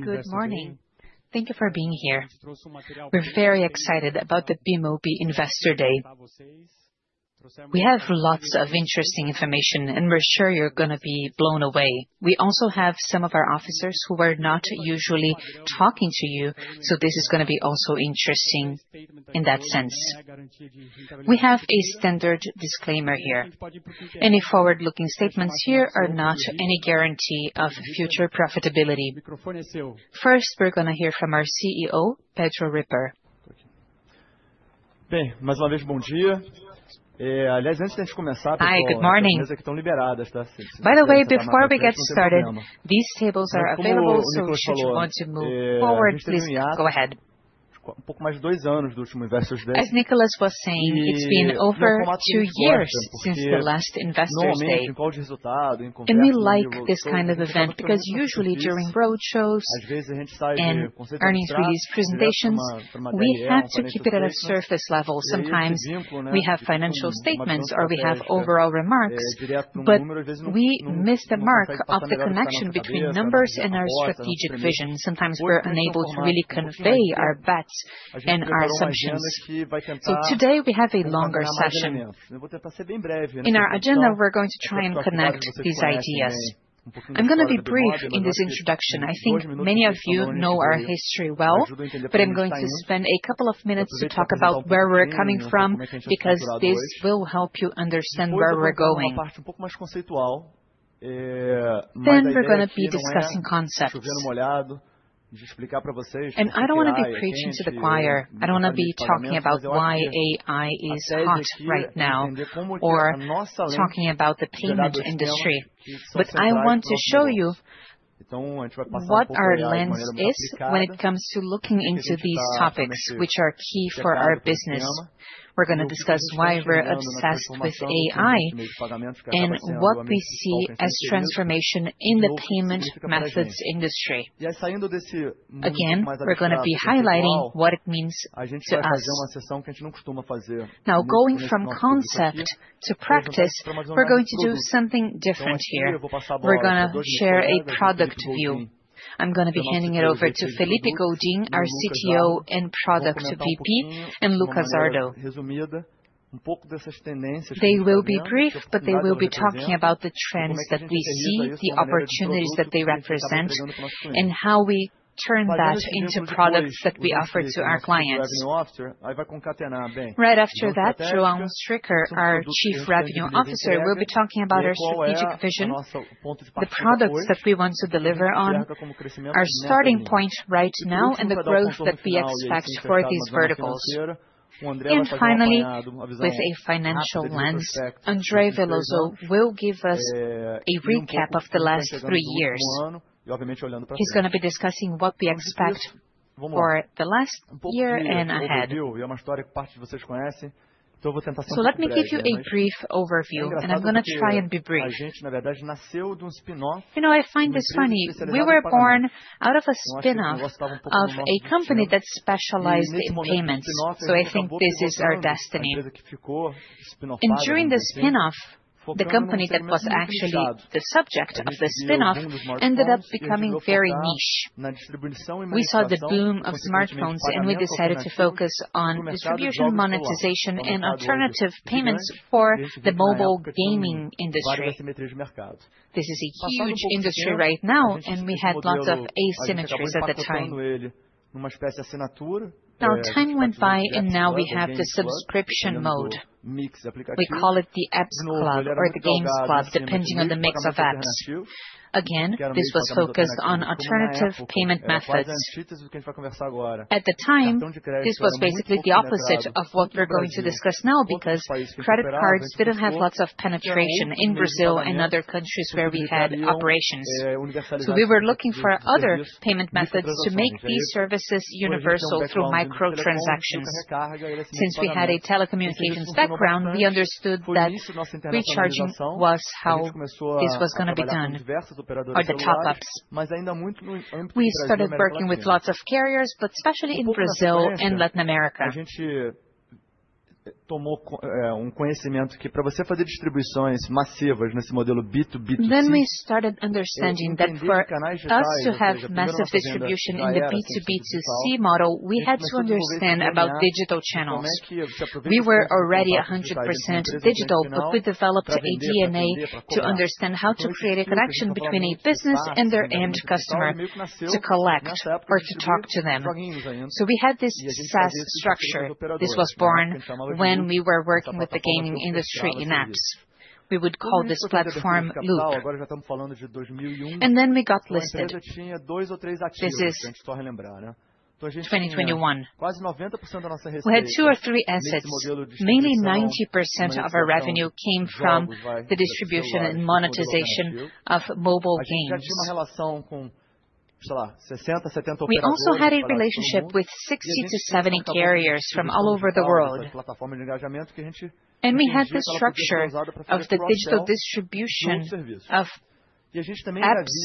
Good morning. Thank you for being here. We're very excited about the Bemobi Investor Day. We have lots of interesting information, and we're sure you're going to be blown away. We also have some of our officers who are not usually talking to you, so this is going to be also interesting in that sense. We have a standard disclaimer here. Any forward-looking statements here are not any guarantee of future profitability. First, we're going to hear from our CEO, Pedro Ripper. By the way, before we get started, these tables are available, so if you want to move forward, please go ahead. As Nicholas was saying, it has been over two years since the last Investor Day. We like this kind of event because usually during roadshows and earnings release presentations, we have to keep it at a surface level. Sometimes we have financial statements or we have overall remarks, but we miss the mark of the connection between numbers and our strategic vision. Sometimes we are unable to really convey our bets and our assumptions. Today we have a longer session. In our agenda, we are going to try and connect these ideas. I am going to be brief in this introduction. I think many of you know our history well, but I'm going to spend a couple of minutes to talk about where we're coming from because this will help you understand where we're going. We're going to be discussing concepts. I don't want to be preaching to the choir. I don't want to be talking about why AI is hot right now or talking about the payment industry. I want to show you what our lens is when it comes to looking into these topics, which are key for our business. We're going to discuss why we're obsessed with AI and what we see as transformation in the payment methods industry. Again, we're going to be highlighting what it means to us. Now, going from concept to practice, we're going to do something different here. We're going to share a product view. I'm going to be handing it over to Felipe Godin, our CTO and Product VP, and Lucas Zardo. They will be brief, but they will be talking about the trends that we see, the opportunities that they represent, and how we turn that into products that we offer to our clients. Right after that, João Stryker, our Chief Revenue Officer, will be talking about our strategic vision, the products that we want to deliver on, our starting point right now, and the growth that we expect for these verticals. Finally, with a financial lens, André Veloso will give us a recap of the last three years. He's going to be discussing what we expect for the last year and ahead. Let me give you a brief overview, and I'm going to try and be brief. You know, I find this funny. We were born out of a spinoff of a company that specialized in payments, so I think this is our destiny. During the spinoff, the company that was actually the subject of the spinoff ended up becoming very niche. We saw the boom of smartphones, and we decided to focus on distribution, monetization, and alternative payments for the mobile gaming industry. This is a huge industry right now, and we had lots of asymmetries at the time. Now, time went by, and now we have the subscription mode. We call it the apps club or the games club, depending on the mix of apps. Again, this was focused on alternative payment methods. At the time, this was basically the opposite of what we're going to discuss now because credit cards did not have lots of penetration in Brazil and other countries where we had operations. We were looking for other payment methods to make these services universal through microtransactions. Since we had a telecommunications background, we understood that recharging was how this was going to be done, or the top-ups. We started working with lots of carriers, but especially in Brazil and Latin America. We started understanding that for us to have massive distribution in the B2B2C model, we had to understand about digital channels. We were already 100% digital, but we developed a DNA to understand how to create a connection between a business and their end customer, to collect or to talk to them. We had this SaaS structure. This was born when we were working with the gaming industry in apps. We would call this platform Loop. We got listed. This is 2021. We had two or three assets. Mainly 90% of our revenue came from the distribution and monetization of mobile games. We also had a relationship with 60-70 carriers from all over the world. We had the structure of the digital distribution of apps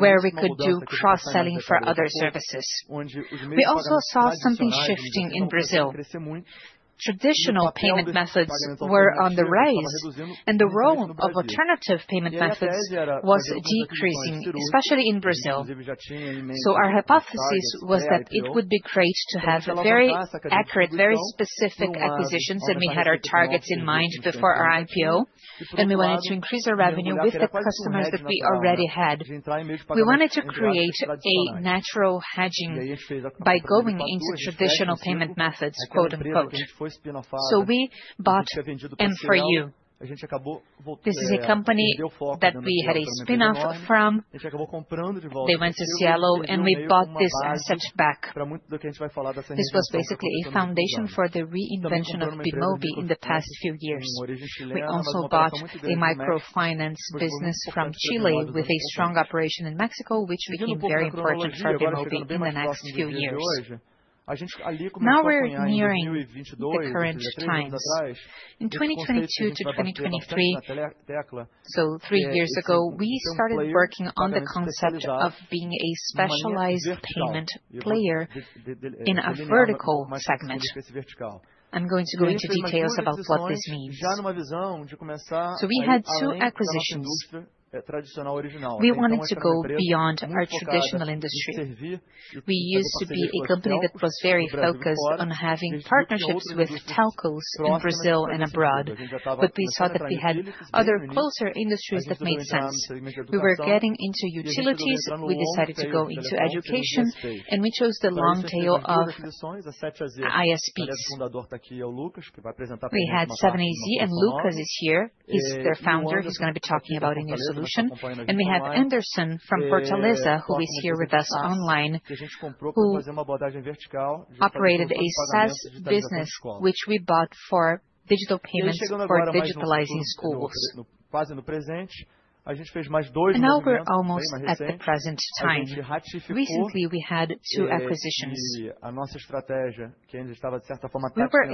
where we could do cross-selling for other services. We also saw something shifting in Brazil. Traditional payment methods were on the rise, and the role of alternative payment methods was decreasing, especially in Brazil. Our hypothesis was that it would be great to have very accurate, very specific acquisitions, and we had our targets in mind before our IPO, and we wanted to increase our revenue with the customers that we already had. We wanted to create a natural hedging by going into traditional payment methods, quote unquote. We bought M4U. This is a company that we had a spinoff from. They went to Seattle, and we bought this asset back. This was basically a foundation for the reinvention of Bemobi in the past few years. We also bought a microfinance business from Chile with a strong operation in Mexico, which became very important for Bemobi in the next few years. Now we're nearing the current times. In 2022 to 2023, so three years ago, we started working on the concept of being a specialized payment player in a vertical segment. I'm going to go into details about what this means. We had two acquisitions. We wanted to go beyond our traditional industry. We used to be a company that was very focused on having partnerships with telcos in Brazil and abroad, but we saw that we had other closer industries that made sense. We were getting into utilities, we decided to go into education, and we chose the long tail of ISPs. We had 7AZ, and Lucas is here. He's their founder. He's going to be talking about a new solution. We have Anderson from Fortaleza, who is here with us online, who operated a SaaS business, which we bought for digital payments for digitalizing schools. Now we're almost at the present time. Recently, we had two acquisitions. We were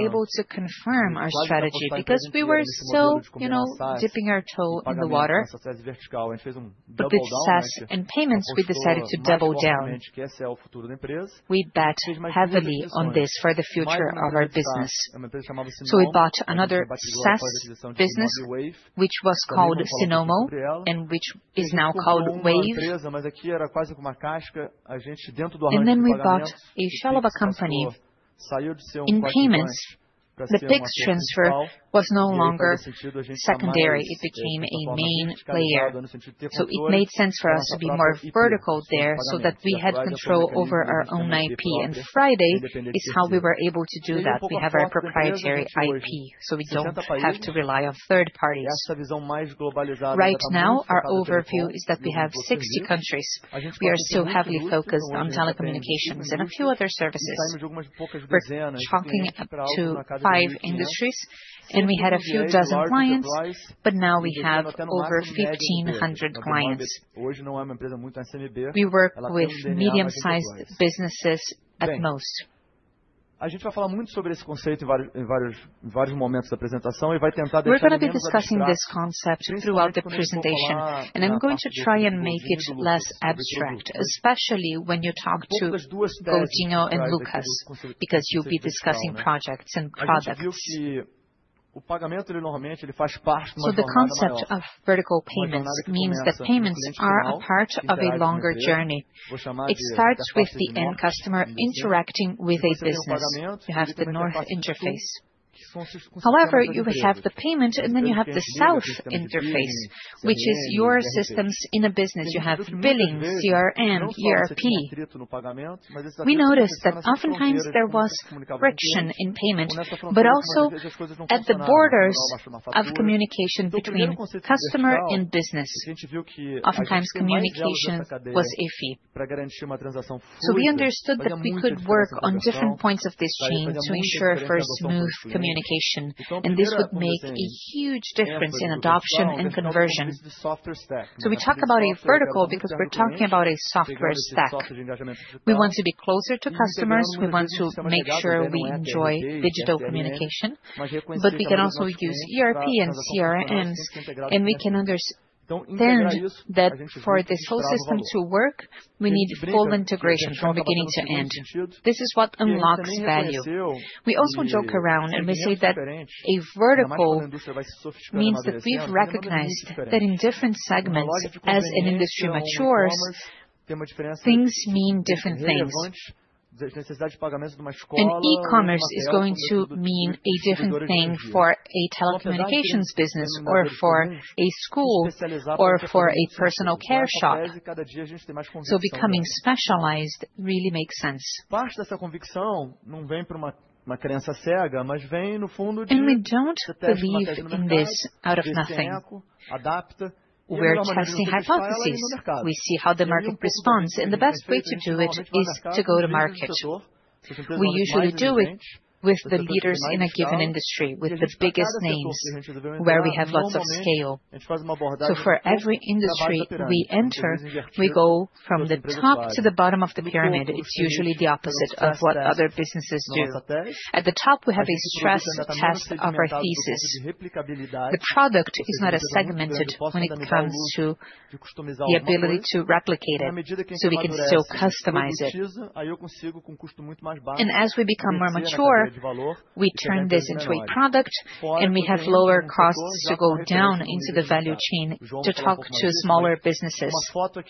able to confirm our strategy because we were still, you know, dipping our toe in the water. With SaaS and payments, we decided to double down. We bet heavily on this for the future of our business. We bought another SaaS business, which was called Sinomo, and which is now called Wave. We bought a shell of a company in payments. The PIX transfer was no longer secondary. It became a main player. It made sense for us to be more vertical there so that we had control over our own IP. Friday is how we were able to do that. We have our proprietary IP, so we do not have to rely on third parties. Right now, our overview is that we have 60 countries. We are still heavily focused on telecommunications and a few other services. We are talking up to five industries, and we had a few dozen clients, but now we have over 1,500 clients. We work with medium-sized businesses at most. We are going to be discussing this concept throughout the presentation, and I am going to try and make it less abstract, especially when you talk to Godinho and Lucas, because you will be discussing projects and products. The concept of vertical payments means that payments are a part of a longer journey. It starts with the end customer interacting with a business. You have the north interface. However, you have the payment, and then you have the south interface, which is your systems in a business. You have billing, CRM, ERP. We noticed that oftentimes there was friction in payment, but also at the borders of communication between customer and business. Oftentimes, communication was iffy. We understood that we could work on different points of this chain to ensure for smooth communication, and this would make a huge difference in adoption and conversion. We talk about a vertical because we are talking about a software stack. We want to be closer to customers. We want to make sure we enjoy digital communication, but we can also use ERP and CRMs, and we can understand that for this whole system to work, we need full integration from beginning to end. This is what unlocks value. We also joke around, and we say that a vertical means that we've recognized that in different segments, as an industry matures, things mean different things. E-commerce is going to mean a different thing for a telecommunications business, or for a school, or for a personal care shop. Becoming specialized really makes sense. We don't believe in this out of nothing. We're testing hypotheses. We see how the market responds, and the best way to do it is to go to market. We usually do it with the leaders in a given industry, with the biggest names, where we have lots of scale. For every industry we enter, we go from the top to the bottom of the pyramid. It's usually the opposite of what other businesses do. At the top, we have a stress test of our thesis. The product is not as segmented when it comes to the ability to replicate it, so we can still customize it. As we become more mature, we turn this into a product, and we have lower costs to go down into the value chain to talk to smaller businesses.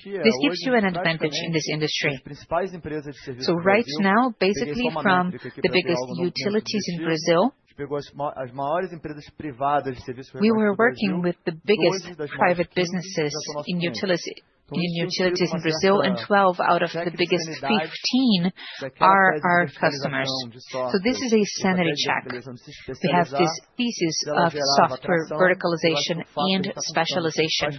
This gives you an advantage in this industry. Right now, basically from the biggest utilities in Brazil, we were working with the biggest private businesses in utilities in Brazil, and 12 out of the biggest 15 are our customers. This is a sanity check. We have this thesis of software verticalization and specialization.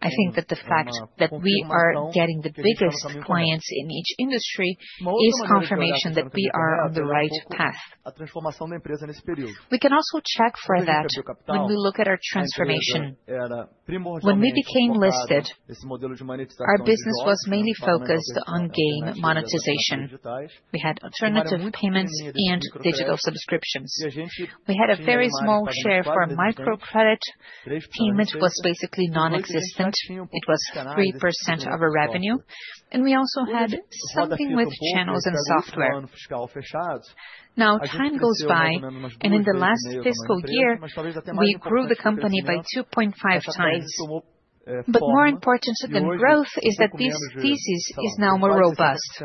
I think that the fact that we are getting the biggest clients in each industry is confirmation that we are on the right path. We can also check for that when we look at our transformation. When we became listed, our business was mainly focused on game monetization. We had alternative payments and digital subscriptions. We had a very small share for microcredit. Payment was basically non-existent. It was 3% of our revenue. We also had something with channels and software. Now, time goes by, and in the last fiscal year, we grew the company by 2.5 times. More important than growth is that this thesis is now more robust.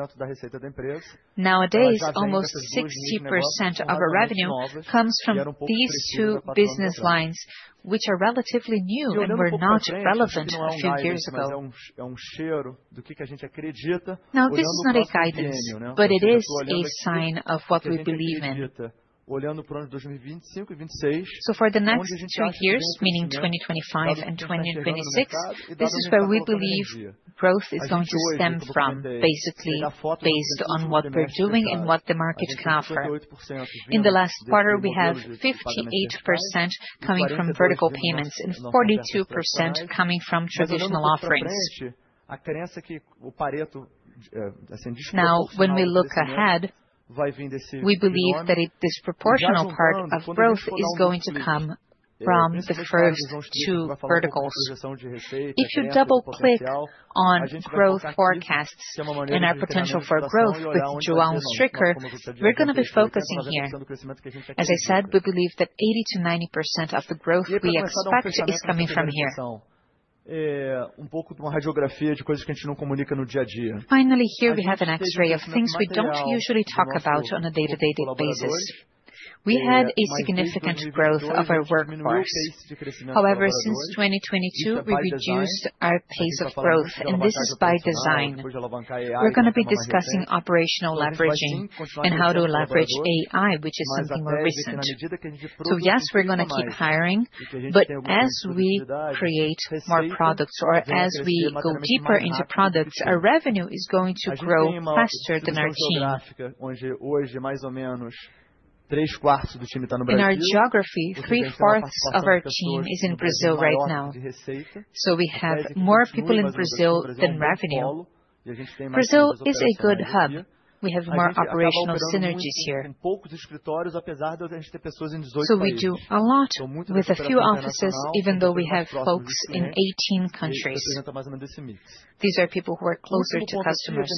Nowadays, almost 60% of our revenue comes from these two business lines, which are relatively new and were not relevant a few years ago. Now, this is not a guidance, but it is a sign of what we believe in. For the next two years, meaning 2025 and 2026, this is where we believe growth is going to stem from, basically based on what we are doing and what the market can offer. In the last quarter, we have 58% coming from vertical payments and 42% coming from traditional offerings. Now, when we look ahead, we believe that a disproportional part of growth is going to come from the first two verticals. If you double-click on growth forecasts and our potential for growth with João Stricker, we are going to be focusing here. As I said, we believe that 80-90% of the growth we expect is coming from here. Finally, here we have an X-ray of things we do not usually talk about on a day-to-day basis. We had a significant growth of our workforce. However, since 2022, we reduced our pace of growth, and this is by design. We are going to be discussing operational leveraging and how to leverage AI, which is something more recent. Yes, we are going to keep hiring, but as we create more products or as we go deeper into products, our revenue is going to grow faster than our team. In our geography, three-fourths of our team is in Brazil right now. We have more people in Brazil than revenue. Brazil is a good hub. We have more operational synergies here. We do a lot with a few offices, even though we have folks in 18 countries. These are people who are closer to customers.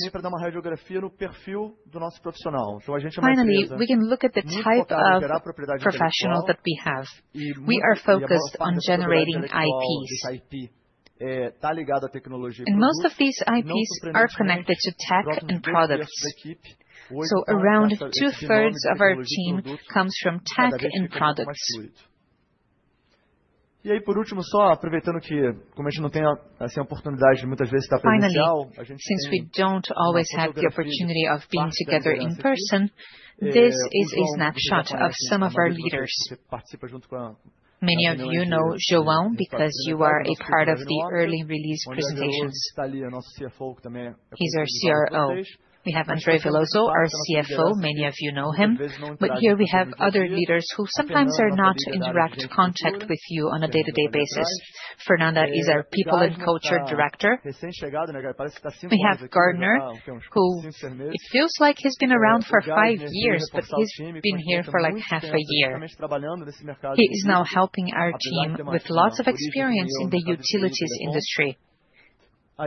Finally, we can look at the type of professional that we have. We are focused on generating IPs. Most of these IPs are connected to tech and products. Around two-thirds of our team comes from tech and products. Finally, since we do not always have the opportunity of being together in person, this is a snapshot of some of our leaders. Many of you know João because you are a part of the early release presentations. He is our CRO. We have André Veloso, our CFO. Many of you know him. Here we have other leaders who sometimes are not in direct contact with you on a day-to-day basis. Fernanda is our People and Culture Director. We have Gardner, who it feels like he has been around for five years, but he has been here for like half a year. He is now helping our team with lots of experience in the utilities industry.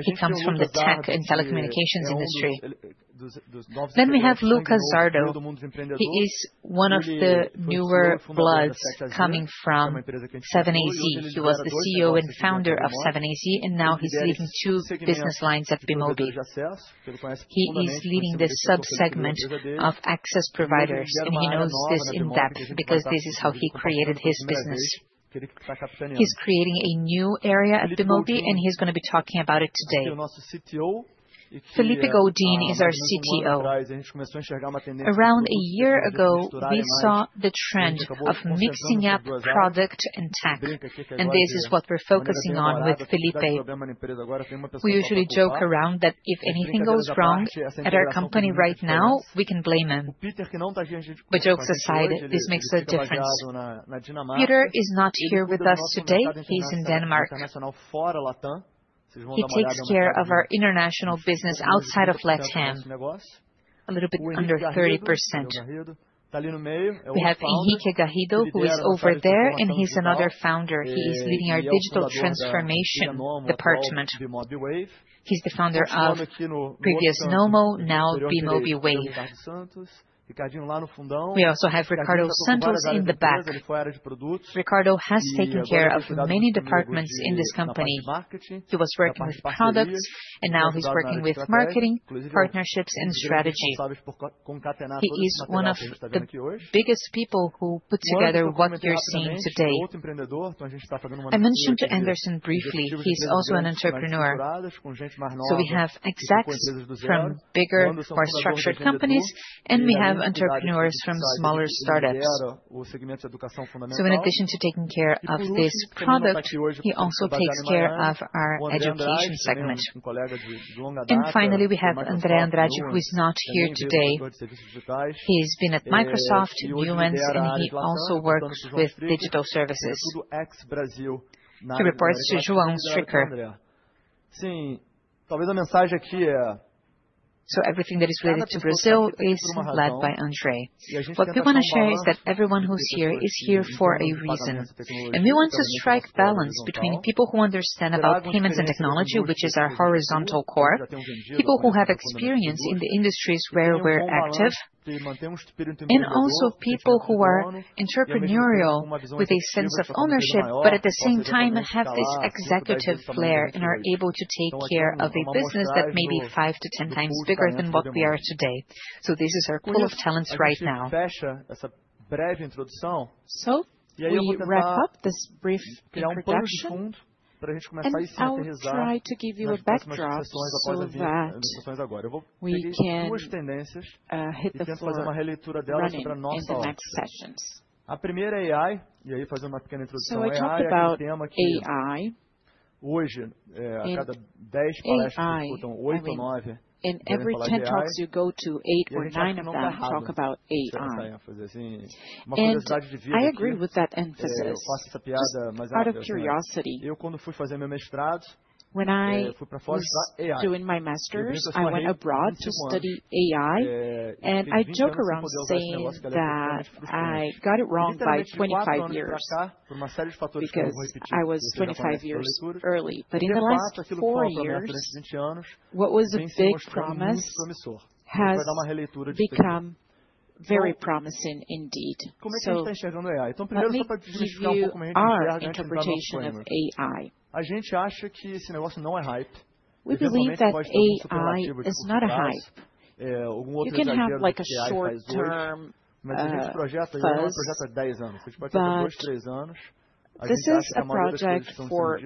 He comes from the tech and telecommunications industry. We have Lucas Zardo. He is one of the newer bloods coming from 7AZ. He was the CEO and founder of 7AZ, and now he's leading two business lines at Bemobi. He is leading the subsegment of access providers, and he knows this in depth because this is how he created his business. He's creating a new area at Bemobi, and he's going to be talking about it today. Felipe Godin is our CTO. Around a year ago, we saw the trend of mixing up product and tech, and this is what we're focusing on with Felipe. We usually joke around that if anything goes wrong at our company right now, we can blame him. Jokes aside, this makes a difference. Peter is not here with us today. He's in Denmark. He takes care of our international business outside of LATAM, a little bit under 30%. We have Henrique Garrido, who is over there, and he's another founder. He is leading our digital transformation department. He's the founder of previous Sinomo, now Bemobi Wave. We also have Ricardo Santos in the back. Ricardo has taken care of many departments in this company. He was working with products, and now he's working with marketing, partnerships, and strategy. He is one of the biggest people who put together what you're seeing today. I mentioned Anderson briefly. He's also an entrepreneur. We have execs from bigger or structured companies, and we have entrepreneurs from smaller startups. In addition to taking care of this product, he also takes care of our education segment. Finally, we have André Andrade, who is not here today. He's been at Microsoft, AWS, and he also works with digital services. He reports to João Stricker. Everything that is related to Brazil is led by André. What we want to share is that everyone who is here is here for a reason. We want to strike balance between people who understand about payments and technology, which is our horizontal core, people who have experience in the industries where we are active, and also people who are entrepreneurial with a sense of ownership, but at the same time have this executive flair and are able to take care of a business that may be five to ten times bigger than what we are today. This is our pool of talents right now. We wrap up this brief introduction, and I will try to give you a backdrop so that we can hit the floor in the next sessions. I talked about AI. Hoje, out of 10, eight or nine. Every 10 talks you go to, 8 or 9 of them talk about AI. I agree with that emphasis. When I was doing my master's, I went abroad to study AI, and I joke around saying that I got it wrong by 25 years because I was 25 years early. In the last four years, what was a big promise has become very promising indeed. For me, here's the art interpretation of AI. We believe that AI is not a hype. You can have like a short-term project for 2-3 years, a project for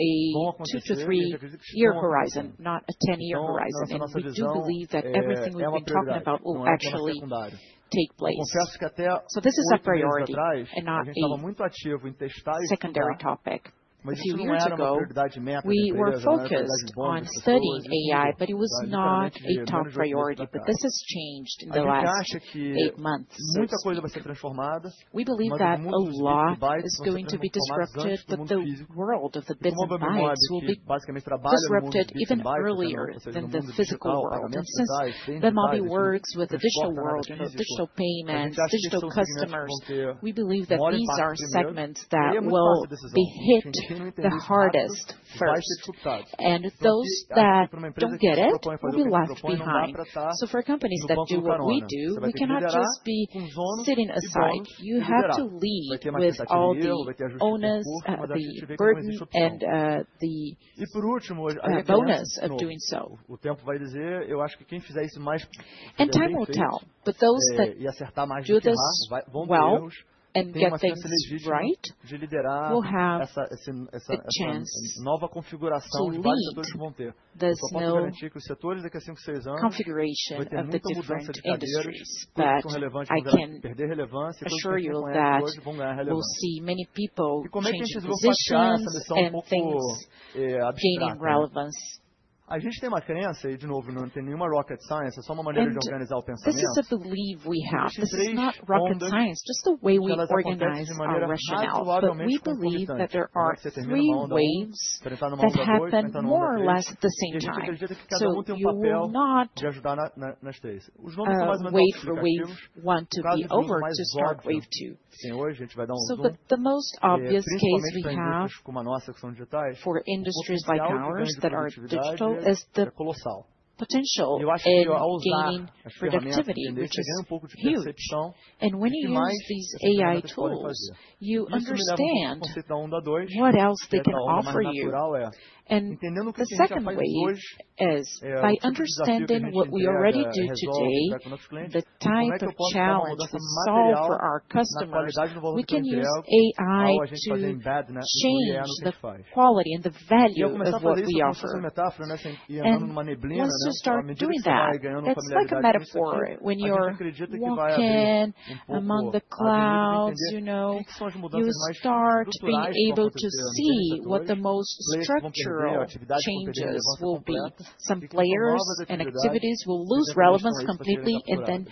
a 2-3 year horizon, not a 10-year horizon. We do believe that everything we've been talking about will actually take place. This is a priority and not a secondary topic. A few years ago, we were focused on studying AI, but it was not a top priority. This has changed in the last eight months. We believe that a lot is going to be disrupted, that the world of the business lines will be disrupted even earlier than the physical world. Since Bemobi works with the digital world, digital payments, digital customers, we believe that these are segments that will be hit the hardest first. Those that do not get it will be left behind. For companies that do what we do, we cannot just be sitting aside. You have to lead with all the owners, the burden, and the bonus of doing so. Time will tell. Those that do this well and get things right will have the chance to confirm that the configuration of the different industries. I can assure you that we will see many people exiting and gaining relevance. This is a belief we have. This is not rocket science, just the way we organize our rationale. We believe that there are three waves that happen more or less at the same time. We will not wait for wave one to be over to start wave two. The most obvious case we have for industries like ours that are digital is the potential in gaining productivity, which is huge. When you use these AI tools, you understand what else they can offer you. The second way is by understanding what we already do today, the type of challenge to solve for our customers, we can use AI to change the quality and the value of what we offer. Once you start doing that, it is like a metaphor. When you are walking among the clouds, you start being able to see what the most structural changes will be. Some players and activities will lose relevance completely, and then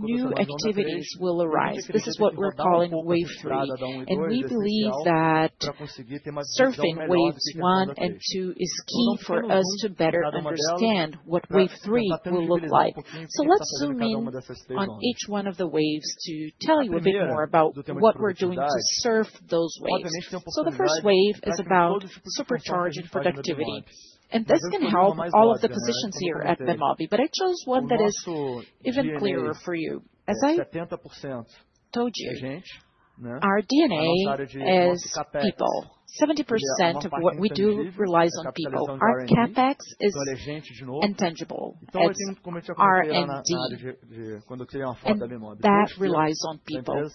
new activities will arise. This is what we're calling wave three. We believe that surfing waves one and two is key for us to better understand what wave three will look like. Let's zoom in on each one of the waves to tell you a bit more about what we're doing to surf those waves. The first wave is about supercharged productivity. This can help all of the positions here at Bemobi. I chose one that is even clearer for you. As I told you, our DNA is people. 70% of what we do relies on people. Our CapEx is intangible. It's R&D that relies on people.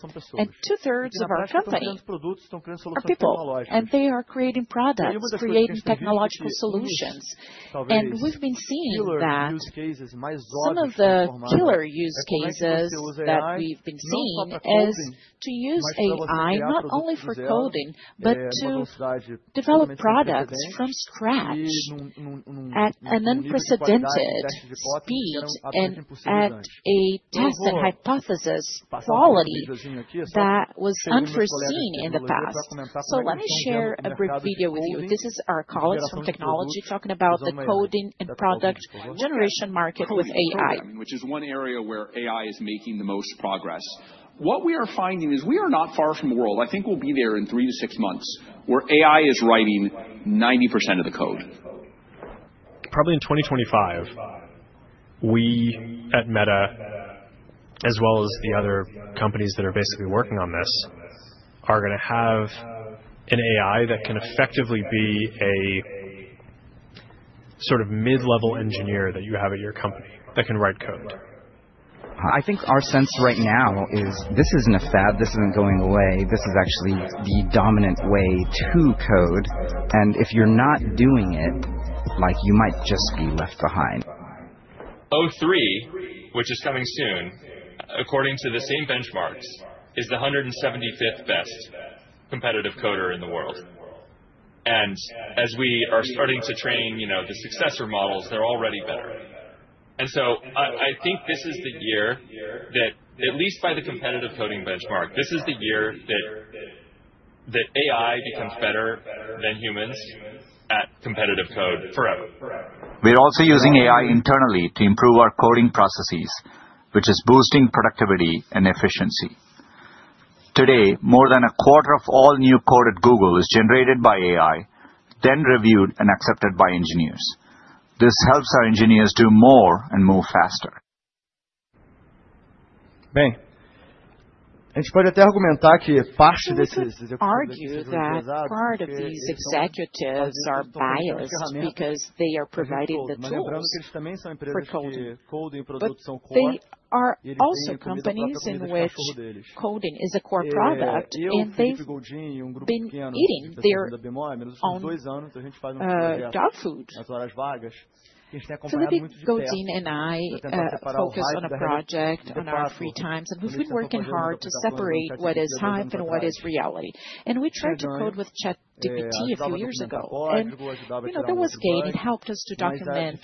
Two-thirds of our company are people. They are creating products, creating technological solutions. We have been seeing that some of the killer use cases that we have been seeing is to use AI not only for coding, but to develop products from scratch at an unprecedented speed and at a test and hypothesis quality that was unforeseen in the past. Let me share a brief video with you. This is our colleagues from technology talking about the coding and product generation market with AI. What we are finding is we are not far from the world. I think we will be there in three to six months where AI is writing 90% of the code. Probably in 2025, we at Meta, as well as the other companies that are basically working on this, are going to have an AI that can effectively be a sort of mid-level engineer that you have at your company that can write code. I think our sense right now is this is not a fad. This is not going away. This is actually the dominant way to code. If you are not doing it, you might just be left behind. 03, which is coming soon, according to the same benchmarks, is the 175th best competitive coder in the world. As we are starting to train the successor models, they are already better. I think this is the year that, at least by the competitive coding benchmark, this is the year that AI becomes better than humans at competitive code forever. We are also using AI internally to improve our coding processes, which is boosting productivity and efficiency. Today, more than a quarter of all new code at Google is generated by AI, then reviewed and accepted by engineers. This helps our engineers do more and move faster. I can argue that part of these executives are biased because they are providing the tools for coding. They are also companies in which coding is a core product, and they have been eating their own dog food. Felipe Godin and I focus on a project on our free times, and we have been working hard to separate what is hype and what is reality. We tried to code with ChatGPT a few years ago. There was gain; it helped us to document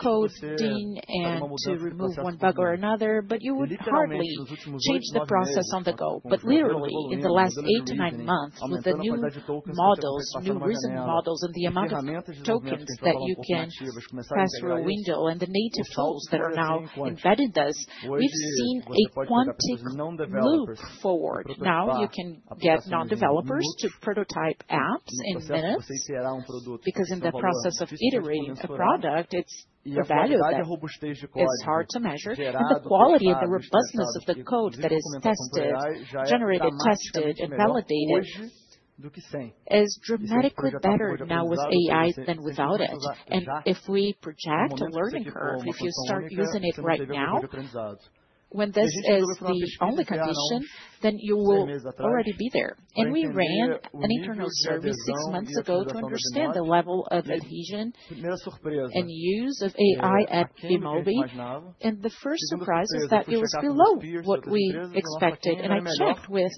coding and to remove one bug or another, but you would hardly change the process on the go. Literally, in the last eight to nine months, with the new models, new reason models, and the amount of tokens that you can pass through a window and the native tools that are now embedded in this, we have seen a quantic loop forward. Now you can get non-developers to prototype apps in minutes because in the process of iterating a product, it's the value that is hard to measure. The quality and the robustness of the code that is tested, generated, tested, and validated is dramatically better now with AI than without it. If we project a learning curve, if you start using it right now, when this is the only condition, you will already be there. We ran an internal survey six months ago to understand the level of adhesion and use of AI at Bemobi. The first surprise was that it was below what we expected. I checked with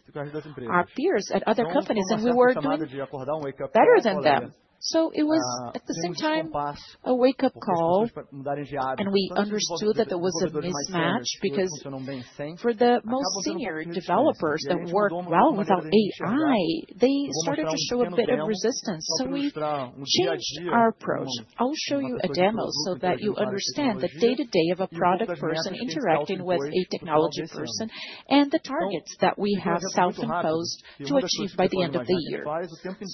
our peers at other companies, and we were doing better than them. It was, at the same time, a wake-up call, and we understood that there was a mismatch because for the most senior developers that work well without AI, they started to show a bit of resistance. We changed our approach. I'll show you a demo so that you understand the day-to-day of a product person interacting with a technology person and the targets that we have self-imposed to achieve by the end of the year.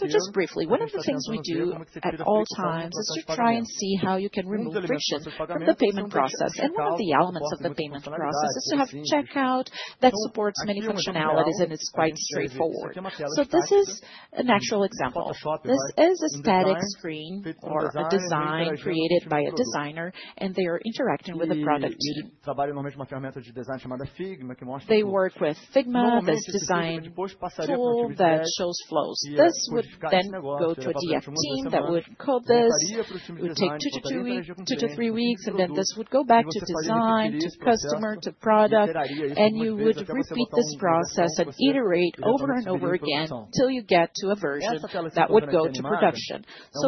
Just briefly, one of the things we do at all times is to try and see how you can remove friction from the payment process. One of the elements of the payment process is to have checkout that supports many functionalities, and it's quite straightforward. This is an actual example. This is a static screen or a design created by a designer, and they are interacting with a product team. They work with Figma, this design tool that shows flows. This would then go to a DF team that would code this. It would take two to three weeks, and then this would go back to design, to customer, to product, and you would repeat this process and iterate over and over again until you get to a version that would go to production.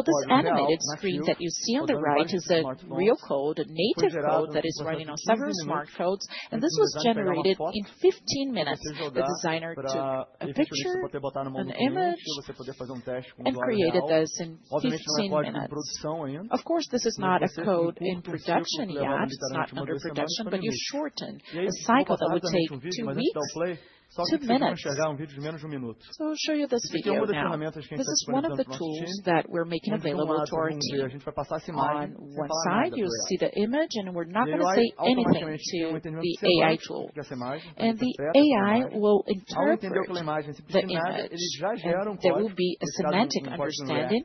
This animated screen that you see on the right is a real code, a native code that is running on several smart codes. This was generated in 15 minutes. The designer took a picture, an image, and created this in 15 minutes. Of course, this is not a code in production yet. It is not under production, but you shorten the cycle that would take two weeks to two minutes. I will show you this video now. This is one of the tools that we're making available to our team. On one side, you'll see the image, and we're not going to say anything to the AI tool. The AI will interpret the image, and there will be a semantic understanding.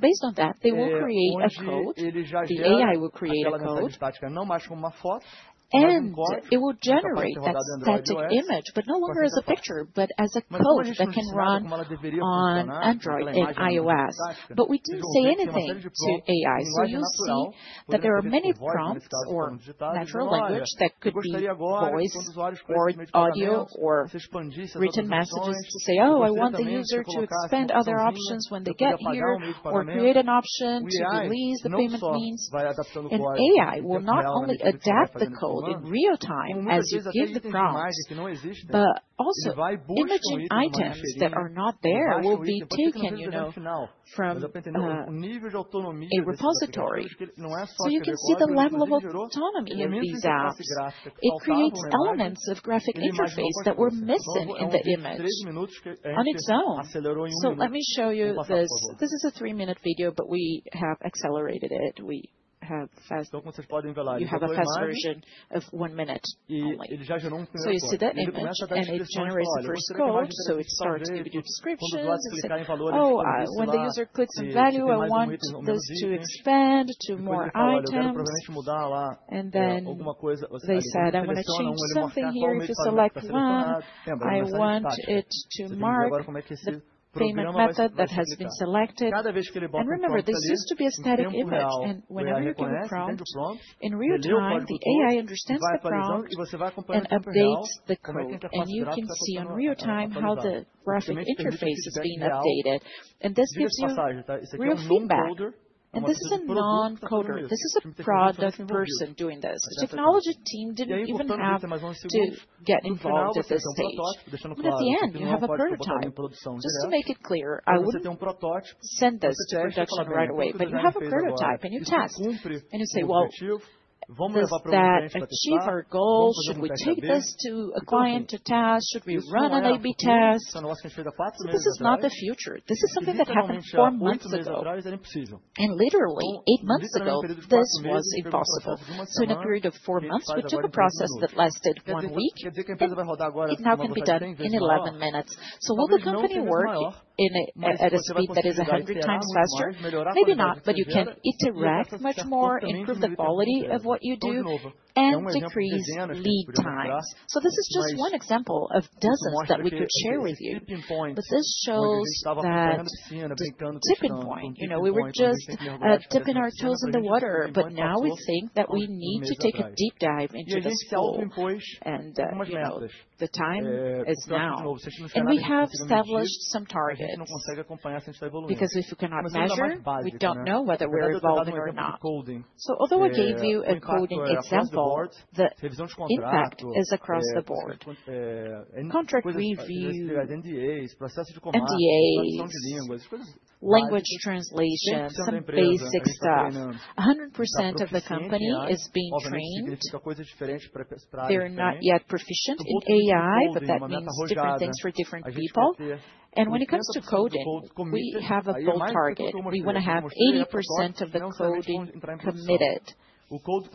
Based on that, they will create a code. The AI will create a code, and it will generate that static image, but no longer as a picture, but as a code that can run on Android and iOS. We didn't say anything to AI. You'll see that there are many prompts or natural language that could be voice or audio or written messages to say, "Oh, I want the user to expand other options when they get here," or create an option to release the payment means. AI will not only adapt the code in real time as you give the prompts, but also imaging items that are not there will be taken from a repository. You can see the level of autonomy of these apps. It creates elements of graphic interface that were missing in the image on its own. Let me show you this. This is a three-minute video, but we have accelerated it. We have a fast version of one minute only. You see that image, and it generates the first code. It starts with a description. It says, "Oh, when the user clicks on value, I want this to expand to more items." Then they said, "I want to change something here. If you select one, I want it to mark the payment method that has been selected." Remember, this used to be a static image. Whenever you give a prompt in real time, the AI understands the prompt and updates the code. You can see in real time how the graphic interface is being updated. This gives you real feedback. This is a non-coder. This is a product person doing this. The technology team did not even have to get involved at this stage. At the end, you have a prototype. Just to make it clear, I would not send this to production right away. You have a prototype, and you test, and you say, "If that achieves our goal, should we take this to a client to test? Should we run an A/B test?" This is not the future. This is something that happened four months ago. Literally, eight months ago, this was impossible. In a period of four months, we took a process that lasted one week, and it now can be done in 11 minutes. Will the company work at a speed that is 100 times faster? Maybe not, but you can interact much more, improve the quality of what you do, and decrease lead times. This is just one example of dozens that we could share with you. This shows the tipping point. We were just dipping our toes in the water, but now we think that we need to take a deep dive into this hole. The time is now. We have established some targets because if we cannot measure, we do not know whether we are evolving or not. Although I gave you a coding example, the impact is across the board. Contract review, NDAs, language translation, some basic stuff. 100% of the company is being trained. They're not yet proficient in AI, but that means different things for different people. When it comes to coding, we have a bold target. We want to have 80% of the coding committed. 80%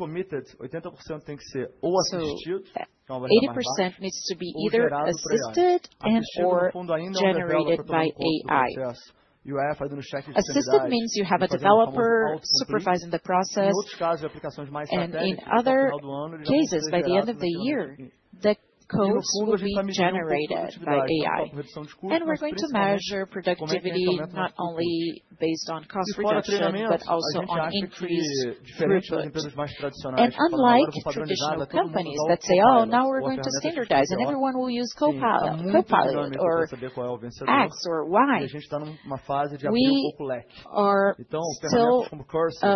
needs to be either assisted and/or generated by AI. Assisted means you have a developer supervising the process. In other cases, by the end of the year, the code will be generated by AI. We're going to measure productivity not only based on cost reduction, but also on increased throughput. Unlike traditional companies that say, "Oh, now we're going to standardize, and everyone will use Copilot or X or Y," we are still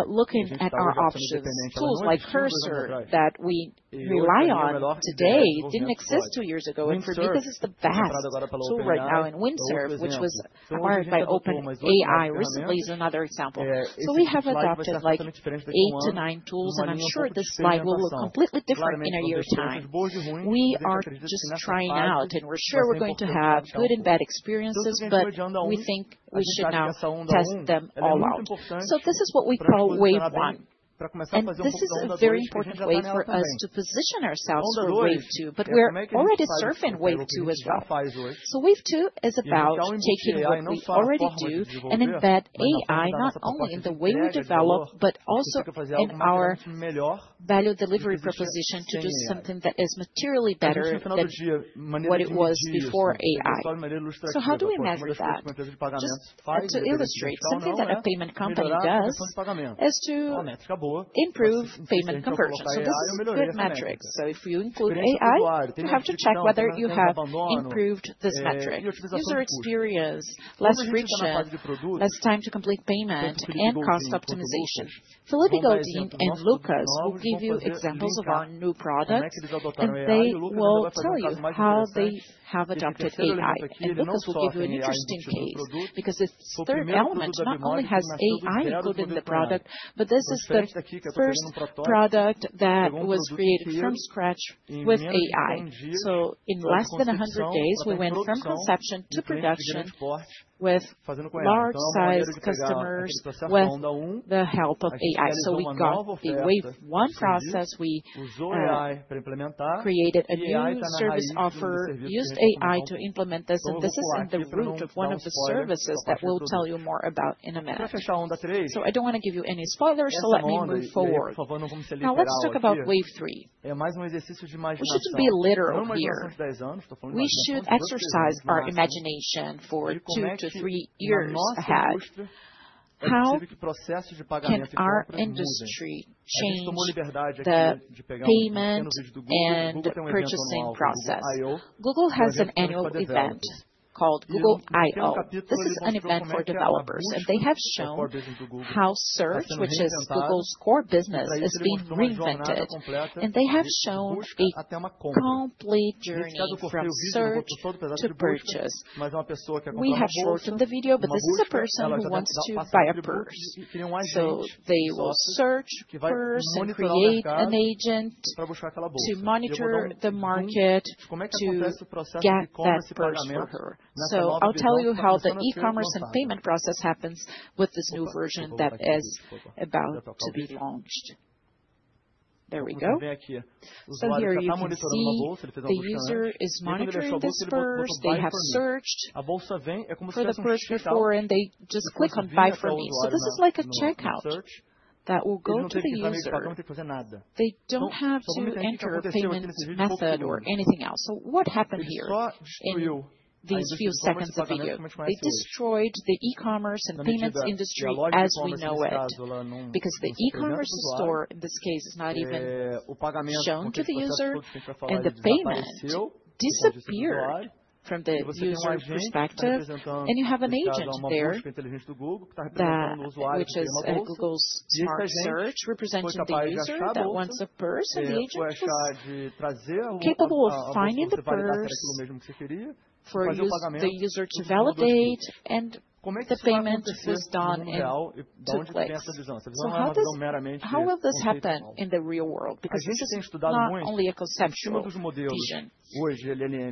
looking at our options. Tools like Cursor that we rely on today did not exist two years ago. For me, this is the best tool right now in Windsurf, which was acquired by OpenAI recently, is another example. We have adopted eight to nine tools, and I'm sure this slide will look completely different in a year's time. We are just trying out, and we're sure we're going to have good and bad experiences, but we think we should now test them all out. This is what we call wave one. This is a very important way for us to position ourselves for wave two, but we're already surfing wave two as well. Wave two is about taking what we already do and embed AI not only in the way we develop, but also in our value delivery proposition to do something that is materially better than what it was before AI. How do we measure that? Just to illustrate, something that a payment company does is to improve payment conversion. This is a good metric. If you include AI, you have to check whether you have improved this metric: user experience, less friction, less time to complete payment, and cost optimization. Felipe Godin and Lucas will give you examples of our new product, and they will tell you how they have adopted AI. Lucas will give you an interesting case because this third element not only has AI included in the product, but this is the first product that was created from scratch with AI. In less than 100 days, we went from conception to production with large-sized customers with the help of AI. We got the wave one process. We created a new service offer, used AI to implement this, and this is in the root of one of the services that we'll tell you more about in a minute. I do not want to give you any spoilers, so let me move forward. Now, let's talk about wave three. We should not be literal here. We should exercise our imagination for two to three years ahead how our industry changed the payment and purchasing process. Google has an annual event called Google I/O. This is an event for developers, and they have shown how search, which is Google's core business, is being reinvented. They have shown a complete journey from search to purchase. We have shortened the video, but this is a person who wants to buy a purse. They will search a purse and create an agent to monitor the market to get that purse for her. I'll tell you how the e-commerce and payment process happens with this new version that is about to be launched. There we go. Here you can see the user is monitoring this purse. They have searched for the purse before, and they just click on "Buy for me." This is like a checkout that will go to the user. They do not have to enter a payment method or anything else. What happened here in these few seconds of video? They destroyed the e-commerce and payments industry as we know it because the e-commerce store in this case is not even shown to the user, and the payment disappeared from the user's perspective. You have an agent there, which is Google's smart search, representing the user that wants a purse, and the agent was capable of finding the purse for the user to validate, and the payment was done in two clicks. How will this happen in the real world? Because this is not only a conceptual vision. LLM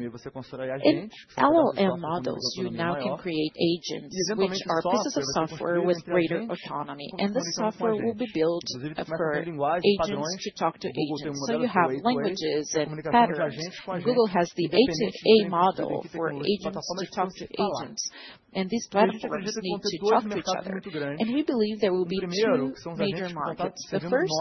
models, you now can create agents, which are pieces of software with greater autonomy. This software will be built for agents to talk to agents. You have languages and patterns. Google has the A2A model for agents to talk to agents, and these platforms need to talk to each other. We believe there will be two major markets. The first,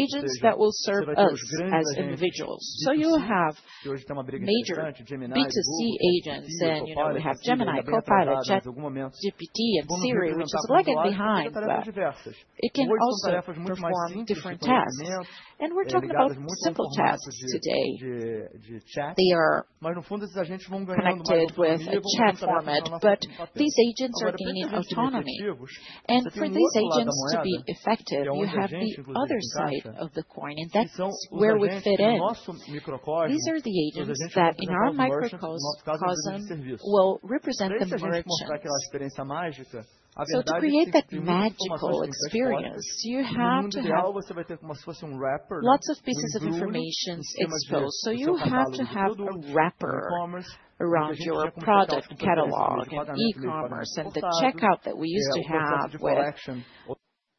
agents that will serve us as individuals. You will have major B2C agents, and we have Gemini, Copilot, ChatGPT, and Siri, which is lagging behind, but it can also perform different tasks. We are talking about simple tasks today. They are connected with a chat format, but these agents are gaining autonomy. For these agents to be effective, you have the other side of the coin, and that is where we fit in. These are the agents that in our microcosm will represent the merchants. To create that magical experience, you have to have lots of pieces of information exposed. You have to have a wrapper around your product catalog and e-commerce and the checkout that we used to have with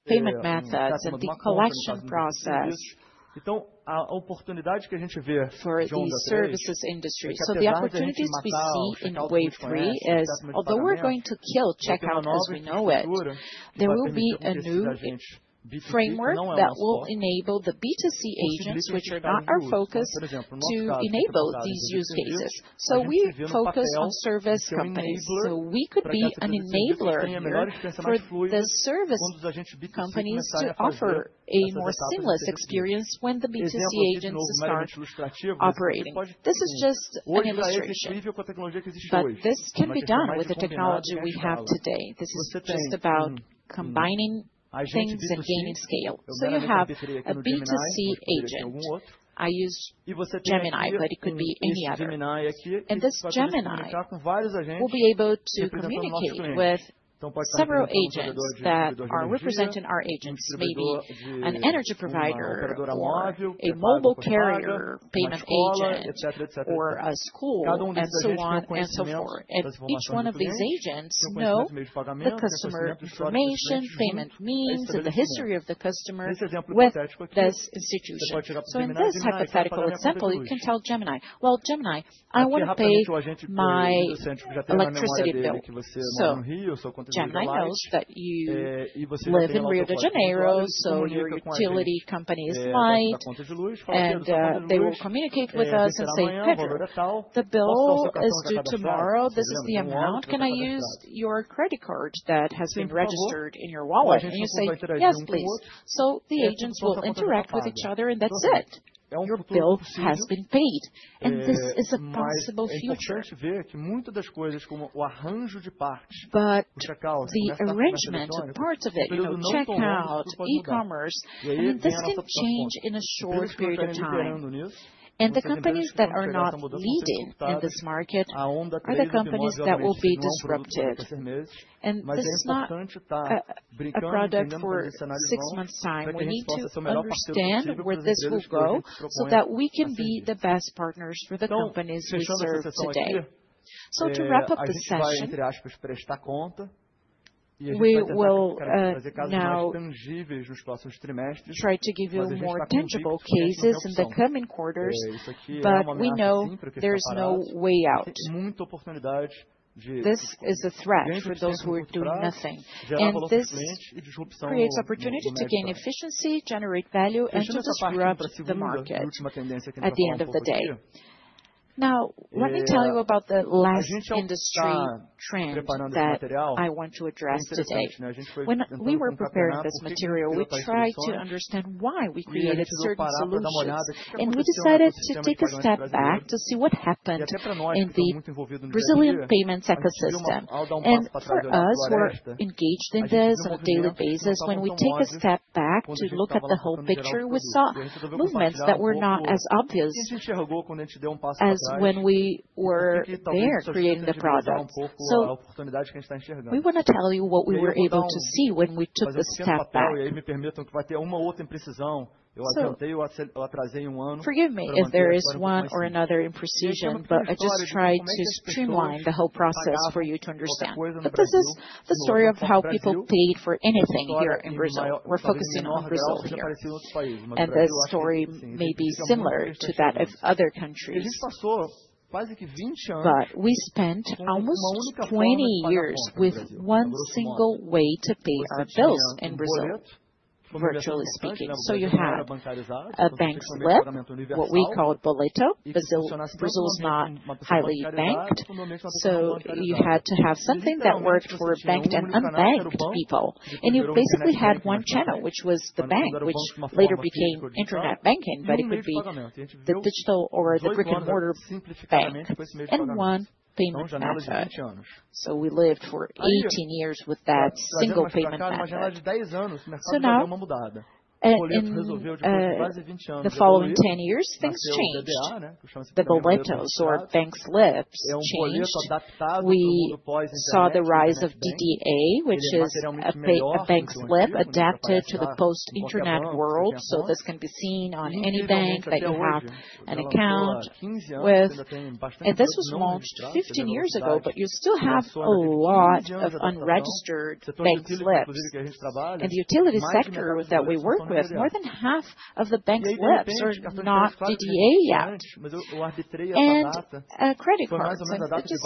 payment methods and the collection process for the services industry. The opportunities we see in wave three is, although we're going to kill checkout as we know it, there will be a new framework that will enable the B2C agents, which are our focus, to enable these use cases. We focus on service companies. We could be an enabler here for the service companies to offer a more seamless experience when the B2C agents start operating. This is just an illustration, but this can be done with the technology we have today. This is just about combining things and gaining scale. You have a B2C agent. I use Gemini, but it could be any other. This Gemini will be able to communicate with several agents that are representing our agents, maybe an energy provider or a mobile carrier payment agent or a school, and so on and so forth. Each one of these agents knows the customer information, payment means, and the history of the customer with this institution. In this hypothetical example, you can tell Gemini, "Gemini, I want to pay my electricity bill." Gemini knows that you live in Rio de Janeiro, so your utility company is Light, and they will communicate with us and say, "Pedro, the bill is due tomorrow. This is the amount. Can I use your credit card that has been registered in your wallet?" You say, "Yes, please." The agents will interact with each other, and that is it. Your bill has been paid, and this is a possible future. The arrangement of parts of it, you know, checkout, e-commerce, and this can change in a short period of time. The companies that are not leading in this market are the companies that will be disrupted. This is not a product for six months' time. We need to understand where this will go so that we can be the best partners for the companies we serve today. To wrap up the session, we will now try to give you more tangible cases in the coming quarters, but we know there's no way out. This is a threat for those who are doing nothing. This creates opportunity to gain efficiency, generate value, and to disrupt the market at the end of the day. Now, let me tell you about the last industry trend that I want to address today. When we were preparing this material, we tried to understand why we created certain solutions, and we decided to take a step back to see what happened in the resilient payments ecosystem. For us, who are engaged in this on a daily basis, when we take a step back to look at the whole picture, we saw movements that were not as obvious as when we were there creating the product. We want to tell you what we were able to see when we took the step back. Forgive me if there is one or another imprecision, but I just tried to streamline the whole process for you to understand. This is the story of how people paid for anything here in Brazil. We're focusing on Brazil here. The story may be similar to that of other countries, but we spent almost 20 years with one single way to pay our bills in Brazil, virtually speaking. You had a bank slip, what we called boleto. Brazil is not highly banked, so you had to have something that worked for banked and unbanked people. You basically had one channel, which was the bank, which later became internet banking, but it could be the digital or the brick-and-mortar bank, and one payment method. We lived for 18 years with that single payment method. In the following 10 years, things changed. The boletos or bank slips changed. We saw the rise of DDA, which is a bank slip adapted to the post-internet world. This can be seen on any bank that you have an account with. This was launched 15 years ago, but you still have a lot of unregistered bank slips. In the utility sector that we work with, more than half of the bank slips are not DDA yet. Credit cards, and this just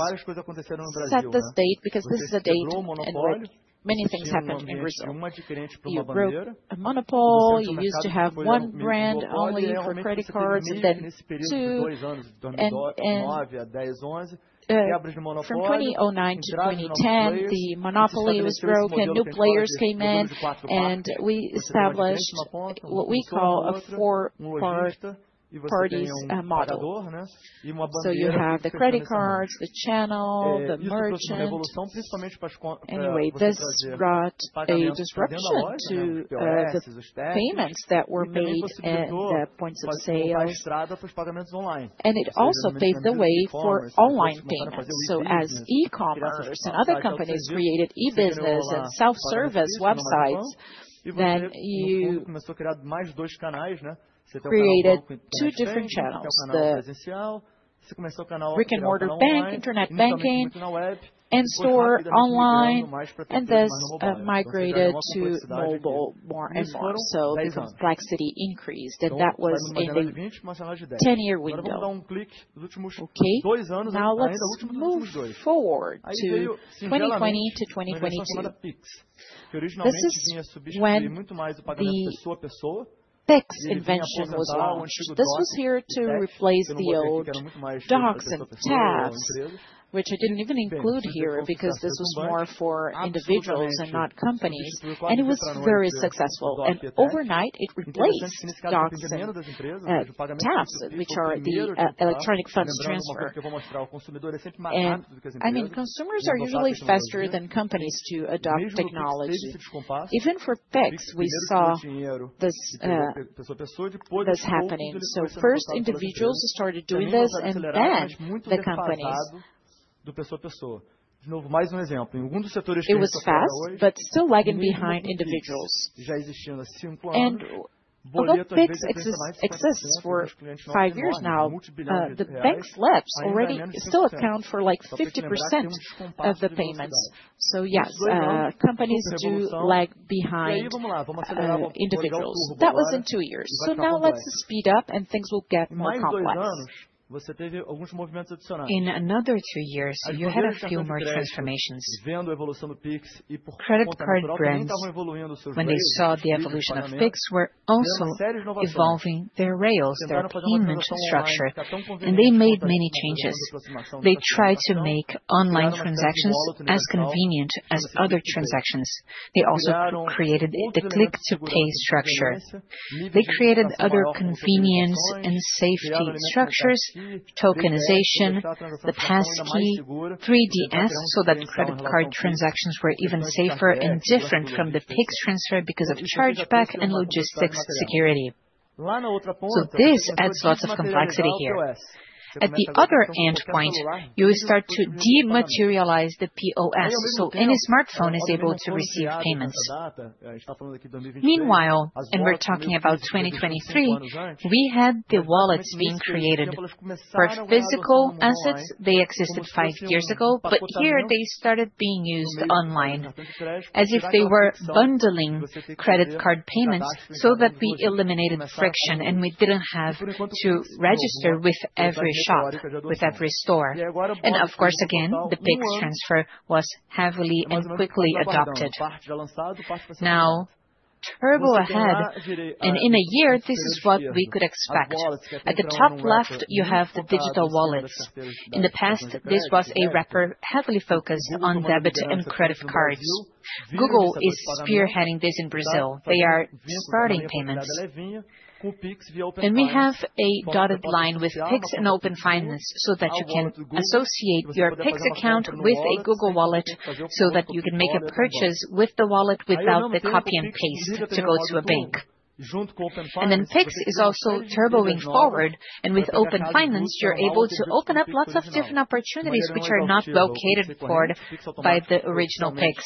set the date because this is a date in which many things happened in Brazil. You broke a monopoly. You used to have one brand only for credit cards, and then two. From 2009 to 2010, the monopoly was broken, new players came in, and we established what we call a four-party model. You have the credit cards, the channel, the merchant. Anyway, this brought a disruption to the payments that were made in the points of sale. It also paved the way for online payments. As e-commerce and other companies created e-business and self-service websites, then you created two different channels: the brick-and-mortar bank, internet banking, and store online. This migrated to mobile more and more. The complexity increased, and that was in the 10-year window. Okay, now let's move forward to 2020 to 2023. This is when the PIX invention was launched. This was here to replace the old DOCs and TEDs, which I did not even include here because this was more for individuals and not companies. It was very successful. Overnight, it replaced DOCs and TEDs, which are the electronic funds transfer. I mean, consumers are usually faster than companies to adopt technology. Even for PIX, we saw this happening. First, individuals started doing this, and then the companies. It was fast, but still lagging behind individuals. Although PIX exists for five years now, the bank slips still account for like 50% of the payments. Yes, companies do lag behind individuals. That was in two years. Now, let's speed up, and things will get more complex. In another two years, you had a few more transformations. Credit card brands, when they saw the evolution of PIX, were also evolving their rails, their payment structure. They made many changes. They tried to make online transactions as convenient as other transactions. They also created the click-to-pay structure. They created other convenience and safety structures, tokenization, the passkey, 3DS, so that credit card transactions were even safer and different from the PIX transfer because of chargeback and logistics security. This adds lots of complexity here. At the other end point, you start to dematerialize the POS, so any smartphone is able to receive payments. Meanwhile, and we're talking about 2023, we had the wallets being created for physical assets. They existed five years ago, but here they started being used online as if they were bundling credit card payments so that we eliminated friction and we didn't have to register with every shop, with every store. Of course, again, the fixed transfer was heavily and quickly adopted. Now, turbo ahead, and in a year, this is what we could expect. At the top left, you have the digital wallets. In the past, this was a wrapper heavily focused on debit and credit cards. Google is spearheading this in Brazil. They are starting payments. We have a dotted line with PIX and Open Finance so that you can associate your PIX account with a Google wallet so that you can make a purchase with the wallet without the copy and paste to go to a bank. PIX is also turboing forward, and with Open Finance, you're able to open up lots of different opportunities which are not located for it by the original PIX.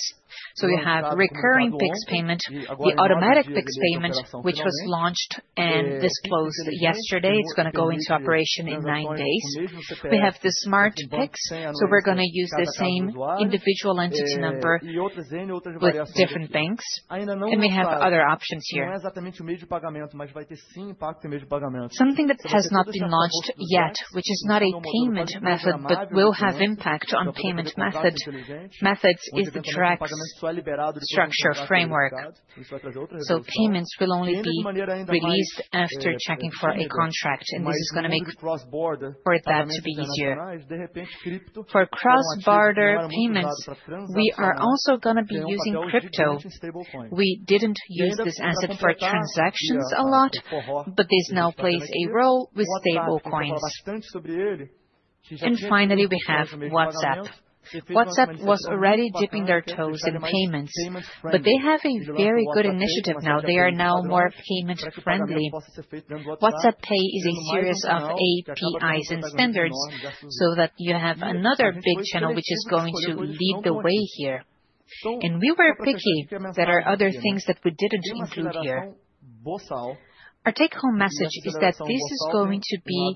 You have recurring PIX payment, the automatic PIX payment, which was launched and disclosed yesterday. It's going to go into operation in nine days. We have the smart PIX, so we're going to use the same individual entity number with different banks. We have other options here. Something that has not been launched yet, which is not a payment method, but will have impact on payment methods, is the tracks structure framework. Payments will only be released after checking for a contract, and this is going to make for that to be easier. For cross-border payments, we are also going to be using crypto. We did not use this asset for transactions a lot, but this now plays a role with stable coins. Finally, we have WhatsApp. WhatsApp was already dipping their toes in payments, but they have a very good initiative now. They are now more payment-friendly. WhatsApp Pay is a series of APIs and standards so that you have another big channel which is going to lead the way here. We were picky that there are other things that we did not include here. Our take-home message is that this is going to be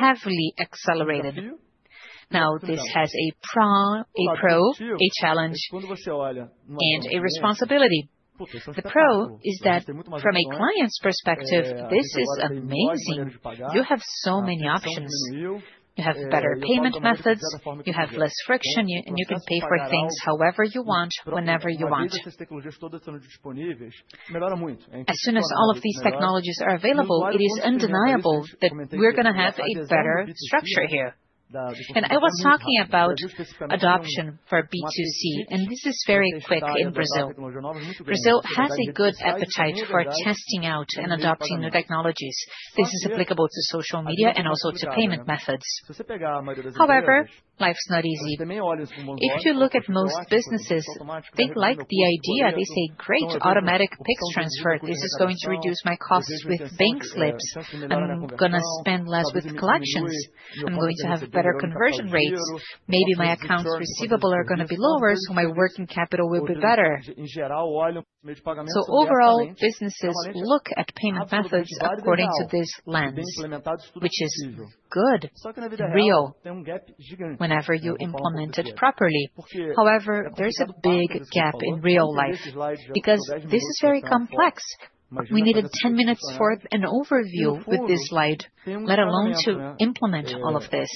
heavily accelerated. Now, this has a pro, a challenge, and a responsibility. The pro is that from a client's perspective, this is amazing. You have so many options. You have better payment methods, you have less friction, and you can pay for things however you want, whenever you want. As soon as all of these technologies are available, it is undeniable that we're going to have a better structure here. I was talking about adoption for B2C, and this is very quick in Brazil. Brazil has a good appetite for testing out and adopting the technologies. This is applicable to social media and also to payment methods. However, life's not easy. If you look at most businesses, they like the idea. They say, "Great, automatic PIX transfer. This is going to reduce my costs with bank slips. I'm going to spend less with collections. I'm going to have better conversion rates. Maybe my account receivable are going to be lower, so my working capital will be better. Overall, businesses look at payment methods according to this lens, which is good, real, whenever you implement it properly. However, there is a big gap in real life because this is very complex. We needed 10 minutes for an overview with this light, let alone to implement all of this.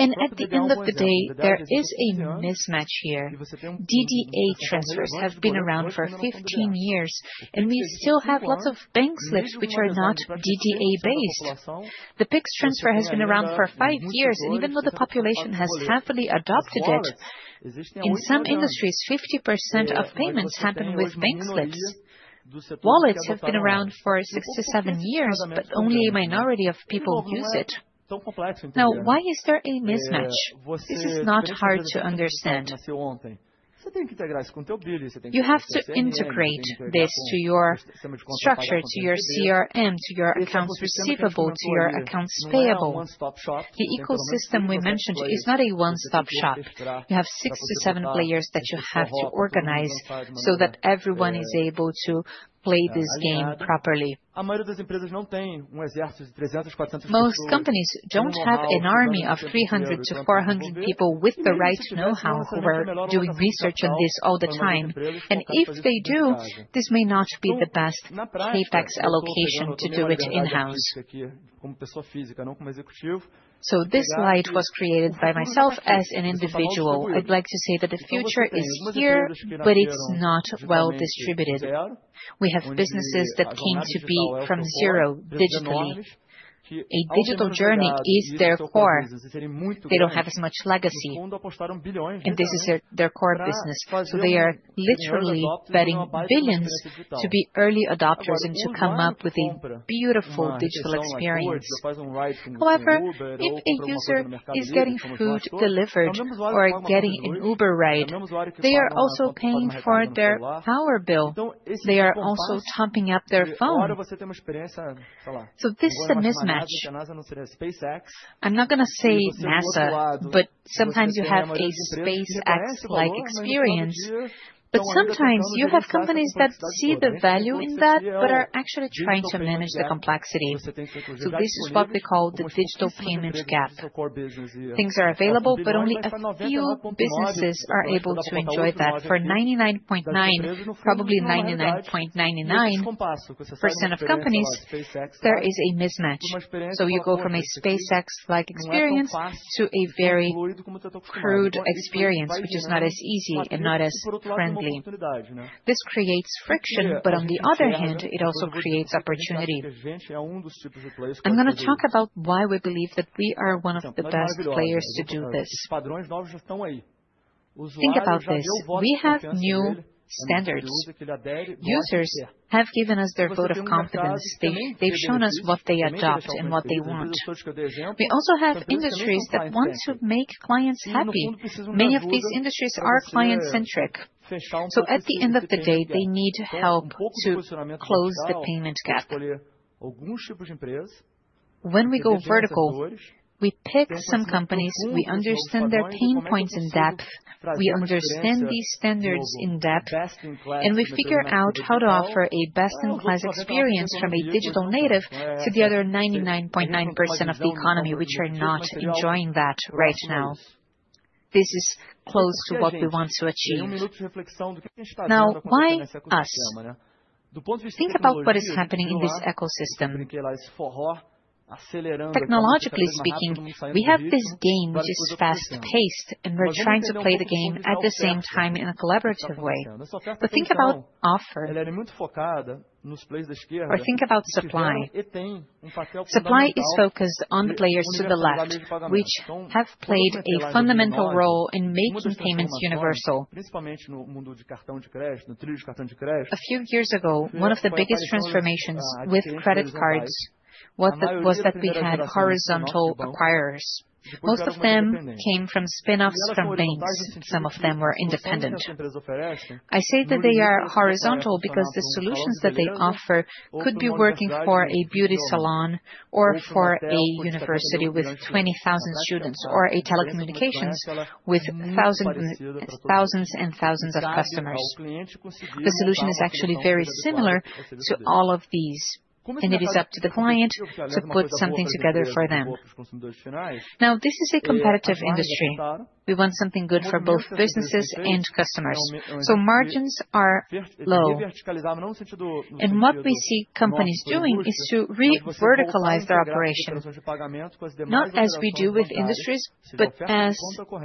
At the end of the day, there is a mismatch here. DDA transfers have been around for 15 years, and we still have lots of bank slips which are not DDA-based. The PIX transfer has been around for five years, and even though the population has heavily adopted it, in some industries, 50% of payments happen with bank slips. Wallets have been around for six to seven years, but only a minority of people use it. Now, why is there a mismatch? This is not hard to understand. You have to integrate this to your structure, to your CRM, to your accounts receivable, to your accounts payable. The ecosystem we mentioned is not a one-stop shop. You have six to seven players that you have to organize so that everyone is able to play this game properly. Most companies do not have an army of 300 to 400 people with the right know-how who were doing research on this all the time. If they do, this may not be the best CapEx allocation to do it in-house. This light was created by myself as an individual. I would like to say that the future is here, but it is not well distributed. We have businesses that came to be from zero digitally. A digital journey is their core. They do not have as much legacy. This is their core business. They are literally betting billions to be early adopters and to come up with a beautiful digital experience. However, if a user is getting food delivered or getting an Uber ride, they are also paying for their power bill. They are also topping up their phone. This is a mismatch. I'm not going to say NASA, but sometimes you have a SpaceX-like experience. Sometimes you have companies that see the value in that but are actually trying to manage the complexity. This is what we call the digital payment gap. Things are available, but only a few businesses are able to enjoy that. For 99.9%, probably 99.99% of companies, there is a mismatch. You go from a SpaceX-like experience to a very crude experience, which is not as easy and not as friendly. This creates friction, but on the other hand, it also creates opportunity. I'm going to talk about why we believe that we are one of the best players to do this. Think about this. We have new standards. Users have given us their vote of confidence. They've shown us what they adopt and what they want. We also have industries that want to make clients happy. Many of these industries are client-centric. At the end of the day, they need help to close the payment gap. When we go vertical, we pick some companies, we understand their pain points in depth, we understand these standards in depth, and we figure out how to offer a best-in-class experience from a digital native to the other 99.9% of the economy, which are not enjoying that right now. This is close to what we want to achieve. Now, why us? Think about what is happening in this ecosystem. Technologically speaking, we have this game which is fast-paced, and we're trying to play the game at the same time in a collaborative way. Think about offer, or think about supply. Supply is focused on the players to the left, which have played a fundamental role in making payments universal. A few years ago, one of the biggest transformations with credit cards was that we had horizontal acquirers. Most of them came from spinoffs from banks. Some of them were independent. I say that they are horizontal because the solutions that they offer could be working for a beauty salon or for a university with 20,000 students or a telecommunications with thousands and thousands of customers. The solution is actually very similar to all of these, and it is up to the client to put something together for them. Now, this is a competitive industry. We want something good for both businesses and customers. Margins are low. What we see companies doing is to reverticalize their operation, not as we do with industries, but as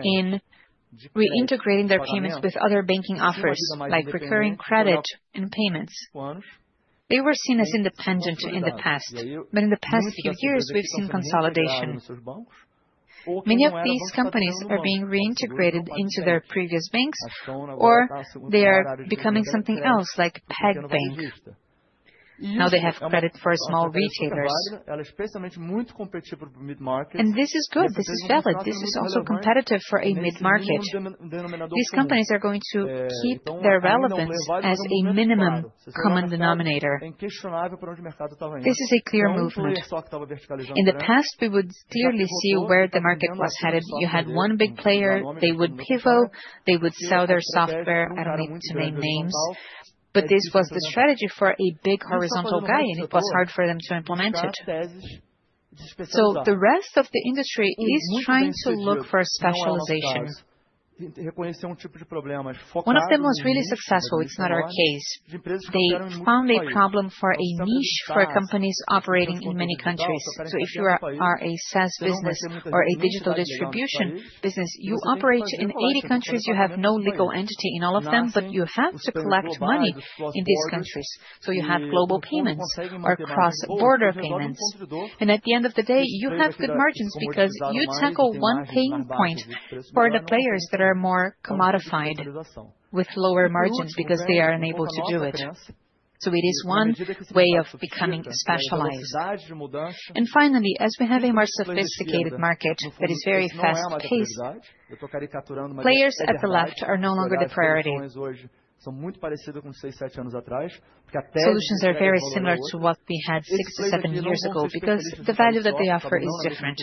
in reintegrating their payments with other banking offers like recurring credit and payments. They were seen as independent in the past, but in the past few years, we have seen consolidation. Many of these companies are being reintegrated into their previous banks, or they are becoming something else like PEG Bank. Now they have credit for small retailers. This is good. This is valid. This is also competitive for a mid-market. These companies are going to keep their relevance as a minimum common denominator. This is a clear movement. In the past, we would clearly see where the market was headed. You had one big player. They would pivot. They would sell their software. I don't need to name names, but this was the strategy for a big horizontal guy, and it was hard for them to implement it. The rest of the industry is trying to look for specialization. One of them was really successful. It's not our case. They found a problem for a niche for companies operating in many countries. If you are a SaaS business or a digital distribution business, you operate in 80 countries. You have no legal entity in all of them, but you have to collect money in these countries. You have global payments or cross-border payments. At the end of the day, you have good margins because you tackle one pain point for the players that are more commodified with lower margins because they are unable to do it. It is one way of becoming specialized. Finally, as we have a more sophisticated market that is very fast-paced, players at the left are no longer the priority. Solutions are very similar to what we had six to seven years ago because the value that they offer is different.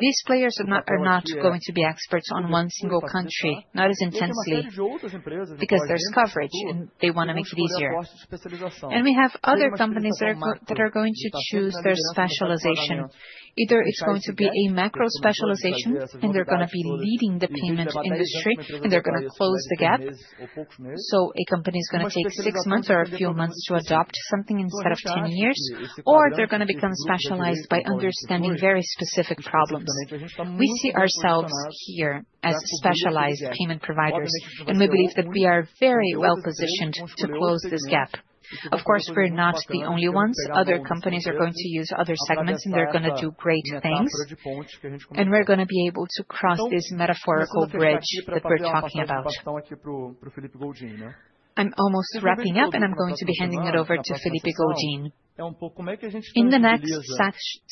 These players are not going to be experts on one single country, not as intensely, because there is coverage and they want to make it easier. We have other companies that are going to choose their specialization. Either it is going to be a macro specialization, and they are going to be leading the payment industry, and they are going to close the gap. A company is going to take six months or a few months to adopt something instead of 10 years, or they are going to become specialized by understanding very specific problems. We see ourselves here as specialized payment providers, and we believe that we are very well positioned to close this gap. Of course, we are not the only ones. Other companies are going to use other segments, and they are going to do great things. We are going to be able to cross this metaphorical bridge that we are talking about. I am almost wrapping up, and I am going to be handing it over to Felipe Godin. In the next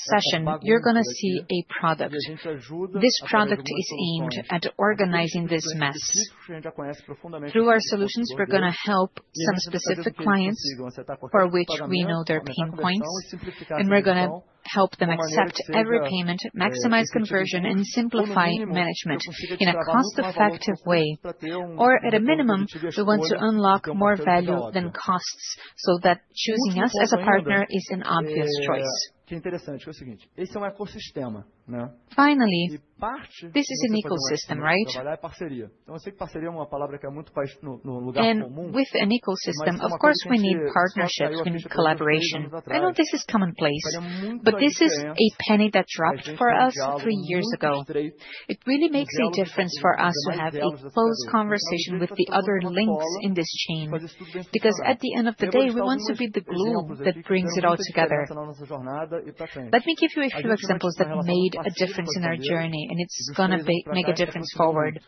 session, you are going to see a product. This product is aimed at organizing this mess. Through our solutions, we are going to help some specific clients for which we know their pain points, and we are going to help them accept every payment, maximize conversion, and simplify management in a cost-effective way. At a minimum, we want to unlock more value than costs so that choosing us as a partner is an obvious choice. Finally, this is an ecosystem, right? With an ecosystem, of course, we need partnerships. We need collaboration. I know this is commonplace, but this is a penny that dropped for us three years ago. It really makes a difference for us to have a close conversation with the other links in this chain because at the end of the day, we want to be the glue that brings it all together. Let me give you a few examples that made a difference in our journey, and it's going to make a difference forward.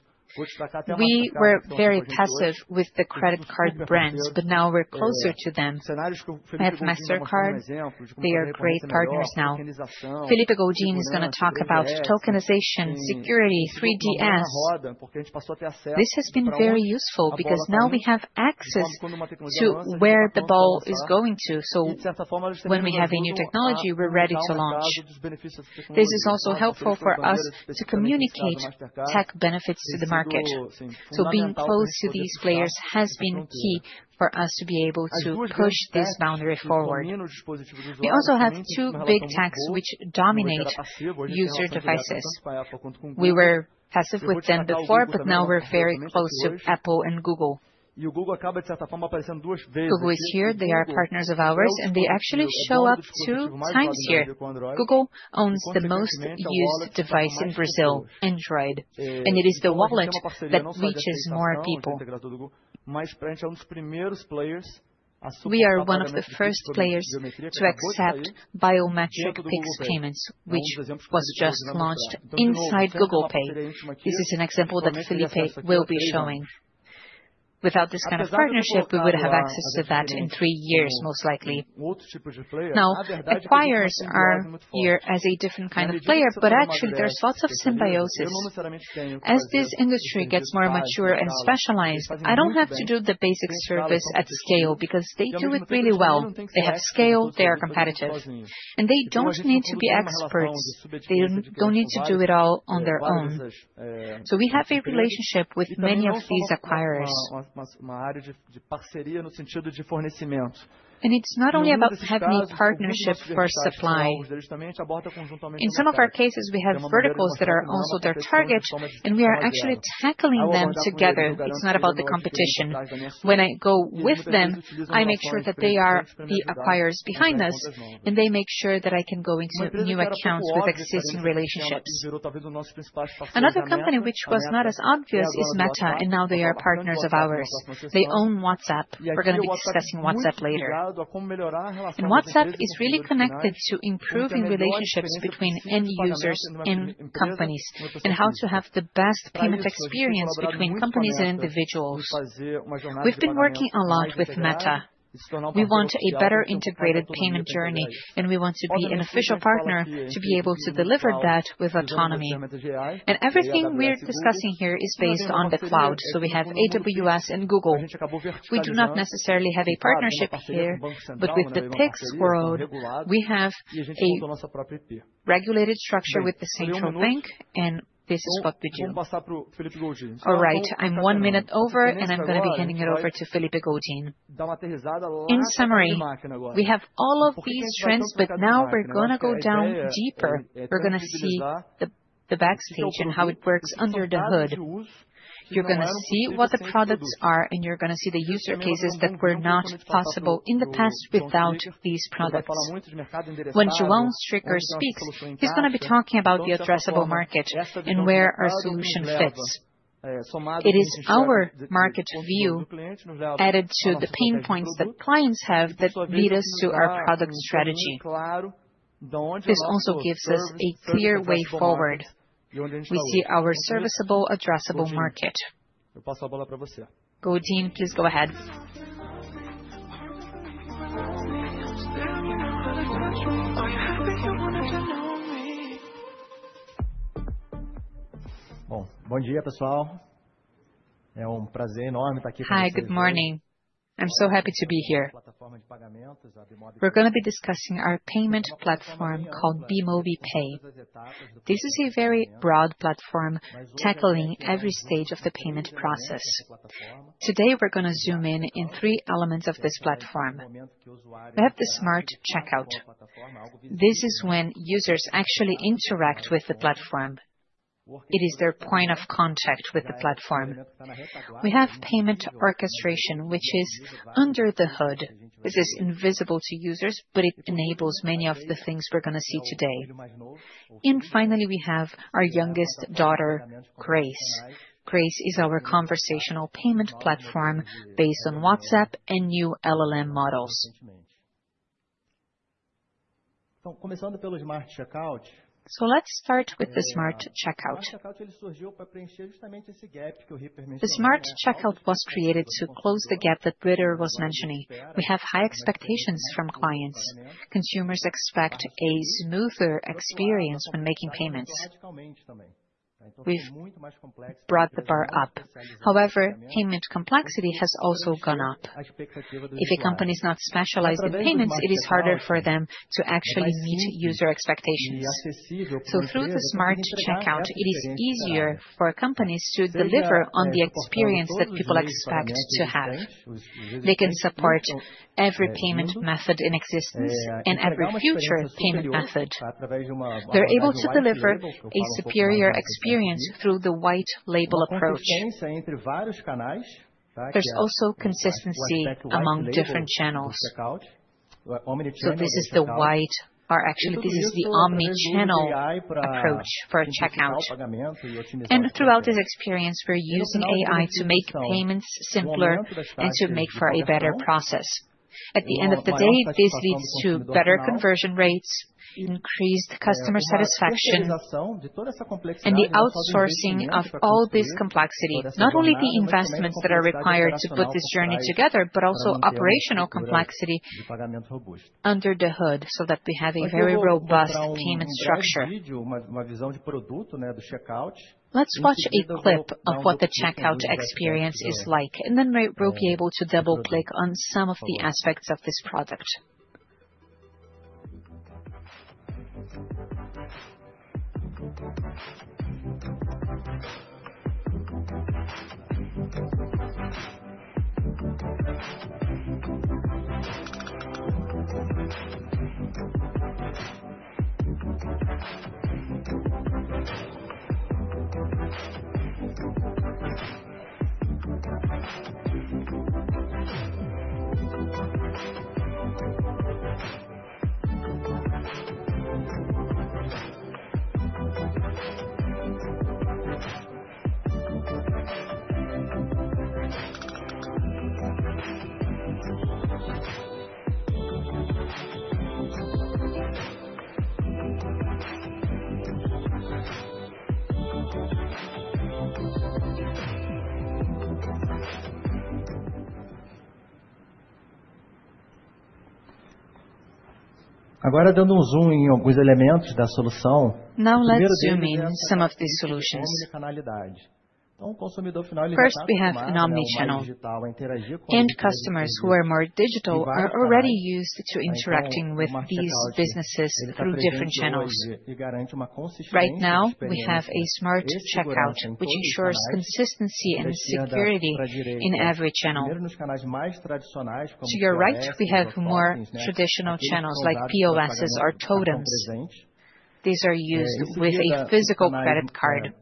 We were very passive with the credit card brands, but now we're closer to them. I have Mastercard. They are great partners now. Felipe Godin is going to talk about tokenization, security, 3DS. This has been very useful because now we have access to where the ball is going to. When we have a new technology, we're ready to launch. This is also helpful for us to communicate tech benefits to the market. Being close to these players has been key for us to be able to push this boundary forward. We also have two big techs which dominate user devices. We were passive with them before, but now we're very close to Apple and Google. Google is here. They are partners of ours, and they actually show up two times here. Google owns the most used device in Brazil, Android, and it is the wallet that reaches more people. We are one of the first players to accept biometric PIX payments, which was just launched inside Google Pay. This is an example that Felipe will be showing. Without this kind of partnership, we would have access to that in three years, most likely. Now, acquirers are here as a different kind of player, but actually, there's lots of symbiosis. As this industry gets more mature and specialized, I don't have to do the basic service at scale because they do it really well. They have scale. They are competitive. They don't need to be experts. They don't need to do it all on their own. We have a relationship with many of these acquirers. It's not only about having a partnership for supply. In some of our cases, we have verticals that are also their target, and we are actually tackling them together. It's not about the competition. When I go with them, I make sure that they are the acquirers behind us, and they make sure that I can go into new accounts with existing relationships. Another company, which was not as obvious, is Meta, and now they are partners of ours. They own WhatsApp. We are going to be discussing WhatsApp later. WhatsApp is really connected to improving relationships between end users and companies and how to have the best payment experience between companies and individuals. We have been working a lot with Meta. We want a better integrated payment journey, and we want to be an official partner to be able to deliver that with autonomy. Everything we are discussing here is based on the cloud. We have AWS and Google. We do not necessarily have a partnership here, but with the PIX world, we have a regulated structure with the Central Bank of Brazil, and this is what we do. All right, I am one minute over, and I am going to be handing it over to Felipe Godin. In summary, we have all of these trends, but now we're going to go down deeper. We're going to see the backstage and how it works under the hood. You're going to see what the products are, and you're going to see the user cases that were not possible in the past without these products. When João Stricker speaks, he's going to be talking about the addressable market and where our solution fits. It is our market view added to the pain points that clients have that lead us to our product strategy. This also gives us a clear way forward. We see our serviceable, addressable market. Godin, please go ahead. Bom dia, pessoal. É prazer enorme estar aqui com vocês. Hi, good morning. I'm so happy to be here. We're going to be discussing our payment platform called Bemobi Pay. This is a very broad platform tackling every stage of the payment process. Today, we're going to zoom in on three elements of this platform. We have the smart checkout. This is when users actually interact with the platform. It is their point of contact with the platform. We have payment orchestration, which is under the hood. This is invisible to users, but it enables many of the things we're going to see today. Finally, we have our youngest daughter, Grace. Grace is our conversational payment platform based on WhatsApp and new LLM models. Let's start with the smart checkout. The smart checkout was created to close the gap that Britta was mentioning. We have high expectations from clients. Consumers expect a smoother experience when making payments. We've brought the bar up. However, payment complexity has also gone up. If a company is not specialized in payments, it is harder for them to actually meet user expectations. Through the Smart Checkout, it is easier for companies to deliver on the experience that people expect to have. They can support every payment method in existence and every future payment method. They are able to deliver a superior experience through the white label approach. There is also consistency among different channels. This is the omni-channel approach for a checkout. Throughout this experience, we are using AI to make payments simpler and to make for a better process. At the end of the day, this leads to better conversion rates, increased customer satisfaction, and the outsourcing of all this complexity. Not only the investments that are required to put this journey together, but also operational complexity under the hood so that we have a very robust payment structure. Let's watch a clip of what the checkout experience is like, and then we'll be able to double-click on some of the aspects of this product. Agora, dando zoom em alguns elementos da solução. Now let's zoom in some of these solutions. First, we have an omni-channel. End customers who are more digital are already used to interacting with these businesses through different channels. Right now, we have a smart checkout, which ensures consistency and security in every channel. To your right, we have more traditional channels like POSs or totems. These are used with a physical credit card.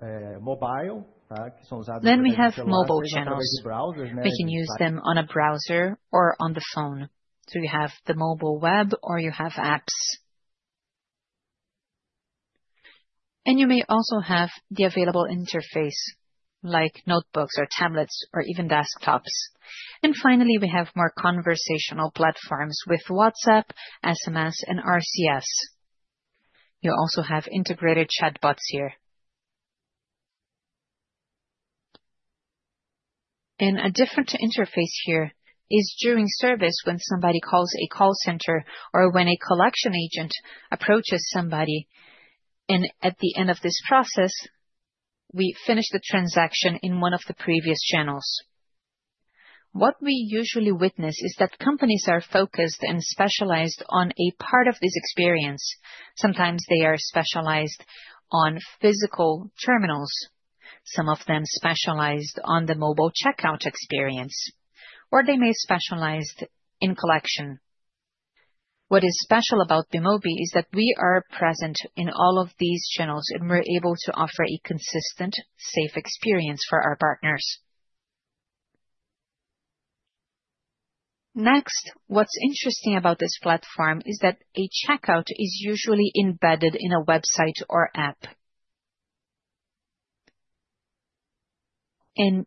Then we have mobile channels. We can use them on a browser or on the phone. You have the mobile web or you have apps. You may also have the available interface like notebooks or tablets or even desktops. Finally, we have more conversational platforms with WhatsApp, SMS, and RCS. You also have integrated chatbots here. A different interface here is during service when somebody calls a call center or when a collection agent approaches somebody. At the end of this process, we finish the transaction in one of the previous channels. What we usually witness is that companies are focused and specialized on a part of this experience. Sometimes they are specialized on physical terminals, some of them specialized on the mobile checkout experience, or they may specialize in collection. What is special about Bemobi is that we are present in all of these channels, and we are able to offer a consistent, safe experience for our partners. Next, what's interesting about this platform is that a checkout is usually embedded in a website or app. A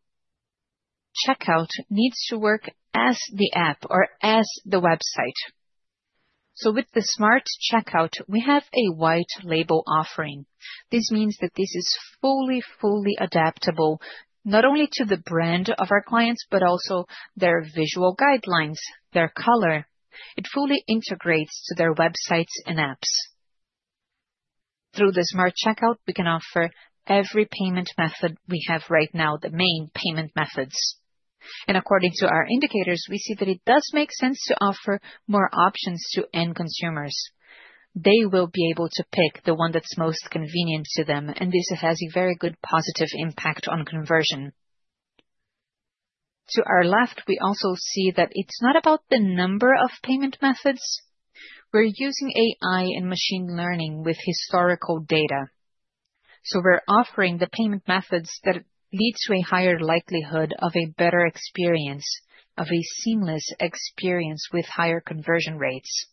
checkout needs to work as the app or as the website. With the smart checkout, we have a white label offering. This means that this is fully, fully adaptable not only to the brand of our clients, but also their visual guidelines, their color. It fully integrates to their websites and apps. Through the smart checkout, we can offer every payment method we have right now, the main payment methods. According to our indicators, we see that it does make sense to offer more options to end consumers. They will be able to pick the one that's most convenient to them, and this has a very good positive impact on conversion. To our left, we also see that it's not about the number of payment methods. We're using AI and machine learning with historical data. We're offering the payment methods that lead to a higher likelihood of a better experience, of a seamless experience with higher conversion rates.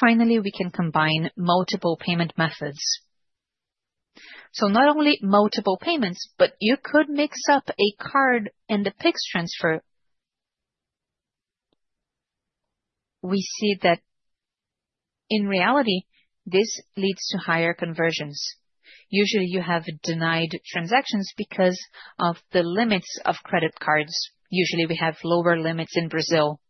Finally, we can combine multiple payment methods. Not only multiple payments, but you could mix up a card and a PIX transfer. We see that in reality, this leads to higher conversions. Usually, you have denied transactions because of the limits of credit cards. Usually, we have lower limits in Brazil.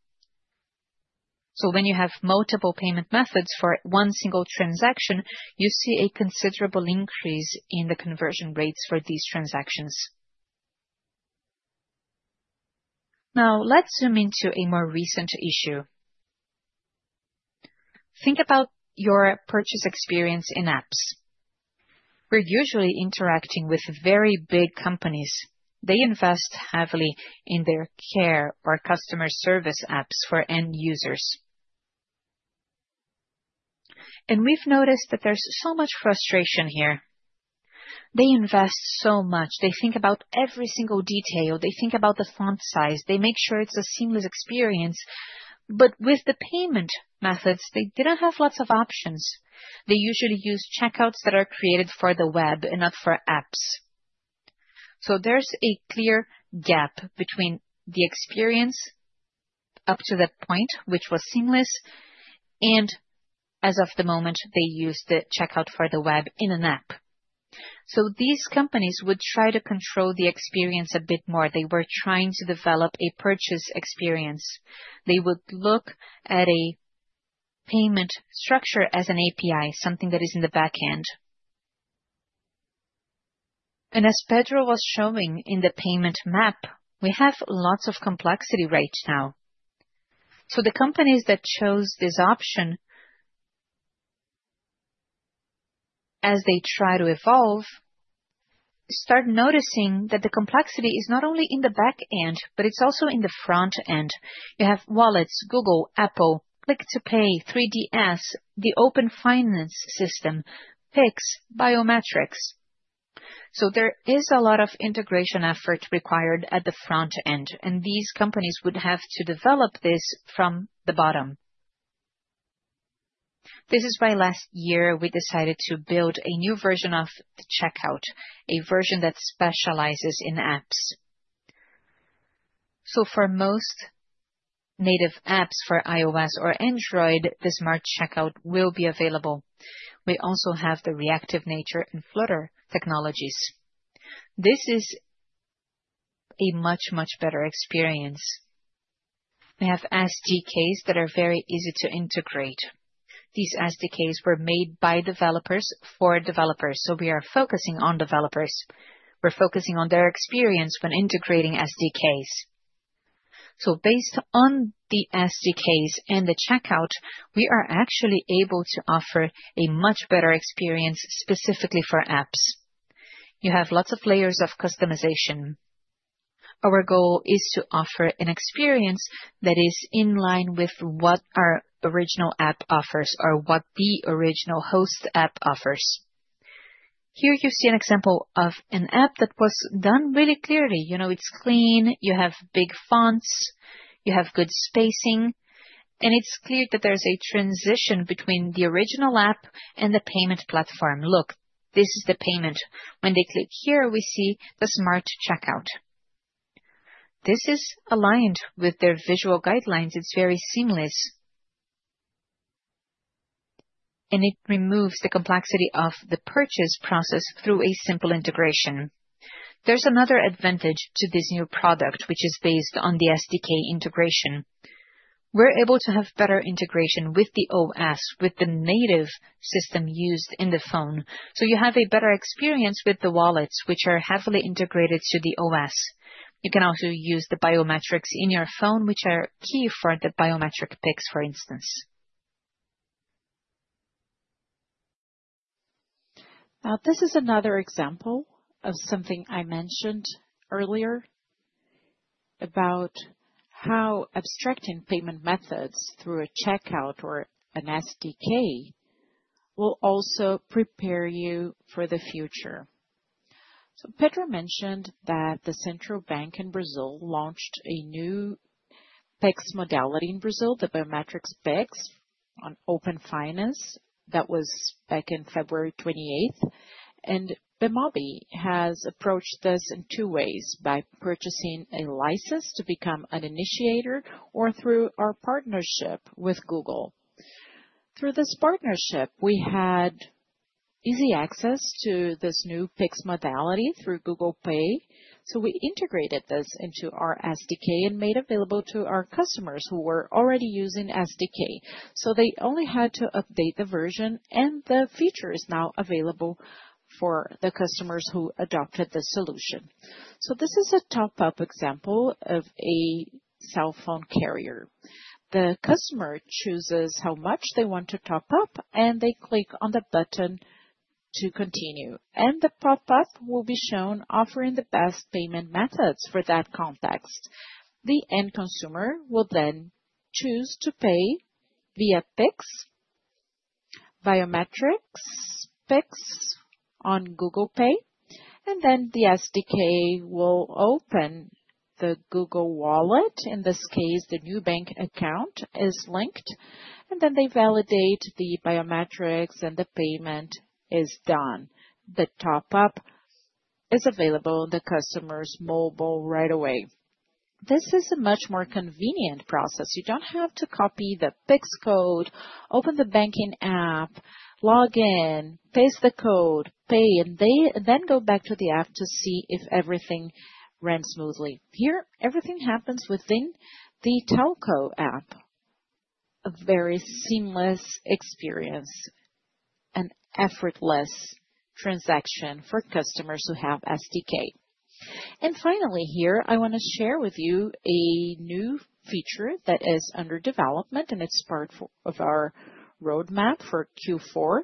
When you have multiple payment methods for one single transaction, you see a considerable increase in the conversion rates for these transactions. Now, let's zoom into a more recent issue. Think about your purchase experience in apps. We're usually interacting with very big companies. They invest heavily in their care or customer service apps for end users. We've noticed that there's so much frustration here. They invest so much. They think about every single detail. They think about the font size. They make sure it's a seamless experience. With the payment methods, they didn't have lots of options. They usually use checkouts that are created for the web and not for apps. There is a clear gap between the experience up to that point, which was seamless, and as of the moment, they use the checkout for the web in an app. These companies would try to control the experience a bit more. They were trying to develop a purchase experience. They would look at a payment structure as an API, something that is in the backend. As Pedro was showing in the payment map, we have lots of complexity right now. The companies that chose this option, as they try to evolve, start noticing that the complexity is not only in the backend, but it's also in the front end. You have Wallets, Google, Apple, Click to Pay, 3DS, the Open Finance system, PIX, Biometrics. There is a lot of integration effort required at the front end, and these companies would have to develop this from the bottom. This is why last year we decided to build a new version of the checkout, a version that specializes in apps. For most native apps for iOS or Android, the smart checkout will be available. We also have the reactive nature and Flutter technologies. This is a much, much better experience. We have SDKs that are very easy to integrate. These SDKs were made by developers for developers. We are focusing on developers. We're focusing on their experience when integrating SDKs. So based on the SDKs and the checkout, we are actually able to offer a much better experience specifically for apps. You have lots of layers of customization. Our goal is to offer an experience that is in line with what our original app offers or what the original host app offers. Here you see an example of an app that was done really clearly. You know, it's clean. You have big fonts. You have good spacing. And it's clear that there's a transition between the original app and the payment platform. Look, this is the payment. When they click here, we see the Smart Checkout. This is aligned with their visual guidelines. It's very seamless. And it removes the complexity of the purchase process through a simple integration. There's another advantage to this new product, which is based on the SDK integration. We're able to have better integration with the OS, with the native system used in the phone. You have a better experience with the wallets, which are heavily integrated to the OS. You can also use the biometrics in your phone, which are key for the biometric Pix, for instance. This is another example of something I mentioned earlier about how abstracting payment methods through a checkout or an SDK will also prepare you for the future. Pedro mentioned that the Central Bank of Brazil launched a new Pix modality in Brazil, the biometric Pix on Open Finance. That was back on February 28, 2024. Bemobi has approached this in two ways: by purchasing a license to become an initiator or through our partnership with Google. Through this partnership, we had easy access to this new PIX modality through Google Pay. We integrated this into our SDK and made it available to our customers who were already using the SDK. They only had to update the version, and the feature is now available for the customers who adopted the solution. This is a top-up example of a cell phone carrier. The customer chooses how much they want to top up, and they click on the button to continue. The pop-up will be shown offering the best payment methods for that context. The end consumer will then choose to pay via PIX, biometrics, PIX on Google Pay, and the SDK will open the Google Wallet. In this case, the new bank account is linked, and they validate the biometrics, and the payment is done. The top-up is available on the customer's mobile right away. This is a much more convenient process. You do not have to copy the PIX code, open the banking app, log in, paste the code, pay, and then go back to the app to see if everything runs smoothly. Here, everything happens within the Telco app. A very seamless experience, an effortless transaction for customers who have SDK. Finally, here, I want to share with you a new feature that is under development, and it is part of our roadmap for Q4.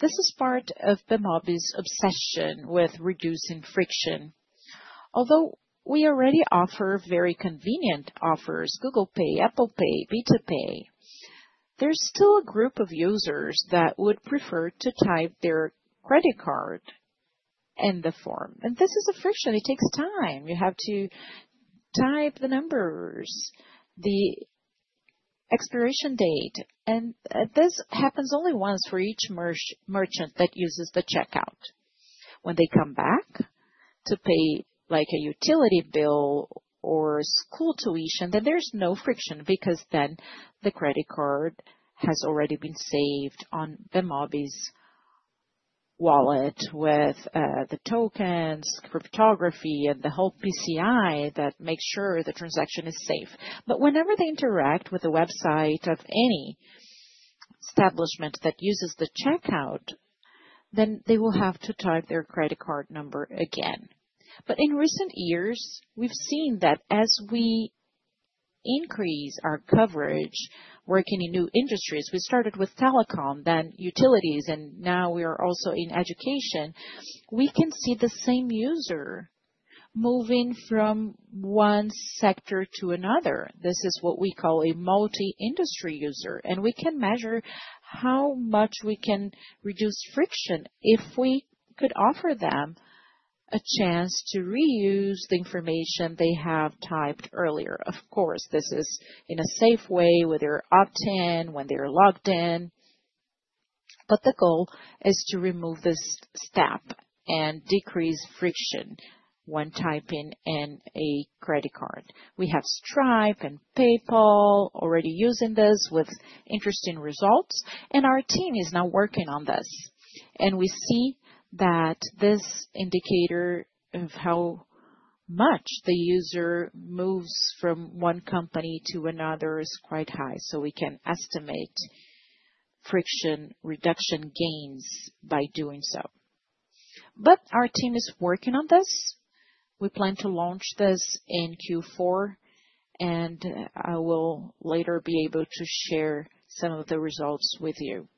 This is part of Bemobi's obsession with reducing friction. Although we already offer very convenient offers: Google Pay, Apple Pay, P2P, there is still a group of users that would prefer to type their credit card in the form. This is a friction. It takes time. You have to type the numbers, the expiration date, and this happens only once for each merchant that uses the checkout. When they come back to pay like a utility bill or school tuition, there is no friction because the credit card has already been saved on Bemobi's wallet with the tokens, cryptography, and the whole PCI that makes sure the transaction is safe. Whenever they interact with the website of any establishment that uses the checkout, they will have to type their credit card number again. In recent years, we have seen that as we increase our coverage, working in new industries, we started with telecom, then utilities, and now we are also in education, we can see the same user moving from one sector to another. This is what we call a multi-industry user, and we can measure how much we can reduce friction if we could offer them a chance to reuse the information they have typed earlier. Of course, this is in a safe way where they're opt-in, when they're logged in. The goal is to remove this step and decrease friction when typing in a credit card. We have Stripe and PayPal already using this with interesting results, and our team is now working on this. We see that this indicator of how much the user moves from one company to another is quite high, so we can estimate friction reduction gains by doing so. Our team is working on this. We plan to launch this in Q4, and I will later be able to share some of the results with you.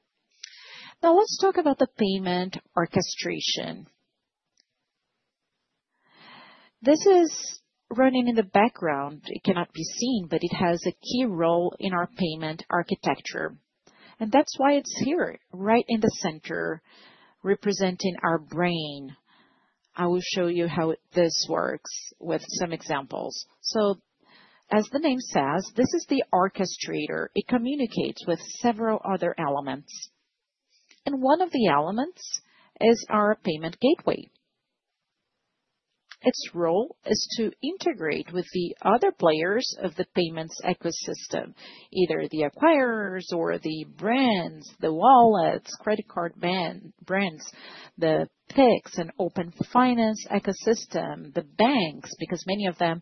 Now, let's talk about the payment orchestration. This is running in the background. It cannot be seen, but it has a key role in our payment architecture. That is why it is here, right in the center, representing our brain. I will show you how this works with some examples. As the name says, this is the orchestrator. It communicates with several other elements. One of the elements is our payment gateway. Its role is to integrate with the other players of the payments ecosystem, either the acquirers or the brands, the wallets, credit card brands, the PIX and Open Finance ecosystem, the banks, because many of them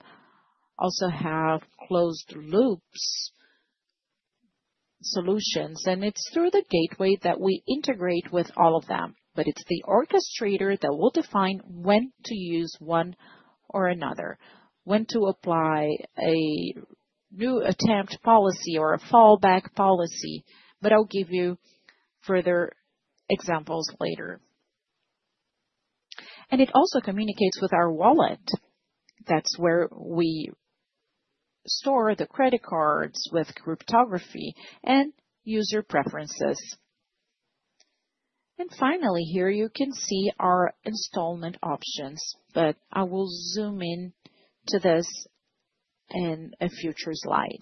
also have closed-loop solutions. It is through the gateway that we integrate with all of them. It is the orchestrator that will define when to use one or another, when to apply a new attempt policy or a fallback policy. I will give you further examples later. It also communicates with our wallet. That is where we store the credit cards with cryptography and user preferences. Finally, here you can see our installment options. I will zoom in to this in a future slide.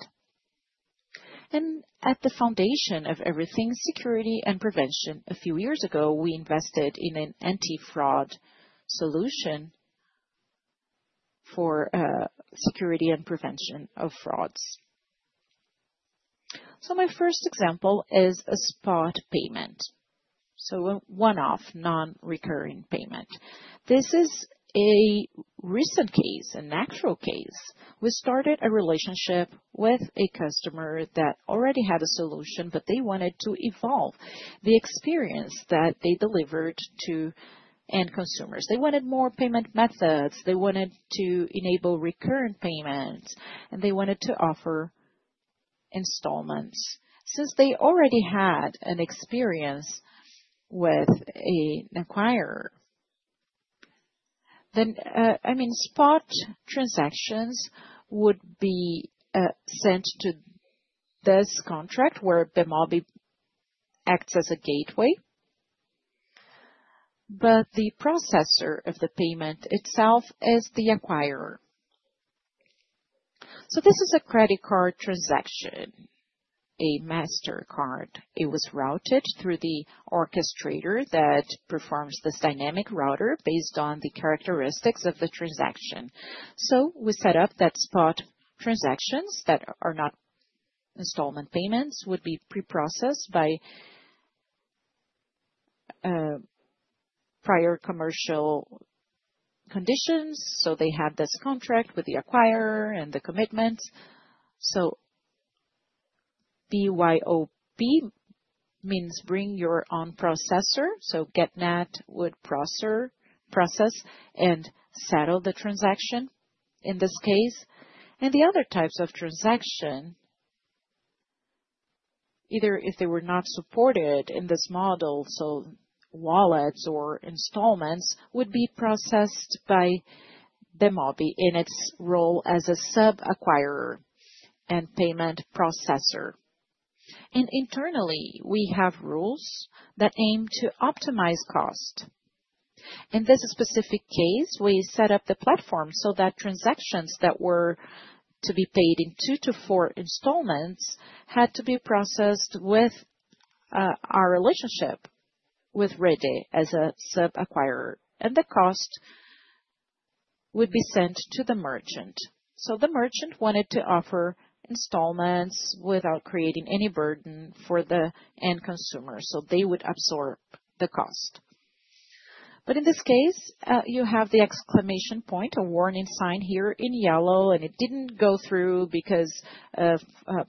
At the foundation of everything, security and prevention. A few years ago, we invested in an anti-fraud solution for security and prevention of frauds. My first example is a spot payment, a one-off, non-recurring payment. This is a recent case, a natural case. We started a relationship with a customer that already had a solution, but they wanted to evolve the experience that they delivered to end consumers. They wanted more payment methods. They wanted to enable recurrent payments, and they wanted to offer installments since they already had an experience with an acquirer. I mean, spot transactions would be sent to this contract where Bemobi acts as a gateway, but the processor of the payment itself is the acquirer. This is a credit card transaction, a Mastercard. It was routed through the orchestrator that performs this dynamic router based on the characteristics of the transaction. We set up that spot transactions that are not installment payments would be pre-processed by prior commercial conditions. They have this contract with the acquirer and the commitments. BYOB means bring your own processor. GetNet would process and settle the transaction in this case. The other types of transaction, either if they were not supported in this model, wallets or installments, would be processed by Bemobi in its role as a sub-acquirer and payment processor. Internally, we have rules that aim to optimize cost. In this specific case, we set up the platform so that transactions that were to be paid in two to four installments had to be processed with our relationship with Rede as a sub-acquirer, and the cost would be sent to the merchant. The merchant wanted to offer installments without creating any burden for the end consumer, so they would absorb the cost. In this case, you have the exclamation point, a warning sign here in yellow, and it did not go through because of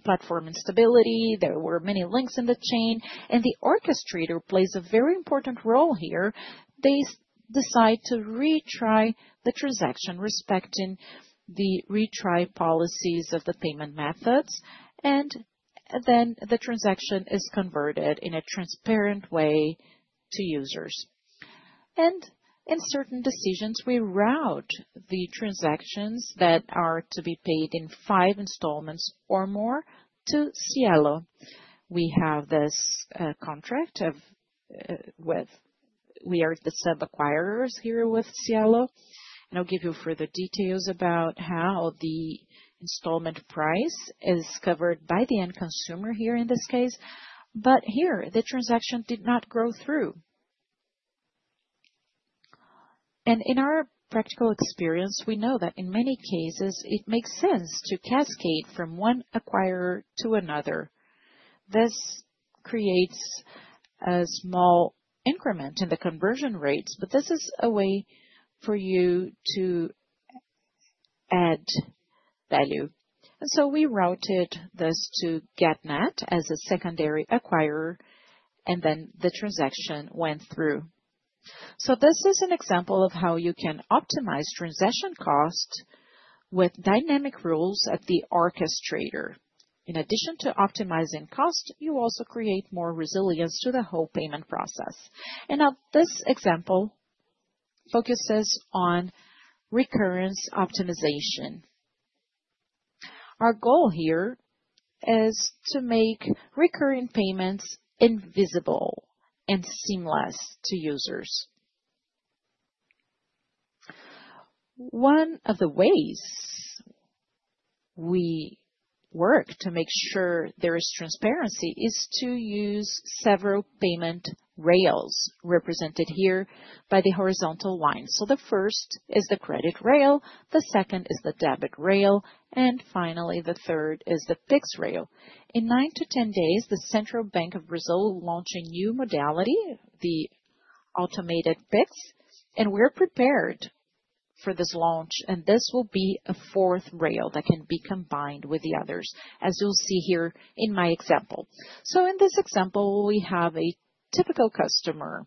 platform instability. There were many links in the chain, and the orchestrator plays a very important role here. They decide to retry the transaction respecting the retry policies of the payment methods, and then the transaction is converted in a transparent way to users. In certain decisions, we route the transactions that are to be paid in five installments or more to Cielo. We have this contract with, we are the sub-acquirers here with Cielo, and I'll give you further details about how the installment price is covered by the end consumer here in this case. Here, the transaction did not go through. In our practical experience, we know that in many cases, it makes sense to cascade from one acquirer to another. This creates a small increment in the conversion rates, but this is a way for you to add value. We routed this to GetNet as a secondary acquirer, and then the transaction went through. This is an example of how you can optimize transaction cost with dynamic rules at the orchestrator. In addition to optimizing cost, you also create more resilience to the whole payment process. Now this example focuses on recurrence optimization. Our goal here is to make recurring payments invisible and seamless to users. One of the ways we work to make sure there is transparency is to use several payment rails represented here by the horizontal line. The first is the credit rail, the second is the debit rail, and finally, the third is the Pix rail. In nine to ten days, the Central Bank of Brazil launched a new modality, the automated Pix, and we are prepared for this launch, and this will be a fourth rail that can be combined with the others, as you will see here in my example. In this example, we have a typical customer.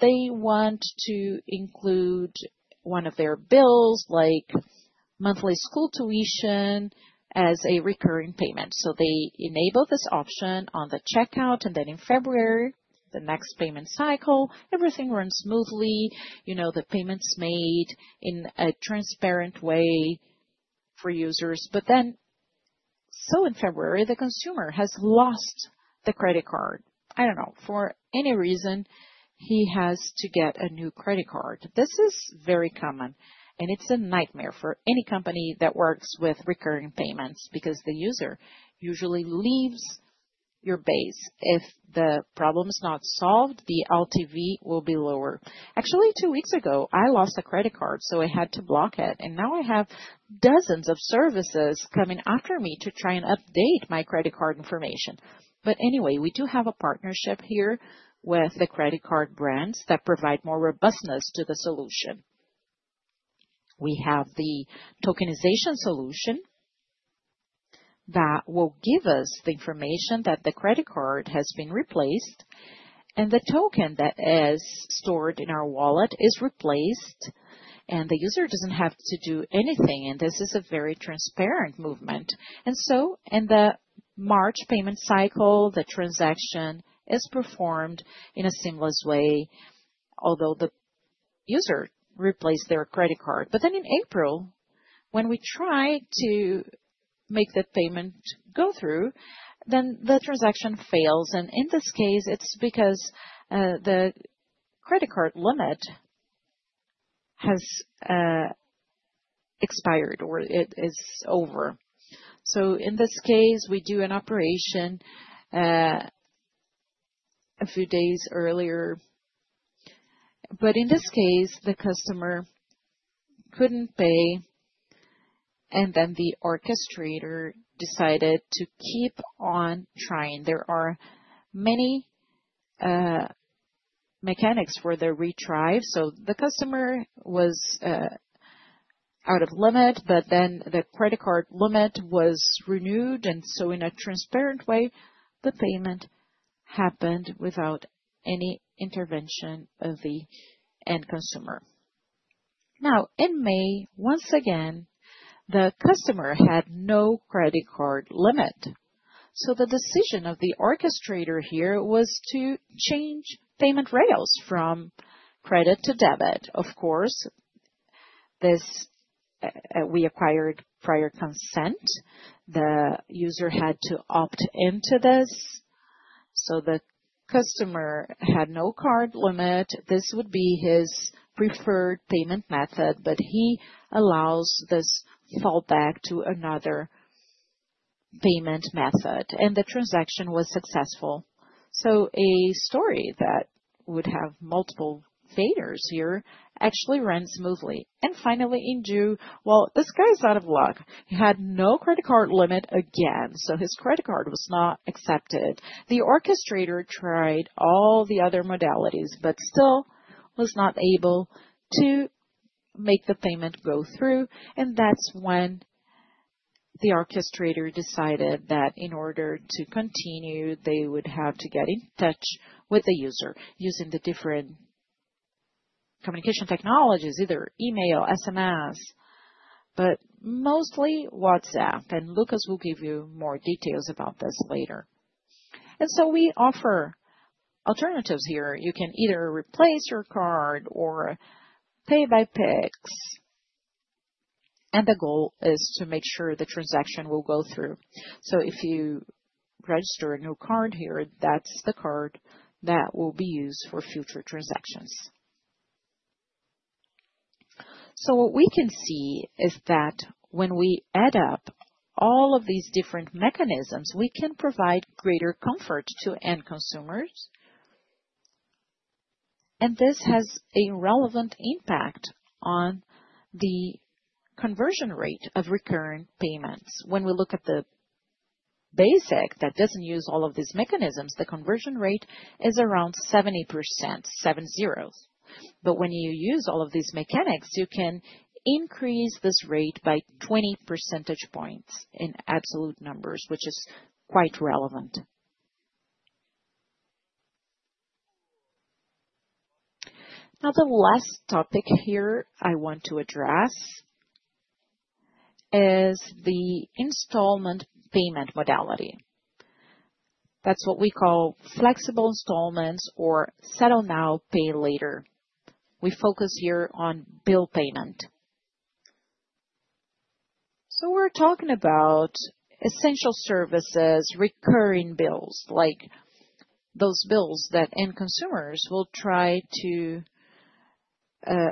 They want to include one of their bills, like monthly school tuition, as a recurring payment. They enable this option on the checkout, and then in February, the next payment cycle, everything runs smoothly. You know, the payment's made in a transparent way for users. In February, the consumer has lost the credit card. I don't know, for any reason, he has to get a new credit card. This is very common, and it's a nightmare for any company that works with recurring payments because the user usually leaves your base. If the problem is not solved, the LTV will be lower. Actually, two weeks ago, I lost a credit card, so I had to block it, and now I have dozens of services coming after me to try and update my credit card information. Anyway, we do have a partnership here with the credit card brands that provide more robustness to the solution. We have the tokenization solution that will give us the information that the credit card has been replaced, and the token that is stored in our wallet is replaced, and the user does not have to do anything. This is a very transparent movement. In the March payment cycle, the transaction is performed in a seamless way, although the user replaced their credit card. In April, when we try to make the payment go through, the transaction fails. In this case, it is because the credit card limit has expired or it is over. In this case, we do an operation a few days earlier. In this case, the customer could not pay, and the orchestrator decided to keep on trying. There are many mechanics for the retry. The customer was out of limit, but then the credit card limit was renewed. In a transparent way, the payment happened without any intervention of the end consumer. Now, in May, once again, the customer had no credit card limit. The decision of the orchestrator here was to change payment rails from credit to debit. Of course, this we acquired prior consent. The user had to opt into this. The customer had no card limit. This would be his preferred payment method, but he allows this fallback to another payment method, and the transaction was successful. A story that would have multiple failures here actually runs smoothly. Finally, in June, this guy's out of luck. He had no credit card limit again, so his credit card was not accepted. The orchestrator tried all the other modalities, but still was not able to make the payment go through. That is when the orchestrator decided that in order to continue, they would have to get in touch with the user using the different communication technologies, either email, SMS, but mostly WhatsApp. Lucas will give you more details about this later. We offer alternatives here. You can either replace your card or pay by PIX, and the goal is to make sure the transaction will go through. If you register a new card here, that is the card that will be used for future transactions. What we can see is that when we add up all of these different mechanisms, we can provide greater comfort to end consumers, and this has a relevant impact on the conversion rate of recurring payments. When we look at the basic that does not use all of these mechanisms, the conversion rate is around 70%, seven zero. When you use all of these mechanics, you can increase this rate by 20 percentage points in absolute numbers, which is quite relevant. Now, the last topic here I want to address is the installment payment modality. That is what we call flexible installments or settle now, pay later. We focus here on bill payment. We are talking about essential services, recurring bills, like those bills that end consumers will try to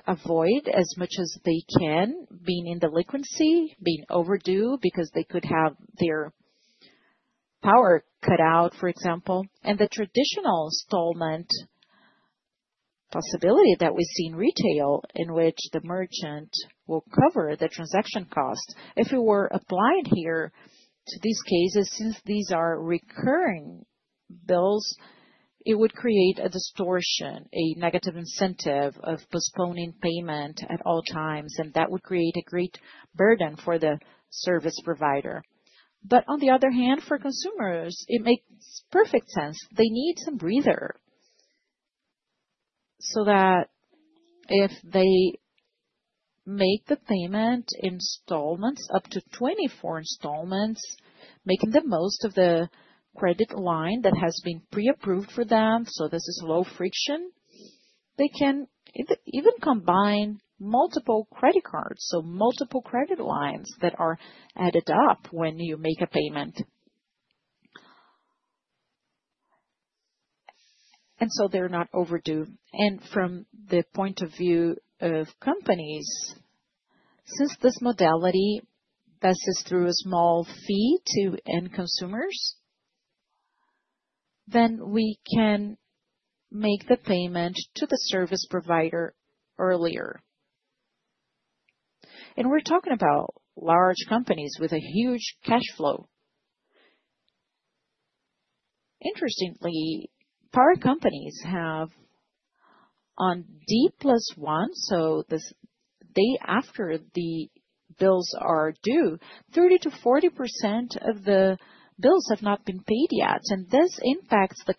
avoid as much as they can, being in delinquency, being overdue because they could have their power cut out, for example. The traditional installment possibility that we see in retail, in which the merchant will cover the transaction cost, if we were applying here to these cases, since these are recurring bills, it would create a distortion, a negative incentive of postponing payment at all times, and that would create a great burden for the service provider. On the other hand, for consumers, it makes perfect sense. They need some breather so that if they make the payment installments up to 24 installments, making the most of the credit line that has been pre-approved for them, this is low friction, they can even combine multiple credit cards, so multiple credit lines that are added up when you make a payment. They are not overdue. From the point of view of companies, since this modality passes through a small fee to end consumers, we can make the payment to the service provider earlier. We are talking about large companies with a huge cash flow. Interestingly, power companies have on D plus one, so the day after the bills are due, 30%-40% of the bills have not been paid yet, and this impacts the.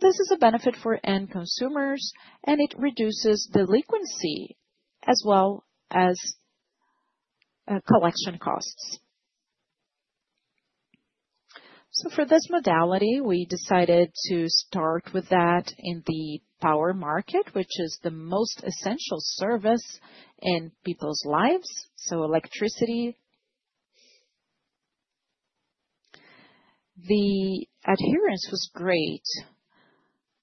This is a benefit for end consumers, and it reduces delinquency as well as collection costs. For this modality, we decided to start with that in the power market, which is the most essential service in people's lives, so electricity. The adherence was great.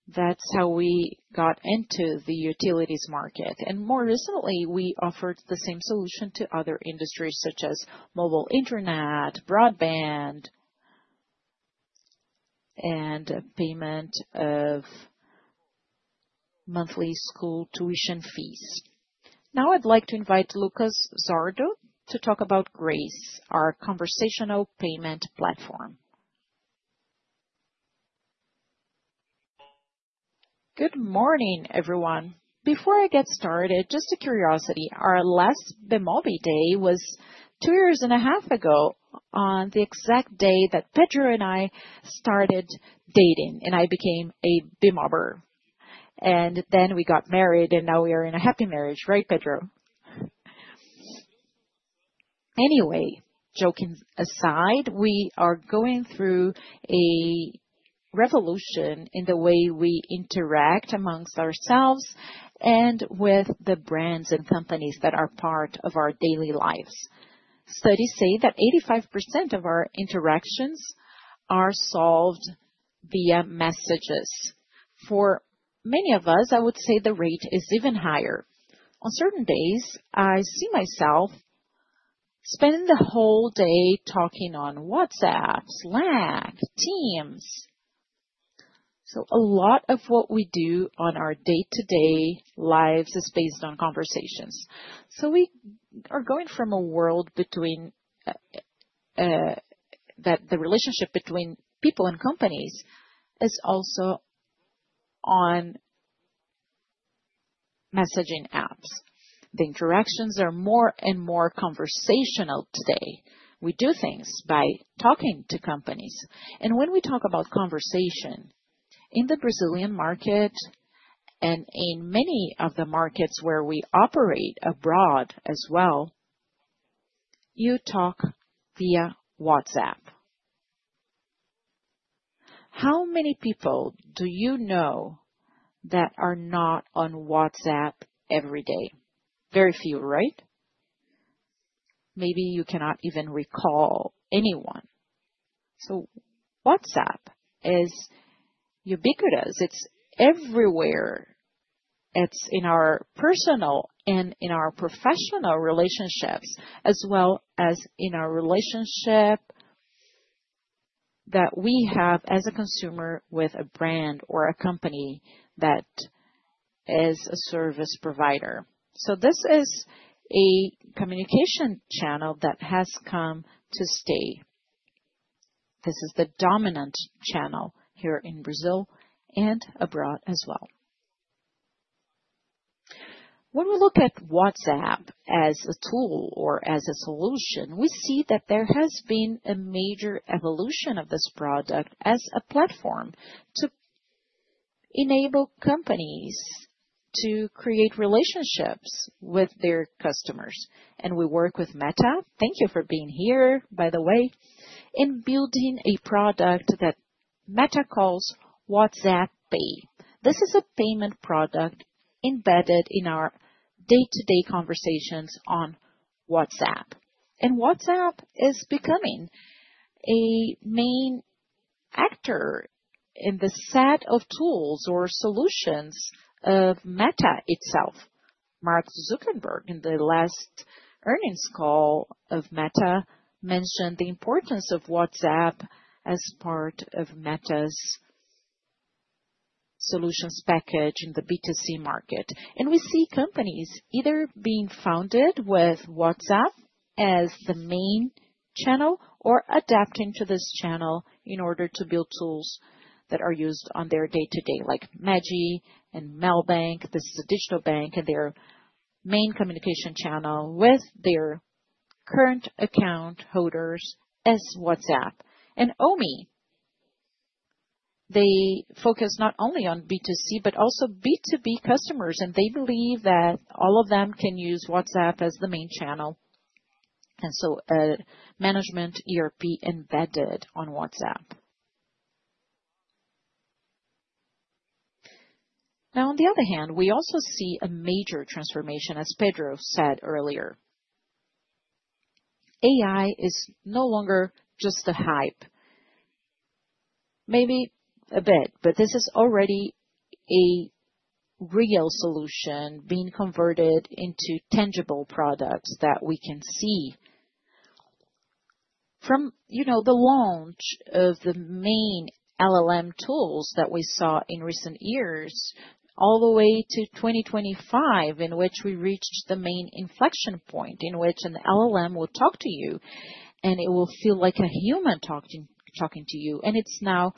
That is how we got into the utilities market. More recently, we offered the same solution to other industries, such as mobile internet, broadband, and payment of monthly school tuition fees. Now I'd like to invite Lucas Zardo to talk about Grace, our conversational payment platform. Good morning, everyone. Before I get started, just a curiosity, our last Bemobi day was two years and a half ago on the exact day that Pedro and I started dating, and I became a Bemober. Then we got married, and now we are in a happy marriage, right, Pedro? Anyway, joking aside, we are going through a revolution in the way we interact amongst ourselves and with the brands and companies that are part of our daily lives. Studies say that 85% of our interactions are solved via messages. For many of us, I would say the rate is even higher. On certain days, I see myself spending the whole day talking on WhatsApp, Slack, Teams. A lot of what we do on our day-to-day lives is based on conversations. We are going from a world where the relationship between people and companies is also on messaging apps. The interactions are more and more conversational today. We do things by talking to companies. When we talk about conversation, in the Brazilian market and in many of the markets where we operate abroad as well, you talk via WhatsApp. How many people do you know that are not on WhatsApp every day? Very few, right? Maybe you cannot even recall anyone. WhatsApp is ubiquitous. It is everywhere. It is in our personal and in our professional relationships, as well as in our relationship that we have as a consumer with a brand or a company that is a service provider. This is a communication channel that has come to stay. This is the dominant channel here in Brazil and abroad as well. When we look at WhatsApp as a tool or as a solution, we see that there has been a major evolution of this product as a platform to enable companies to create relationships with their customers. We work with Meta. Thank you for being here, by the way, in building a product that Meta calls WhatsApp Pay. This is a payment product embedded in our day-to-day conversations on WhatsApp. WhatsApp is becoming a main actor in the set of tools or solutions of Meta itself. Mark Zuckerberg, in the last earnings call of Meta, mentioned the importance of WhatsApp as part of Meta's solutions package in the B2C market. We see companies either being founded with WhatsApp as the main channel or adapting to this channel in order to build tools that are used on their day-to-day, like Maggi and Mailbank. This is a digital bank, and their main communication channel with their current account holders is WhatsApp. Omi, they focus not only on B2C, but also B2B customers, and they believe that all of them can use WhatsApp as the main channel. Management ERP embedded on WhatsApp. Now, on the other hand, we also see a major transformation, as Pedro said earlier. AI is no longer just a hype. Maybe a bit, but this is already a real solution being converted into tangible products that we can see from the launch of the main LLM tools that we saw in recent years, all the way to 2025, in which we reached the main inflection point in which an LLM will talk to you, and it will feel like a human talking to you. It is now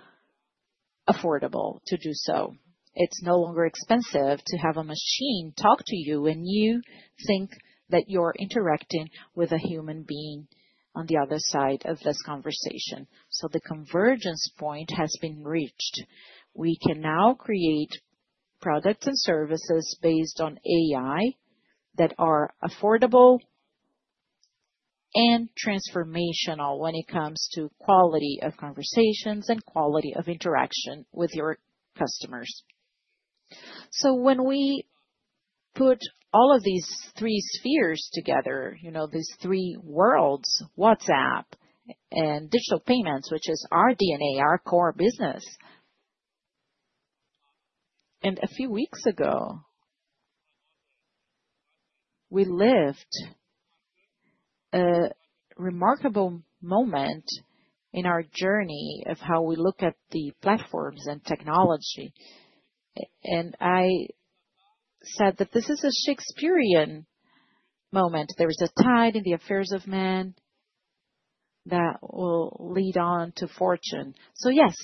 affordable to do so. It is no longer expensive to have a machine talk to you, and you think that you are interacting with a human being on the other side of this conversation. The convergence point has been reached. We can now create products and services based on AI that are affordable and transformational when it comes to quality of conversations and quality of interaction with your customers. When we put all of these three spheres together, these three worlds, WhatsApp and digital payments, which is our DNA, our core business, a few weeks ago, we lived a remarkable moment in our journey of how we look at the platforms and technology. I said that this is a Shakespearean moment. There is a tide in the affairs of man that will lead on to fortune. Yes,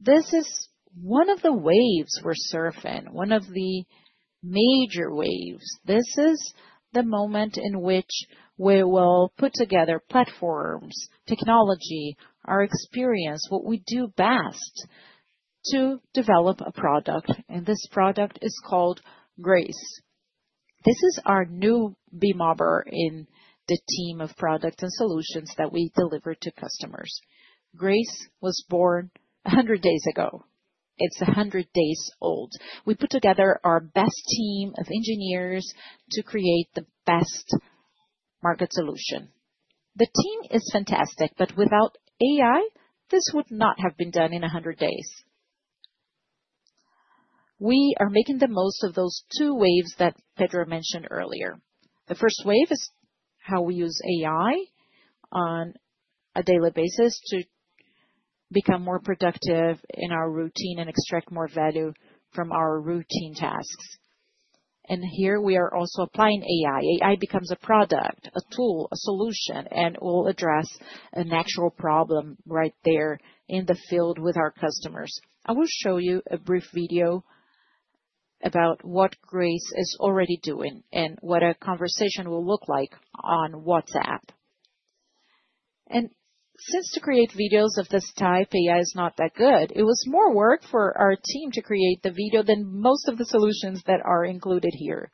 this is one of the waves we're surfing, one of the major waves. This is the moment in which we will put together platforms, technology, our experience, what we do best to develop a product. This product is called Grace. This is our new Bemober in the team of products and solutions that we deliver to customers. Grace was born 100 days ago. It's 100 days old. We put together our best team of engineers to create the best market solution. The team is fantastic, but without AI, this would not have been done in 100 days. We are making the most of those two waves that Pedro mentioned earlier. The first wave is how we use AI on a daily basis to become more productive in our routine and extract more value from our routine tasks. Here we are also applying AI. AI becomes a product, a tool, a solution, and will address a natural problem right there in the field with our customers. I will show you a brief video about what Grace is already doing and what a conversation will look like on WhatsApp. Since to create videos of this type, AI is not that good, it was more work for our team to create the video than most of the solutions that are included here.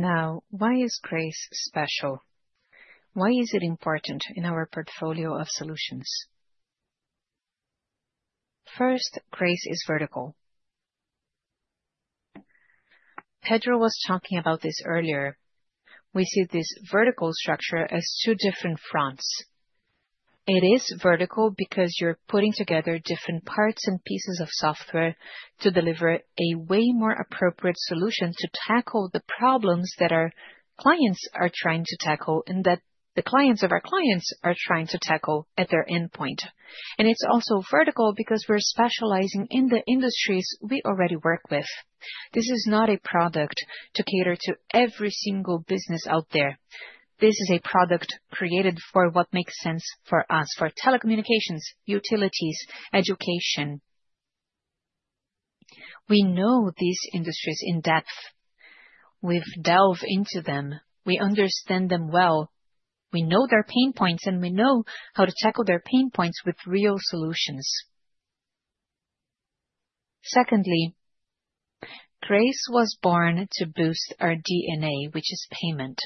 Now, why is Grace special? Why is it important in our portfolio of solutions? First, Grace is vertical. Pedro was talking about this earlier. We see this vertical structure as two different fronts. It is vertical because you are putting together different parts and pieces of software to deliver a way more appropriate solution to tackle the problems that our clients are trying to tackle and that the clients of our clients are trying to tackle at their endpoint. It is also vertical because we are specializing in the industries we already work with. This is not a product to cater to every single business out there. This is a product created for what makes sense for us, for telecommunications, utilities, education. We know these industries in depth. We have delved into them. We understand them well. We know their pain points, and we know how to tackle their pain points with real solutions. Secondly, Grace was born to boost our DNA, which is payment.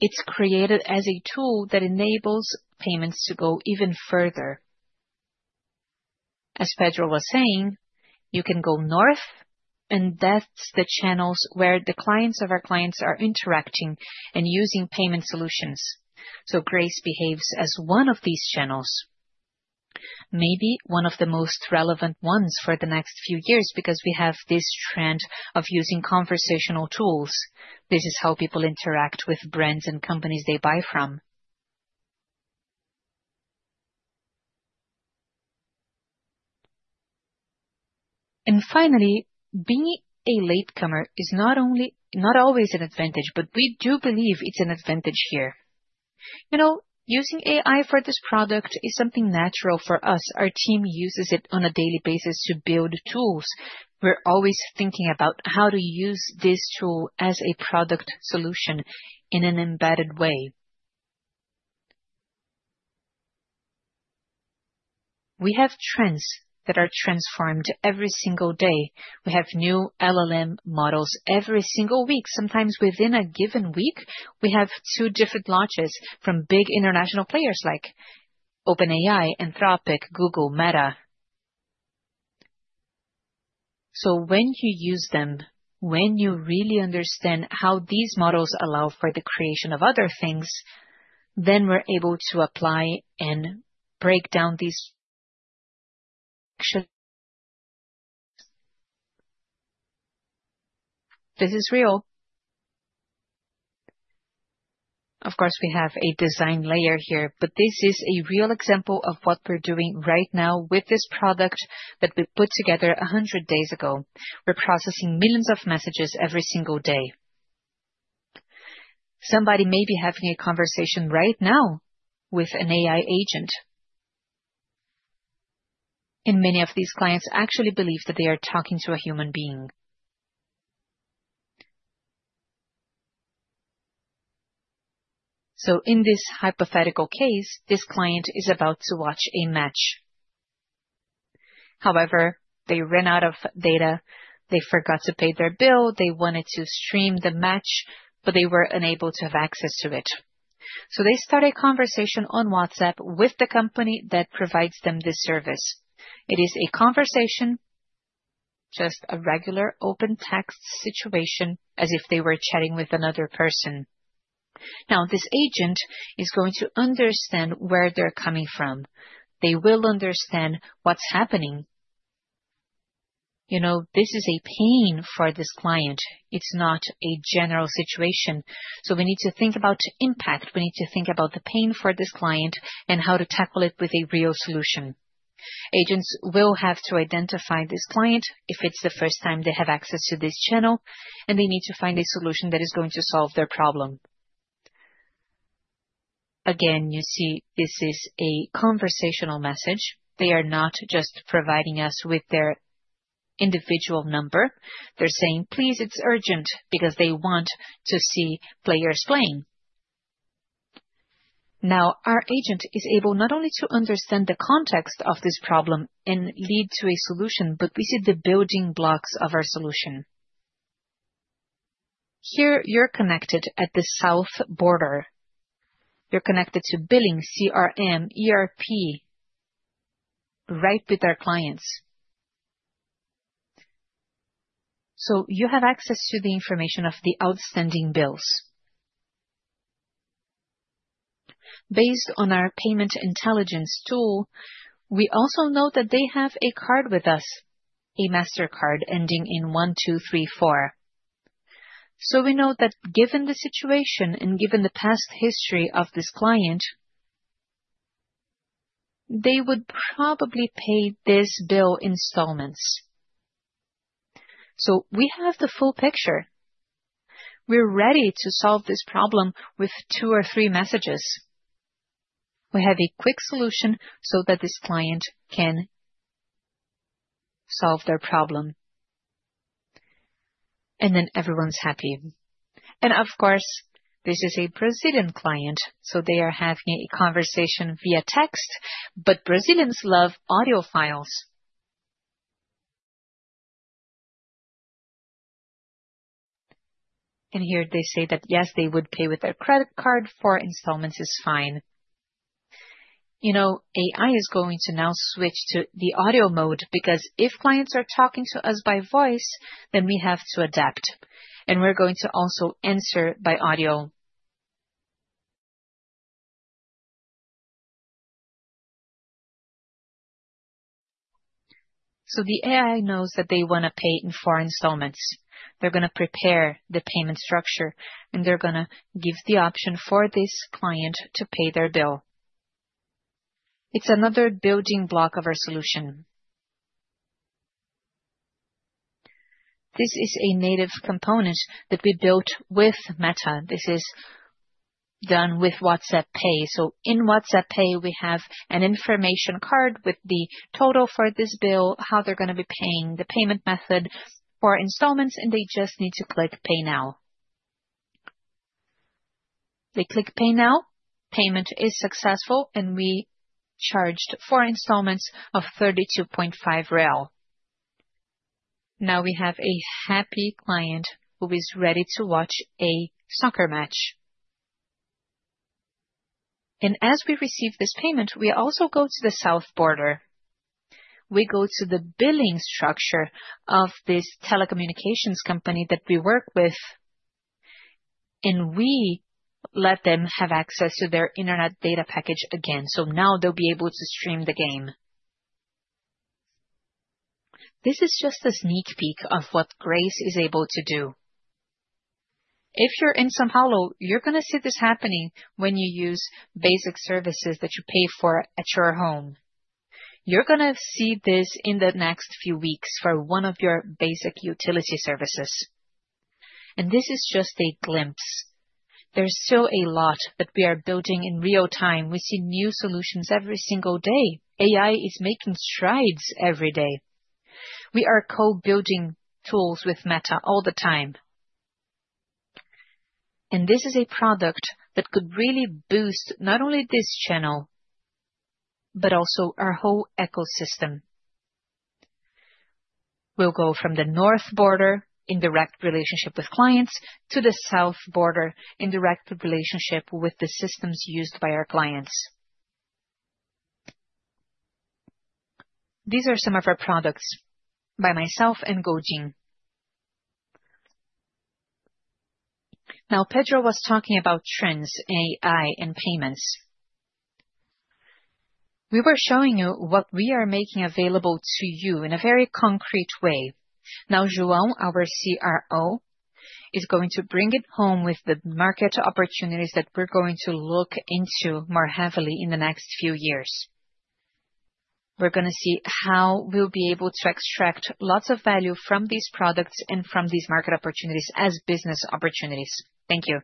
It is created as a tool that enables payments to go even further. As Pedro was saying, you can go north, and that is the channels where the clients of our clients are interacting and using payment solutions. Grace behaves as one of these channels, maybe one of the most relevant ones for the next few years because we have this trend of using conversational tools. This is how people interact with brands and companies they buy from. Finally, being a latecomer is not always an advantage, but we do believe it's an advantage here. Using AI for this product is something natural for us. Our team uses it on a daily basis to build tools. We're always thinking about how to use this tool as a product solution in an embedded way. We have trends that are transformed every single day. We have new LLM models every single week. Sometimes within a given week, we have two different launches from big international players like OpenAI, Anthropic, Google, Meta. When you use them, when you really understand how these models allow for the creation of other things, then we're able to apply and break down these actions. This is real. Of course, we have a design layer here, but this is a real example of what we're doing right now with this product that we put together 100 days ago. We're processing millions of messages every single day. Somebody may be having a conversation right now with an AI agent. Many of these clients actually believe that they are talking to a human being. In this hypothetical case, this client is about to watch a match. However, they ran out of data. They forgot to pay their bill. They wanted to stream the match, but they were unable to have access to it. They start a conversation on WhatsApp with the company that provides them this service. It is a conversation, just a regular open text situation, as if they were chatting with another person. Now, this agent is going to understand where they're coming from. They will understand what's happening. This is a pain for this client. It's not a general situation. We need to think about impact. We need to think about the pain for this client and how to tackle it with a real solution. Agents will have to identify this client if it's the first time they have access to this channel, and they need to find a solution that is going to solve their problem. Again, you see this is a conversational message. They are not just providing us with their individual number. They're saying, "Please, it's urgent," because they want to see players playing. Now, our agent is able not only to understand the context of this problem and lead to a solution, but we see the building blocks of our solution. Here, you're connected at the south border. You're connected to billing, CRM, ERP, right with our clients. You have access to the information of the outstanding bills. Based on our payment intelligence tool, we also know that they have a card with us, a Mastercard ending in 1234. We know that given the situation and given the past history of this client, they would probably pay this bill in installments. We have the full picture. We are ready to solve this problem with two or three messages. We have a quick solution so that this client can solve their problem. Everyone is happy. Of course, this is a Brazilian client, so they are having a conversation via text, but Brazilians love audio files. Here they say that yes, they would pay with their credit card. Four installments is fine. AI is going to now switch to the audio mode because if clients are talking to us by voice, then we have to adapt. We are going to also answer by audio. The AI knows that they want to pay in four installments. They are going to prepare the payment structure, and they are going to give the option for this client to pay their bill. It is another building block of our solution. This is a native component that we built with Meta. This is done with WhatsApp Pay. In WhatsApp Pay, we have an information card with the total for this bill, how they are going to be paying, the payment method for installments, and they just need to click Pay Now. They click Pay Now. Payment is successful, and we charged four installments of 32.5. Now we have a happy client who is ready to watch a soccer match. As we receive this payment, we also go to the south border. We go to the billing structure of this telecommunications company that we work with, and we let them have access to their internet data package again. Now they'll be able to stream the game. This is just a sneak peek of what Grace is able to do. If you're in São Paulo, you're going to see this happening when you use basic services that you pay for at your home. You're going to see this in the next few weeks for one of your basic utility services. This is just a glimpse. There's still a lot that we are building in real time. We see new solutions every single day. AI is making strides every day. We are co-building tools with Meta all the time. This is a product that could really boost not only this channel, but also our whole ecosystem. We'll go from the north border in direct relationship with clients to the south border in direct relationship with the systems used by our clients. These are some of our products by myself and Godin. Now, Pedro was talking about trends, AI, and payments. We were showing you what we are making available to you in a very concrete way. Now, João, our CRO, is going to bring it home with the market opportunities that we're going to look into more heavily in the next few years. We're going to see how we'll be able to extract lots of value from these products and from these market opportunities as business opportunities. Thank you.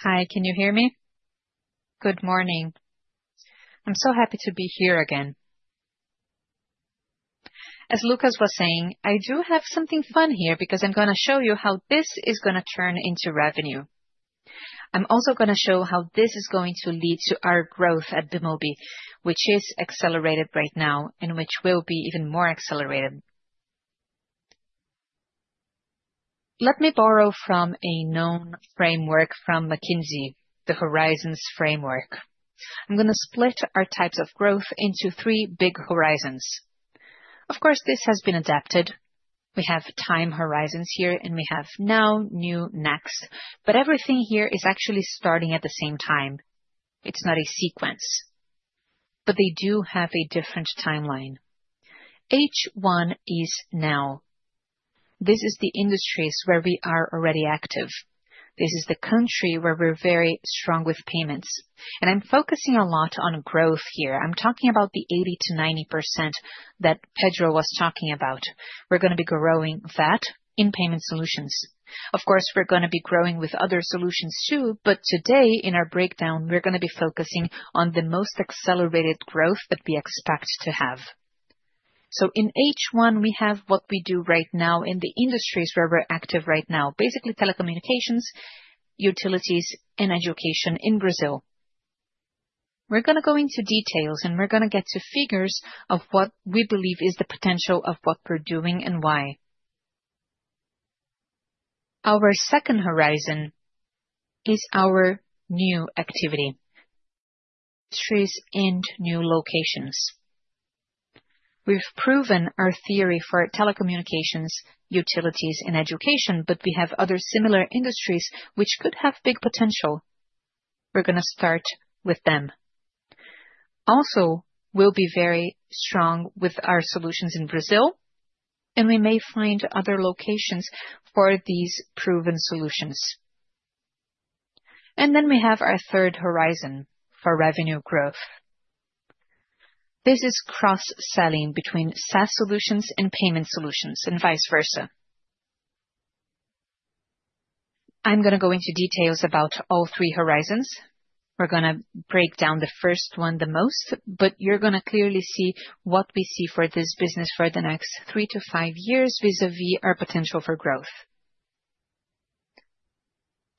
Hi, can you hear me? Good morning. I'm so happy to be here again. As Lucas was saying, I do have something fun here because I'm going to show you how this is going to turn into revenue. I'm also going to show how this is going to lead to our growth at Bemobi, which is accelerated right now and which will be even more accelerated. Let me borrow from a known framework from McKinsey, the Horizons framework. I'm going to split our types of growth into three big horizons. Of course, this has been adapted. We have time horizons here, and we have now, new, next. Everything here is actually starting at the same time. It's not a sequence, but they do have a different timeline. H1 is now. This is the industries where we are already active. This is the country where we're very strong with payments. I am focusing a lot on growth here. I am talking about the 80-90% that Pedro was talking about. We are going to be growing that in payment solutions. Of course, we are going to be growing with other solutions too, but today in our breakdown, we are going to be focusing on the most accelerated growth that we expect to have. In H1, we have what we do right now in the industries where we are active right now, basically telecommunications, utilities, and education in Brazil. We are going to go into details, and we are going to get to figures of what we believe is the potential of what we are doing and why. Our second horizon is our new activity, industries, and new locations. We have proven our theory for telecommunications, utilities, and education, but we have other similar industries which could have big potential. We are going to start with them. Also, we'll be very strong with our solutions in Brazil, and we may find other locations for these proven solutions. We have our third horizon for revenue growth. This is cross-selling between SaaS solutions and payment solutions and vice versa. I'm going to go into details about all three horizons. We're going to break down the first one the most, but you're going to clearly see what we see for this business for the next three to five years vis-à-vis our potential for growth.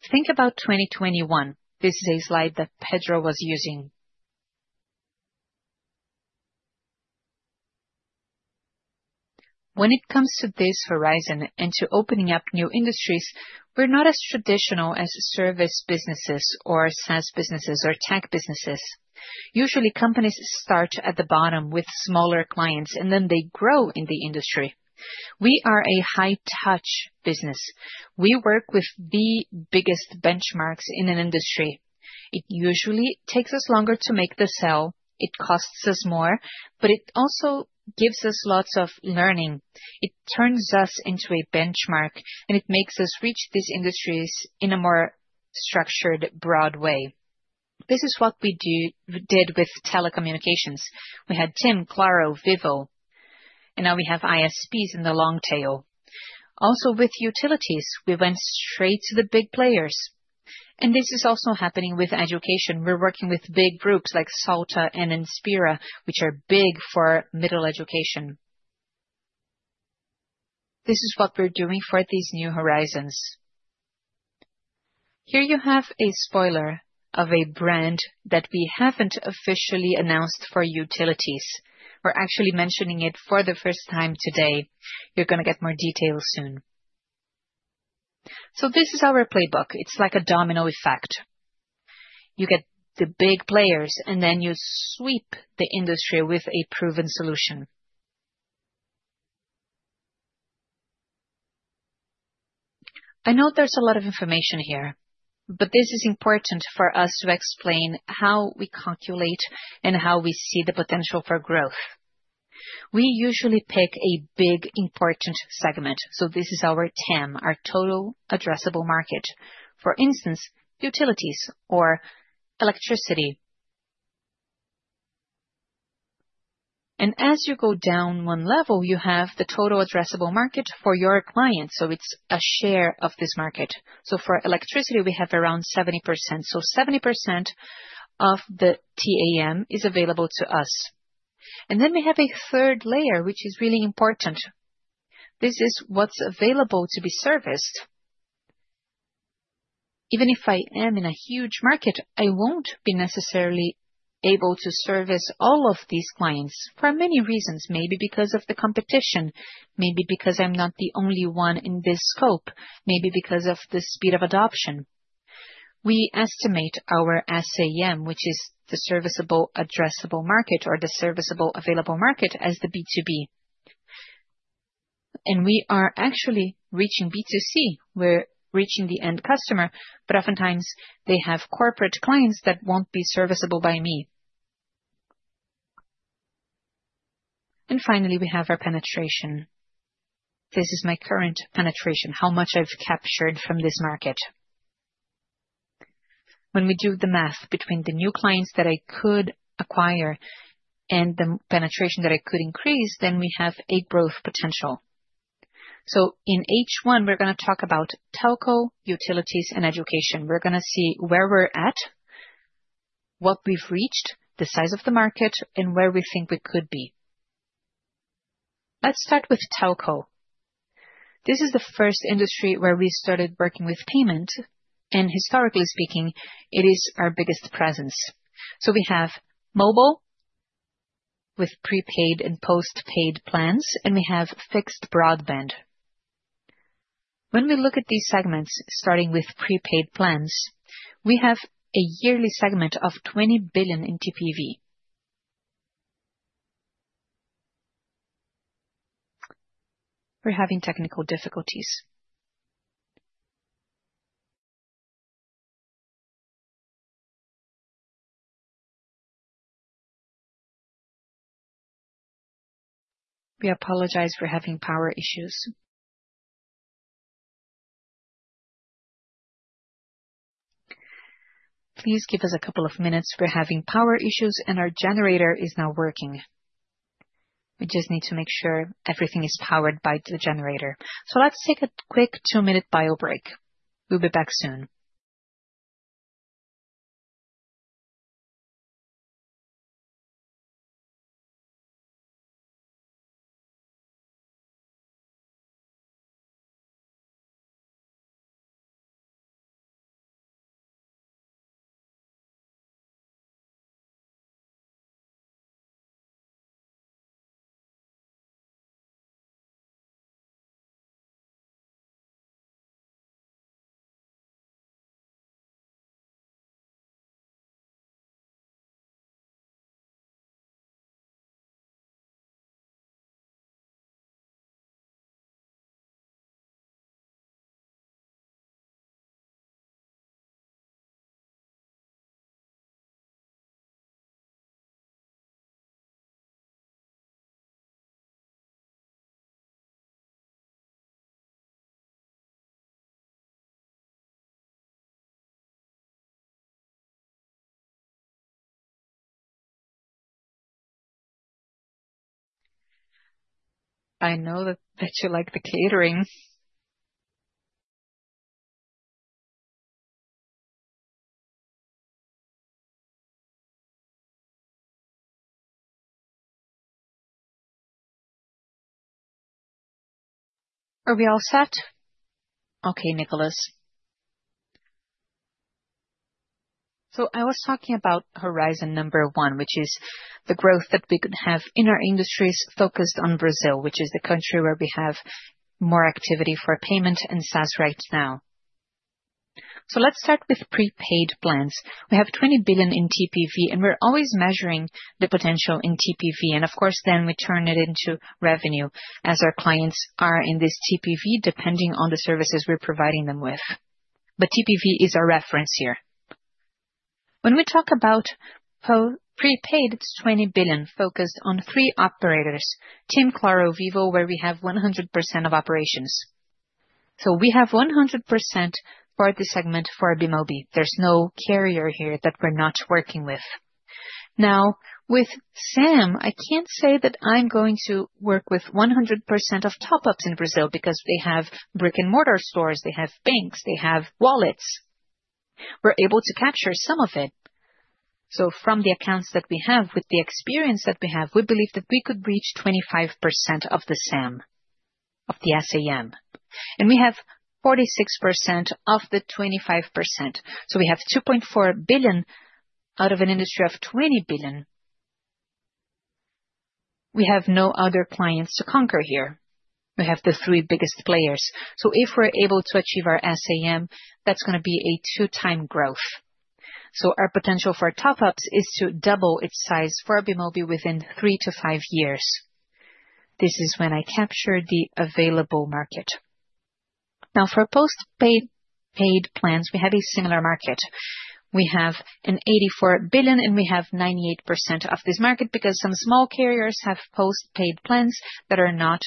Think about 2021. This is a slide that Pedro was using. When it comes to this horizon and to opening up new industries, we're not as traditional as service businesses or SaaS businesses or tech businesses. Usually, companies start at the bottom with smaller clients, and then they grow in the industry. We are a high-touch business. We work with the biggest benchmarks in an industry. It usually takes us longer to make the sale. It costs us more, but it also gives us lots of learning. It turns us into a benchmark, and it makes us reach these industries in a more structured, broad way. This is what we did with telecommunications. We had TIM, Claro, Vivo, and now we have ISPs in the long tail. Also, with utilities, we went straight to the big players. This is also happening with education. We're working with big groups like Salta and Inspira, which are big for middle education. This is what we're doing for these new horizons. Here you have a spoiler of a brand that we haven't officially announced for utilities. We're actually mentioning it for the first time today. You're going to get more details soon. This is our playbook. It's like a domino effect. You get the big players, and then you sweep the industry with a proven solution. I know there's a lot of information here, but this is important for us to explain how we calculate and how we see the potential for growth. We usually pick a big, important segment. This is our TAM, our total addressable market. For instance, utilities or electricity. As you go down one level, you have the total addressable market for your client. It's a share of this market. For electricity, we have around 70%. So 70% of the TAM is available to us. Then we have a third layer, which is really important. This is what's available to be serviced. Even if I am in a huge market, I won't be necessarily able to service all of these clients for many reasons. Maybe because of the competition, maybe because I'm not the only one in this scope, maybe because of the speed of adoption. We estimate our SAM, which is the serviceable addressable market or the serviceable available market, as the B2B. We are actually reaching B2C. We're reaching the end customer, but oftentimes they have corporate clients that won't be serviceable by me. Finally, we have our penetration. This is my current penetration, how much I've captured from this market. When we do the math between the new clients that I could acquire and the penetration that I could increase, we have a growth potential. In H1, we're going to talk about telco, utilities, and education. We're going to see where we're at, what we've reached, the size of the market, and where we think we could be. Let's start with telco. This is the first industry where we started working with payment, and historically speaking, it is our biggest presence. We have mobile with prepaid and postpaid plans, and we have fixed broadband. When we look at these segments, starting with prepaid plans, we have a yearly segment of 20 billion in TPV. We're having technical difficulties. We apologize for having power issues. Please give us a couple of minutes. We're having power issues, and our generator is not working. We just need to make sure everything is powered by the generator. Let's take a quick two-minute bio break. We'll be back soon. I know that you like the catering. Are we all set? Okay, Nicholas. I was talking about horizon number one, which is the growth that we could have in our industries focused on Brazil, which is the country where we have more activity for payment and SaaS right now. Let's start with prepaid plans. We have 20 billion in TPV, and we're always measuring the potential in TPV. Of course, then we turn it into revenue as our clients are in this TPV depending on the services we're providing them with. TPV is our reference here. When we talk about prepaid, it's 20 billion focused on three operators: TIM, Claro, Vivo, where we have 100% of operations. We have 100% for the segment for Bemobi. There's no carrier here that we're not working with. Now, with SAM, I can't say that I'm going to work with 100% of top-ups in Brazil because they have brick-and-mortar stores, they have banks, they have wallets. We're able to capture some of it. From the accounts that we have, with the experience that we have, we believe that we could reach 25% of the SAM, of the SAM. We have 46% of the 25%. We have 2.4 billion out of an industry of 20 billion. We have no other clients to conquer here. We have the three biggest players. If we're able to achieve our SAM, that's going to be a two-time growth. Our potential for top-ups is to double its size for Bemobi within three to five years. This is when I capture the available market. Now, for postpaid plans, we have a similar market. We have a 84 billion, and we have 98% of this market because some small carriers have postpaid plans that are not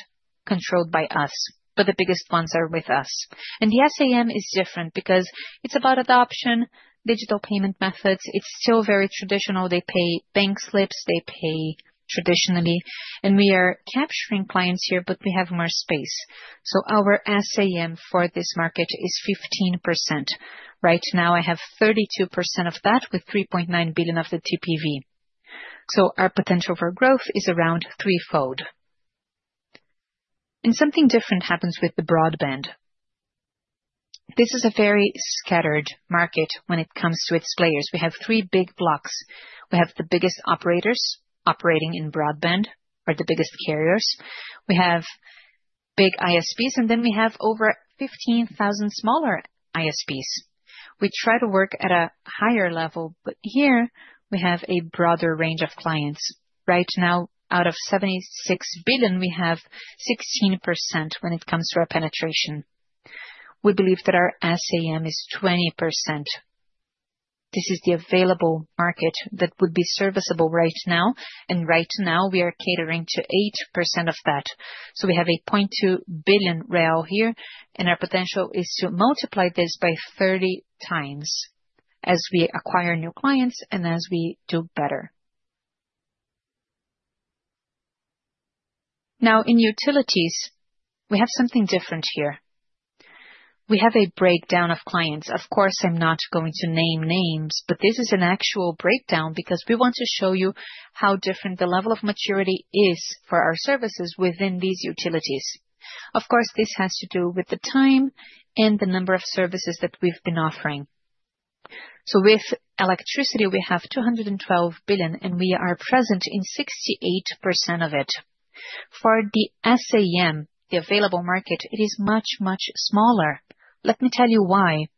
controlled by us, but the biggest ones are with us. The SAM is different because it's about adoption, digital payment methods. It's still very traditional. They pay bank slips, they pay traditionally. We are capturing clients here, but we have more space. Our SAM for this market is 15%. Right now, I have 32% of that with 3.9 billion of the TPV. Our potential for growth is around threefold. Something different happens with the broadband. This is a very scattered market when it comes to its players. We have three big blocks. We have the biggest operators operating in broadband, or the biggest carriers. We have big ISPs, and then we have over 15,000 smaller ISPs. We try to work at a higher level, but here we have a broader range of clients. Right now, out of 76 billion, we have 16% when it comes to our penetration. We believe that our SAM is 20%. This is the available market that would be serviceable right now, and right now we are catering to 8% of that. We have a 0.2 billion real rail here, and our potential is to multiply this by 30 times as we acquire new clients and as we do better. In utilities, we have something different here. We have a breakdown of clients. Of course, I'm not going to name names, but this is an actual breakdown because we want to show you how different the level of maturity is for our services within these utilities. Of course, this has to do with the time and the number of services that we've been offering. With electricity, we have 212 billion, and we are present in 68% of it. For the SAM, the available market, it is much, much smaller. Let me tell you why.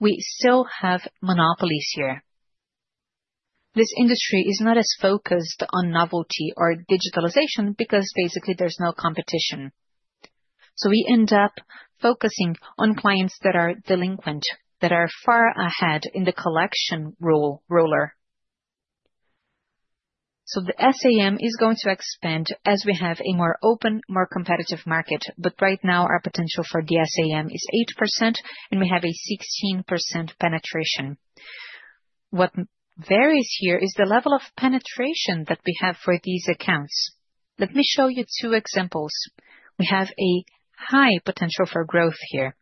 We still have monopolies here. This industry is not as focused on novelty or digitalization because basically there's no competition. We end up focusing on clients that are delinquent, that are far ahead in the collection roller. The SAM is going to expand as we have a more open, more competitive market, but right now our potential for the SAM is 8%, and we have a 16% penetration. What varies here is the level of penetration that we have for these accounts. Let me show you two examples. We have a high potential for growth here.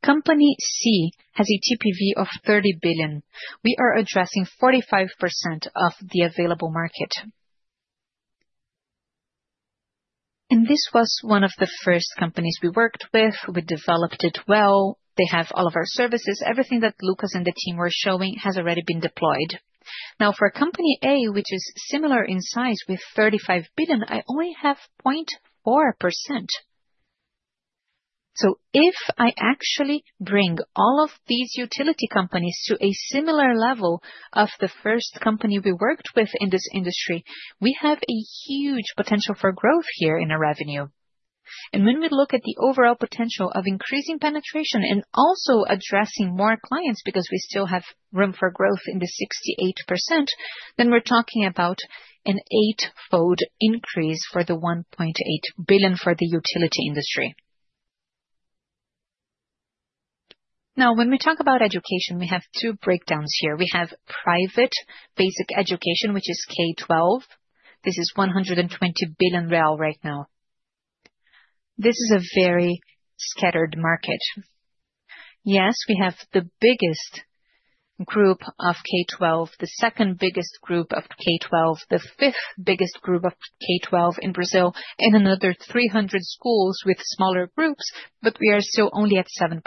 Company C has a TPV of 30 billion. We are addressing 45% of the available market. This was one of the first companies we worked with. We developed it well. They have all of our services. Everything that Lucas and the team were showing has already been deployed. Now, for Company A, which is similar in size with 35 billion, I only have 0.4%. If I actually bring all of these utility companies to a similar level of the first company we worked with in this industry, we have a huge potential for growth here in our revenue. When we look at the overall potential of increasing penetration and also addressing more clients because we still have room for growth in the 68%, we are talking about an eight-fold increase for the 1.8 billion for the utility industry. Now, when we talk about education, we have two breakdowns here. We have private basic education, which is K-12. This is 120 billion right now. This is a very scattered market. Yes, we have the biggest group of K-12, the second biggest group of K-12, the fifth biggest group of K-12 in Brazil, and another 300 schools with smaller groups, but we are still only at 7%.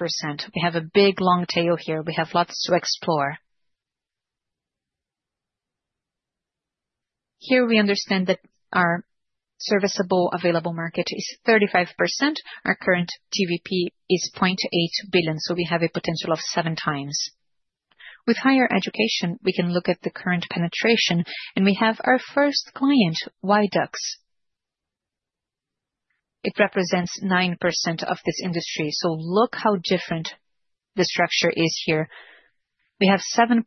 We have a big long tail here. We have lots to explore. Here we understand that our serviceable available market is 35%. Our current TVP is 0.8 billion, so we have a potential of seven times. With higher education, we can look at the current penetration, and we have our first client, Yduqs. It represents 9% of this industry. Look how different the structure is here. We have 7%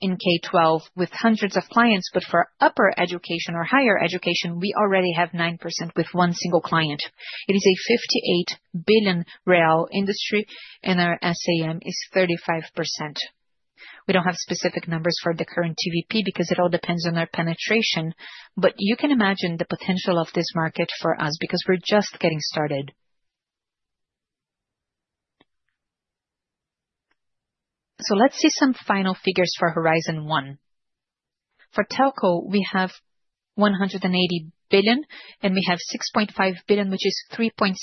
in K-12 with hundreds of clients, but for upper education or higher education, we already have 9% with one single client. It is a 58 billion real industry, and our SAM is 35%. We do not have specific numbers for the current TVP because it all depends on our penetration, but you can imagine the potential of this market for us because we are just getting started. Let's see some final figures for Horizon One. For telco, we have 180 billion, and we have 6.5 billion, which is 3.6%.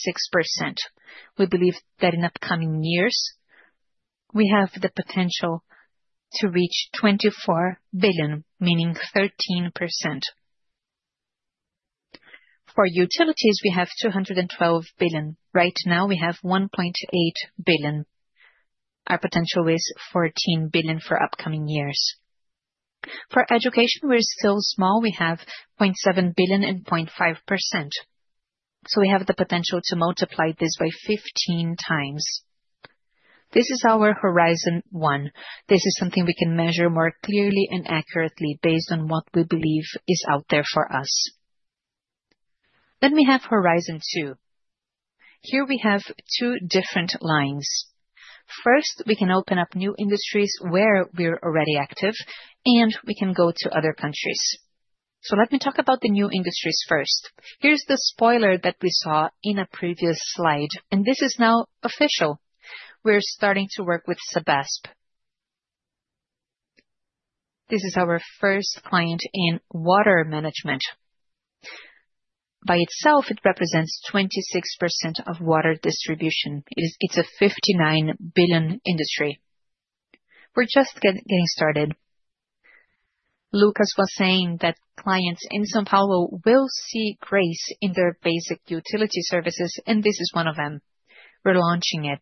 We believe that in upcoming years, we have the potential to reach 24 billion, meaning 13%. For utilities, we have 212 billion. Right now, we have 1.8 billion. Our potential is 14 billion for upcoming years. For education, we are still small. We have 0.7 billion and 0.5%. We have the potential to multiply this by 15 times. This is our Horizon One. This is something we can measure more clearly and accurately based on what we believe is out there for us. Let me have Horizon Two. Here we have two different lines. First, we can open up new industries where we're already active, and we can go to other countries. Let me talk about the new industries first. Here's the spoiler that we saw in a previous slide, and this is now official. We're starting to work with Sabesp. This is our first client in water management. By itself, it represents 26% of water distribution. It's a 59 billion industry. We're just getting started. Lucas was saying that clients in São Paulo will see Grace in their basic utility services, and this is one of them. We're launching it.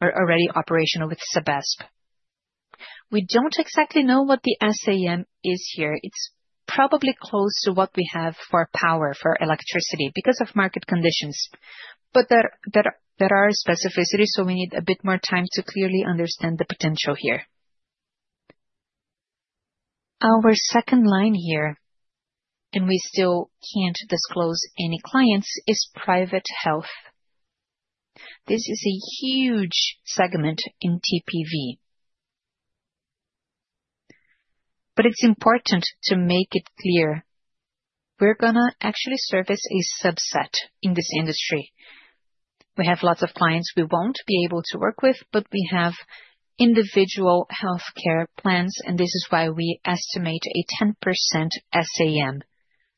We're already operational with Sabesp. We don't exactly know what the SAM is here. It's probably close to what we have for power, for electricity, because of market conditions. There are specificities, so we need a bit more time to clearly understand the potential here. Our second line here, and we still can't disclose any clients, is private health. This is a huge segment in TPV. It's important to make it clear. We're going to actually service a subset in this industry. We have lots of clients we won't be able to work with, but we have individual healthcare plans, and this is why we estimate a 10% SAM.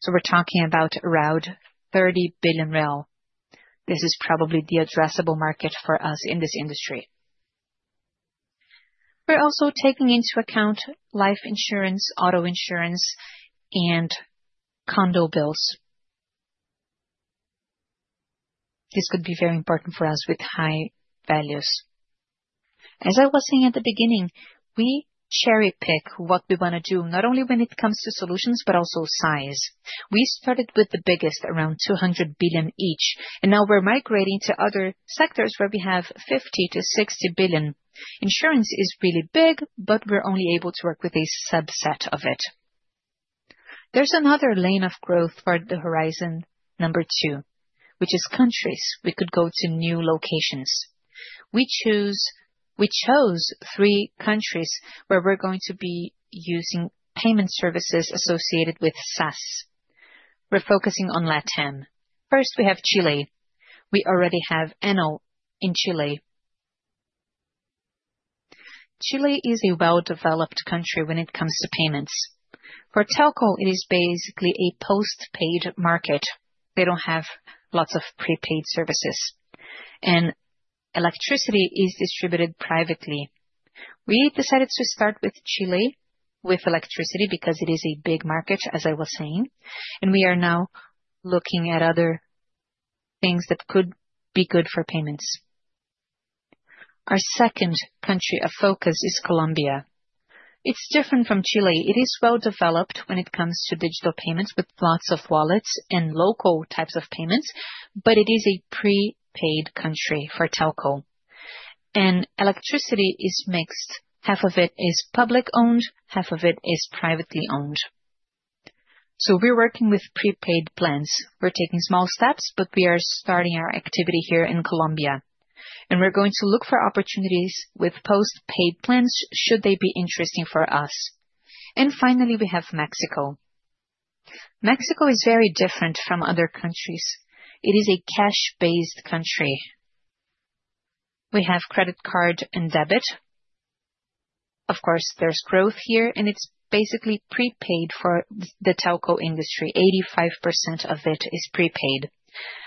We're talking about around 30 billion real. This is probably the addressable market for us in this industry. We're also taking into account life insurance, auto insurance, and condo bills. This could be very important for us with high values. As I was saying at the beginning, we cherry-pick what we want to do, not only when it comes to solutions, but also size. We started with the biggest, around 200 billion each, and now we're migrating to other sectors where we have 50-60 billion. Insurance is really big, but we're only able to work with a subset of it. There's another lane of growth for the Horizon Number Two, which is countries. We could go to new locations. We chose three countries where we're going to be using payment services associated with SaaS. We're focusing on LATAM. First, we have Chile. We already have ENO in Chile. Chile is a well-developed country when it comes to payments. For telco, it is basically a postpaid market. They do not have lots of prepaid services. Electricity is distributed privately. We decided to start with Chile with electricity because it is a big market, as I was saying. We are now looking at other things that could be good for payments. Our second country of focus is Colombia. It is different from Chile. It is well-developed when it comes to digital payments with lots of wallets and local types of payments, but it is a prepaid country for telco. Electricity is mixed. Half of it is public-owned, half of it is privately owned. We are working with prepaid plans. We are taking small steps, but we are starting our activity here in Colombia. We are going to look for opportunities with postpaid plans should they be interesting for us. Finally, we have Mexico. Mexico is very different from other countries. It is a cash-based country. We have credit card and debit. Of course, there's growth here, and it's basically prepaid for the telco industry. 85% of it is prepaid.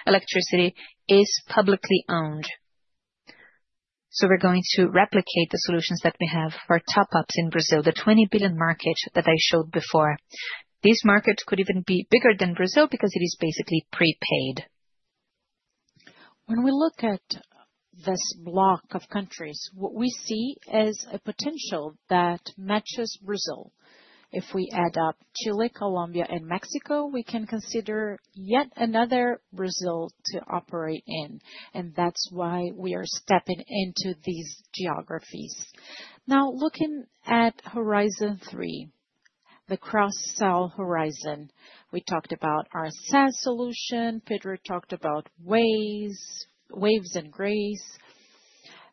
Electricity is publicly owned. We are going to replicate the solutions that we have for top-ups in Brazil, the 20 billion market that I showed before. This market could even be bigger than Brazil because it is basically prepaid. When we look at this block of countries, what we see is a potential that matches Brazil. If we add up Chile, Colombia, and Mexico, we can consider yet another Brazil to operate in. That is why we are stepping into these geographies. Now, looking at Horizon Three, the cross-sell horizon, we talked about our SaaS solution. Pedro talked about Wave and Grace.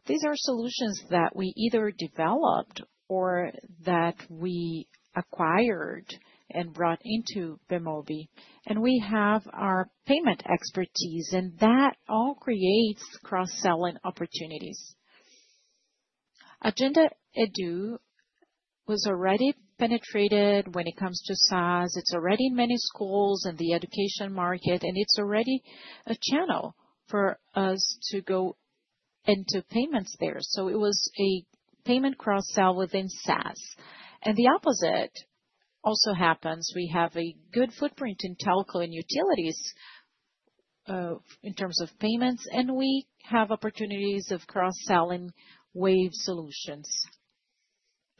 These are solutions that we either developed or that we acquired and brought into Bemobi. We have our payment expertise, and that all creates cross-selling opportunities. Agenda Edu was already penetrated when it comes to SaaS. It's already in many schools and the education market, and it's already a channel for us to go into payments there. It was a payment cross-sell within SaaS. The opposite also happens. We have a good footprint in telco and utilities in terms of payments, and we have opportunities of cross-selling Wave solutions,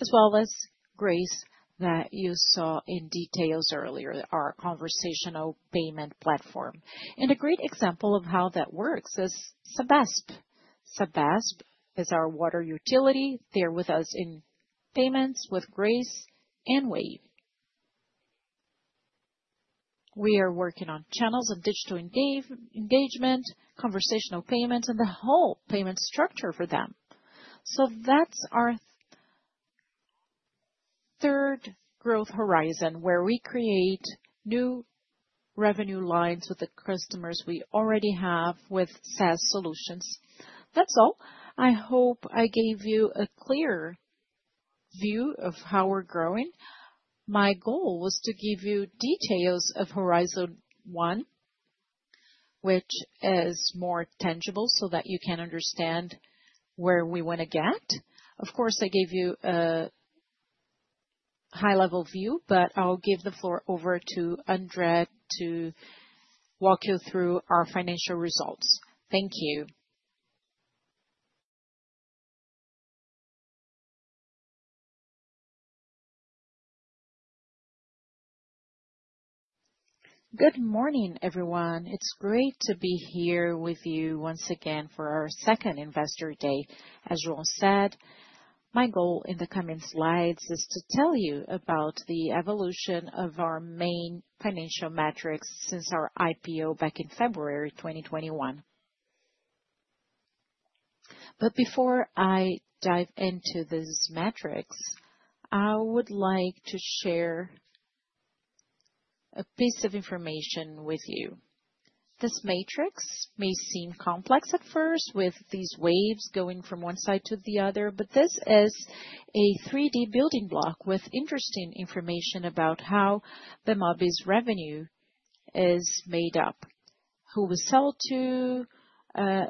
as well as Grace that you saw in details earlier, our conversational payment platform. A great example of how that works is Sabesp. Sabesp is our water utility. They're with us in payments with Grace and Wave. We are working on channels of digital engagement, conversational payments, and the whole payment structure for them. That's our third growth horizon where we create new revenue lines with the customers we already have with SaaS solutions. That's all. I hope I gave you a clear view of how we're growing. My goal was to give you details of Horizon One, which is more tangible so that you can understand where we want to get. Of course, I gave you a high-level view, but I'll give the floor over to André to walk you through our financial results. Thank you. Good morning, everyone. It's great to be here with you once again for our second investor day. As João said, my goal in the coming slides is to tell you about the evolution of our main financial metrics since our IPO back in February 2021. Before I dive into these metrics, I would like to share a piece of information with you. This matrix may seem complex at first with these waves going from one side to the other, but this is a 3D building block with interesting information about how Bemobi's revenue is made up, who was sold to,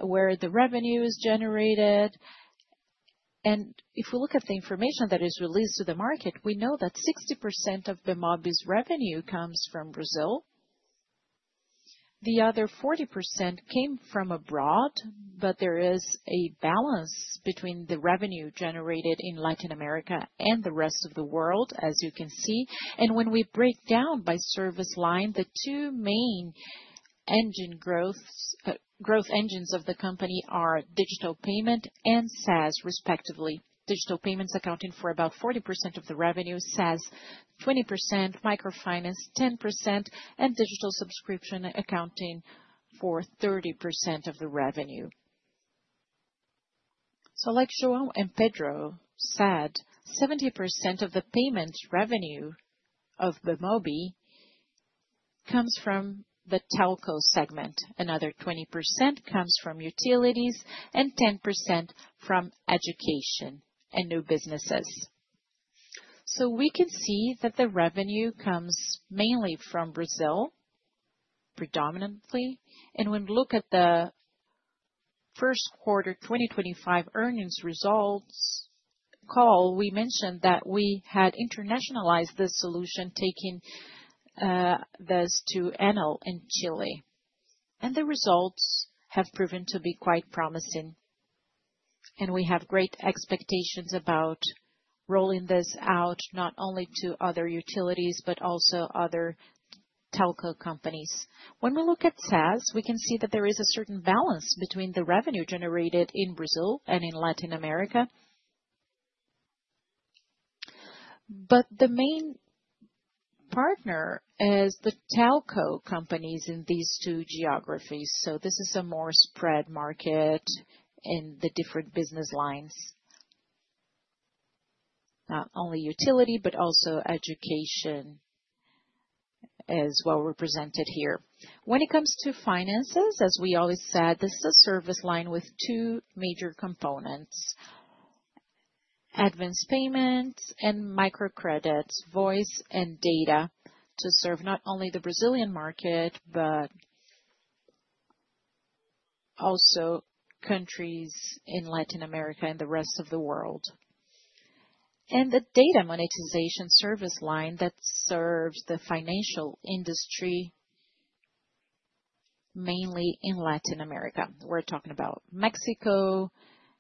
where the revenue is generated. If we look at the information that is released to the market, we know that 60% of Bemobi's revenue comes from Brazil. The other 40% came from abroad, but there is a balance between the revenue generated in Latin America and the rest of the world, as you can see. When we break down by service line, the two main growth engines of the company are digital payment and SaaS, respectively. Digital payments accounting for about 40% of the revenue, SaaS 20%, microfinance 10%, and digital subscription accounting for 30% of the revenue. Like João and Pedro said, 70% of the payment revenue of Bemobi comes from the telco segment, another 20% comes from utilities, and 10% from education and new businesses. We can see that the revenue comes mainly from Brazil, predominantly. When we look at the first quarter 2025 earnings results call, we mentioned that we had internationalized this solution, taking this to ENO in Chile. The results have proven to be quite promising. We have great expectations about rolling this out not only to other utilities, but also other telco companies. When we look at SaaS, we can see that there is a certain balance between the revenue generated in Brazil and in Latin America. The main partner is the telco companies in these two geographies. This is a more spread market in the different business lines, not only utility, but also education is well represented here. When it comes to finances, as we always said, this is a service line with two major components: advance payments and microcredits, voice and data, to serve not only the Brazilian market, but also countries in Latin America and the rest of the world. The data monetization service line serves the financial industry, mainly in Latin America. We're talking about Mexico,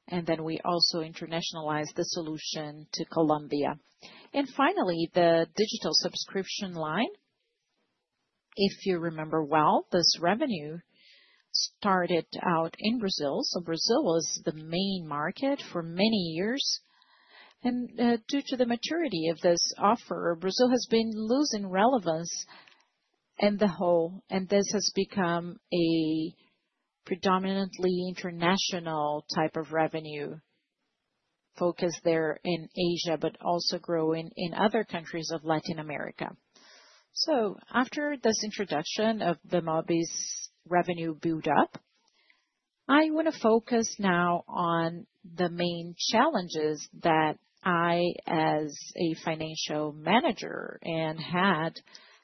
and then we also internationalized the solution to Colombia. Finally, the digital subscription line. If you remember well, this revenue started out in Brazil. Brazil was the main market for many years. Due to the maturity of this offer, Brazil has been losing relevance in the whole, and this has become a predominantly international type of revenue focus there in Asia, but also growing in other countries of Latin America. After this introduction of Bemobi's revenue boot-up, I want to focus now on the main challenges that I, as a financial manager, and had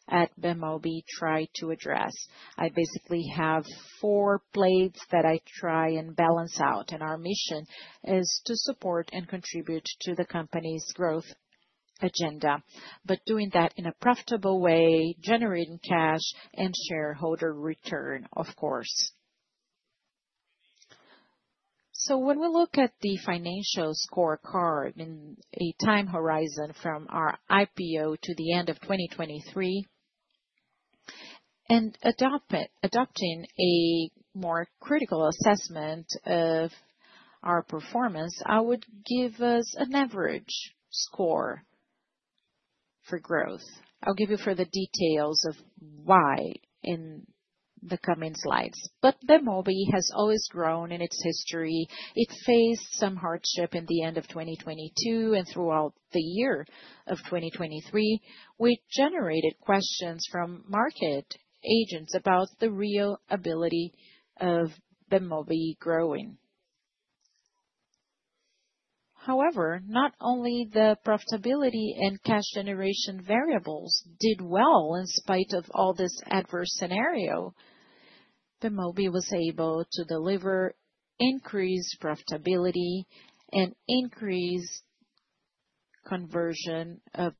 at Bemobi tried to address. I basically have four plates that I try and balance out, and our mission is to support and contribute to the company's growth agenda, but doing that in a profitable way, generating cash and shareholder return, of course. When we look at the financial scorecard in a time horizon from our IPO to the end of 2023, and adopting a more critical assessment of our performance, I would give us an average score for growth. I'll give you further details of why in the coming slides. Bemobi has always grown in its history. It faced some hardship in the end of 2022 and throughout the year of 2023, which generated questions from market agents about the real ability of Bemobi growing. However, not only the profitability and cash generation variables did well in spite of all this adverse scenario, Bemobi was able to deliver increased profitability and increased conversion of.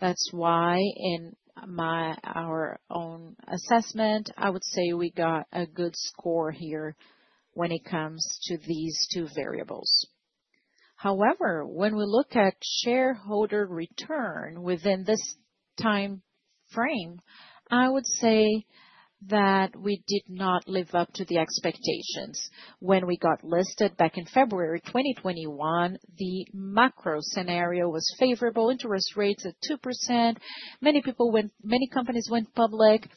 That's why in our own assessment, I would say we got a good score here when it comes to these two variables. However, when we look at shareholder return within this time frame, I would say that we did not live up to the expectations. When we got listed back in February 2021, the macro scenario was favorable, interest rates at 2%. Many companies went public.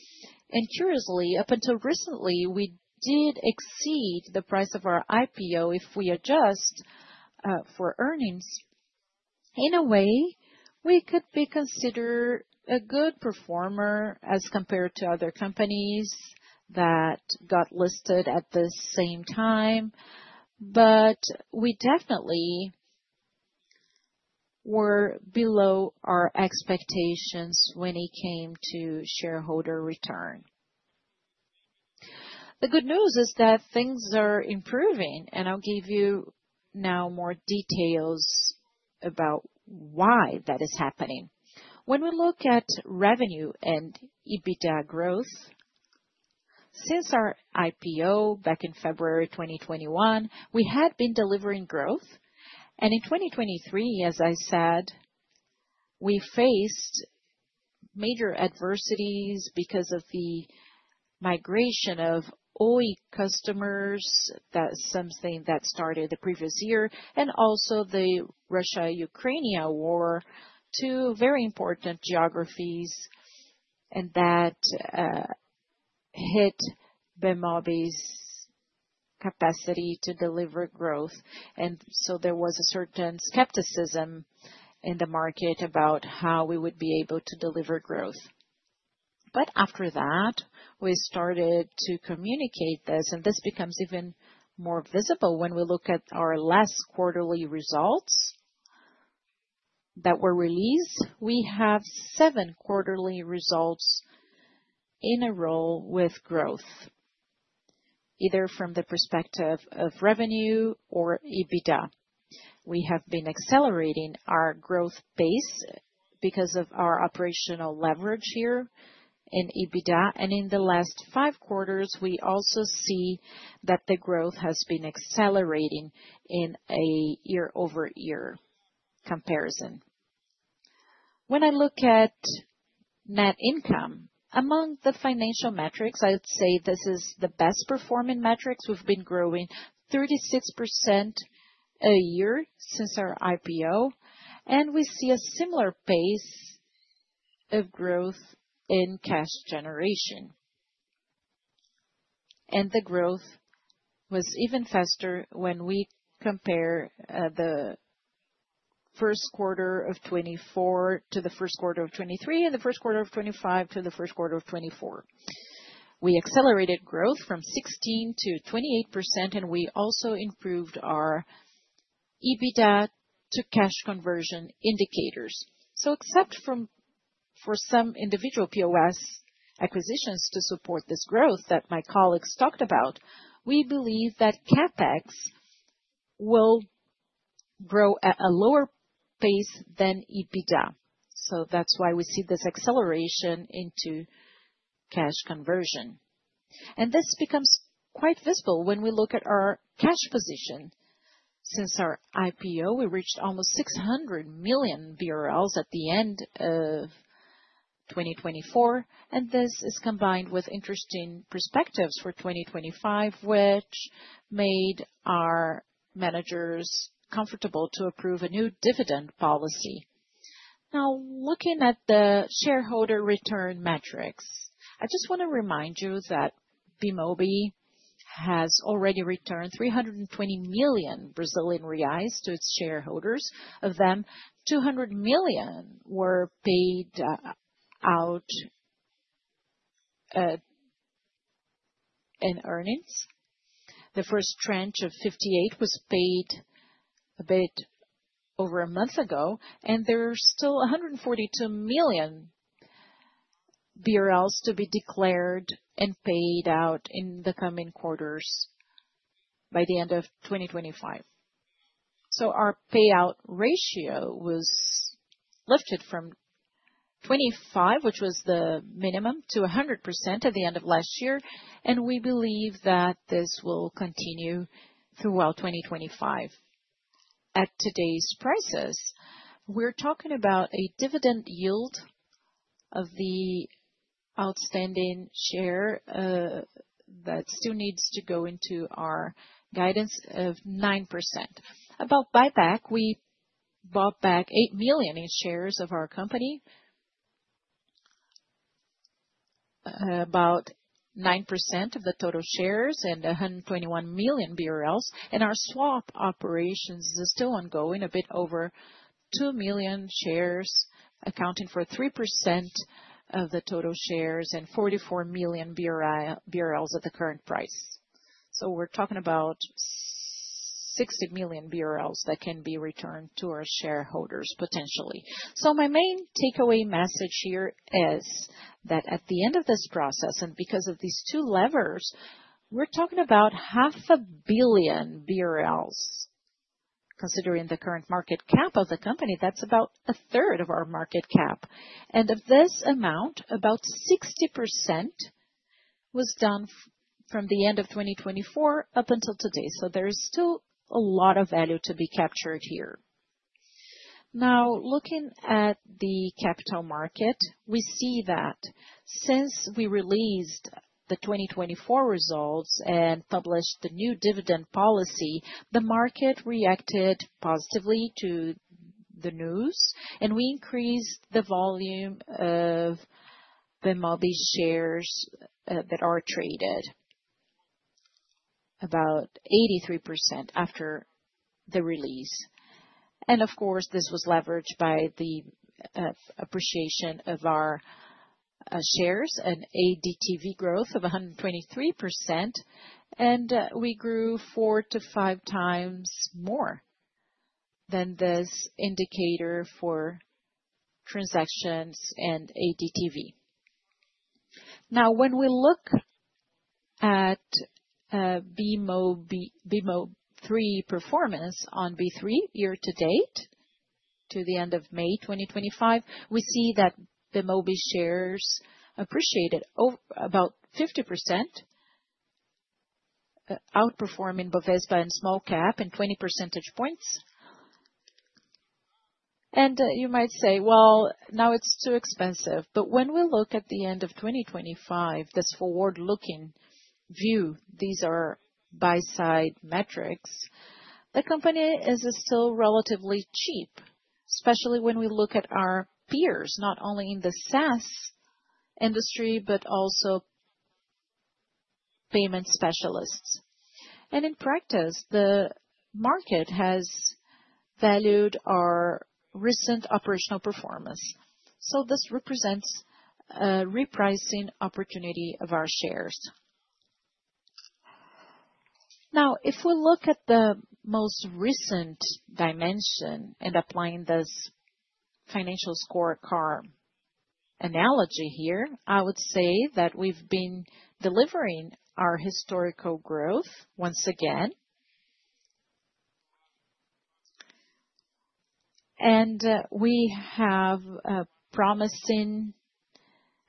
Curiously, up until recently, we did exceed the price of our IPO if we adjust for earnings. In a way, we could be considered a good performer as compared to other companies that got listed at the same time. We definitely were below our expectations when it came to shareholder return. The good news is that things are improving, and I'll give you now more details about why that is happening. When we look at revenue and EBITDA growth, since our IPO back in February 2021, we had been delivering growth. In 2023, as I said, we faced major adversities because of the migration of Oi customers, that's something that started the previous year, and also the Russia-Ukraine war to very important geographies, and that hit Bemobi's capacity to deliver growth. There was a certain skepticism in the market about how we would be able to deliver growth. After that, we started to communicate this, and this becomes even more visible when we look at our last quarterly results that were released. We have seven quarterly results in a row with growth, either from the perspective of revenue or EBITDA. We have been accelerating our growth base because of our operational leverage here in EBITDA. In the last five quarters, we also see that the growth has been accelerating in a year-over-year comparison. When I look at net income, among the financial metrics, I'd say this is the best-performing metrics. We've been growing 36% a year since our IPO, and we see a similar pace of growth in cash generation. The growth was even faster when we compare the first quarter of 2024 to the first quarter of 2023 and the first quarter of 2025 to the first quarter of 2024. We accelerated growth from 16% to 28%, and we also improved our EBITDA to cash conversion indicators. Except for some individual POS acquisitions to support this growth that my colleagues talked about, we believe that CapEx will grow at a lower pace than EBITDA. That is why we see this acceleration into cash conversion. This becomes quite visible when we look at our cash position. Since our IPO, we reached almost 600 million BRL at the end of 2024, and this is combined with interesting perspectives for 2025, which made our managers comfortable to approve a new dividend policy. Now, looking at the shareholder return metrics, I just want to remind you that Bemobi has already returned 320 million Brazilian reais to its shareholders. Of them, 200 million were paid out in earnings. The first tranche of 58 million was paid a bit over a month ago, and there are still 142 million BRL to be declared and paid out in the coming quarters by the end of 2025. Our payout ratio was lifted from 25%, which was the minimum, to 100% at the end of last year, and we believe that this will continue throughout 2025. At today's prices, we're talking about a dividend yield of the outstanding share that still needs to go into our guidance of 9%. About buyback, we bought back 8 million in shares of our company, about 9% of the total shares and 121 million BRL, and our swap operations are still ongoing, a bit over 2 million shares, accounting for 3% of the total shares and 44 million BRL at the current price. We are talking about 60 million BRL that can be returned to our shareholders potentially. My main takeaway message here is that at the end of this process, and because of these two levers, we are talking about half a billion BRL. Considering the current market cap of the company, that is about a third of our market cap. Of this amount, about 60% was done from the end of 2024 up until today. There is still a lot of value to be captured here. Now, looking at the capital market, we see that since we released the 2024 results and published the new dividend policy, the market reacted positively to the news, and we increased the volume of Bemobi shares that are traded, about 83% after the release. Of course, this was leveraged by the appreciation of our shares, an ADTV growth of 123%, and we grew four to five times more than this indicator for transactions and ADTV. Now, when we look at Bemobi 3 performance on B3 year to date to the end of May 2025, we see that Bemobi shares appreciated about 50%, outperforming Bovespa and Smallcap in 20 percentage points. You might say, "Now it's too expensive." When we look at the end of 2025, this forward-looking view, these are buy-side metrics, the company is still relatively cheap, especially when we look at our peers, not only in the SaaS industry, but also payment specialists. In practice, the market has valued our recent operational performance. This represents a repricing opportunity of our shares. If we look at the most recent dimension and applying this financial scorecard analogy here, I would say that we've been delivering our historical growth once again, and we have promising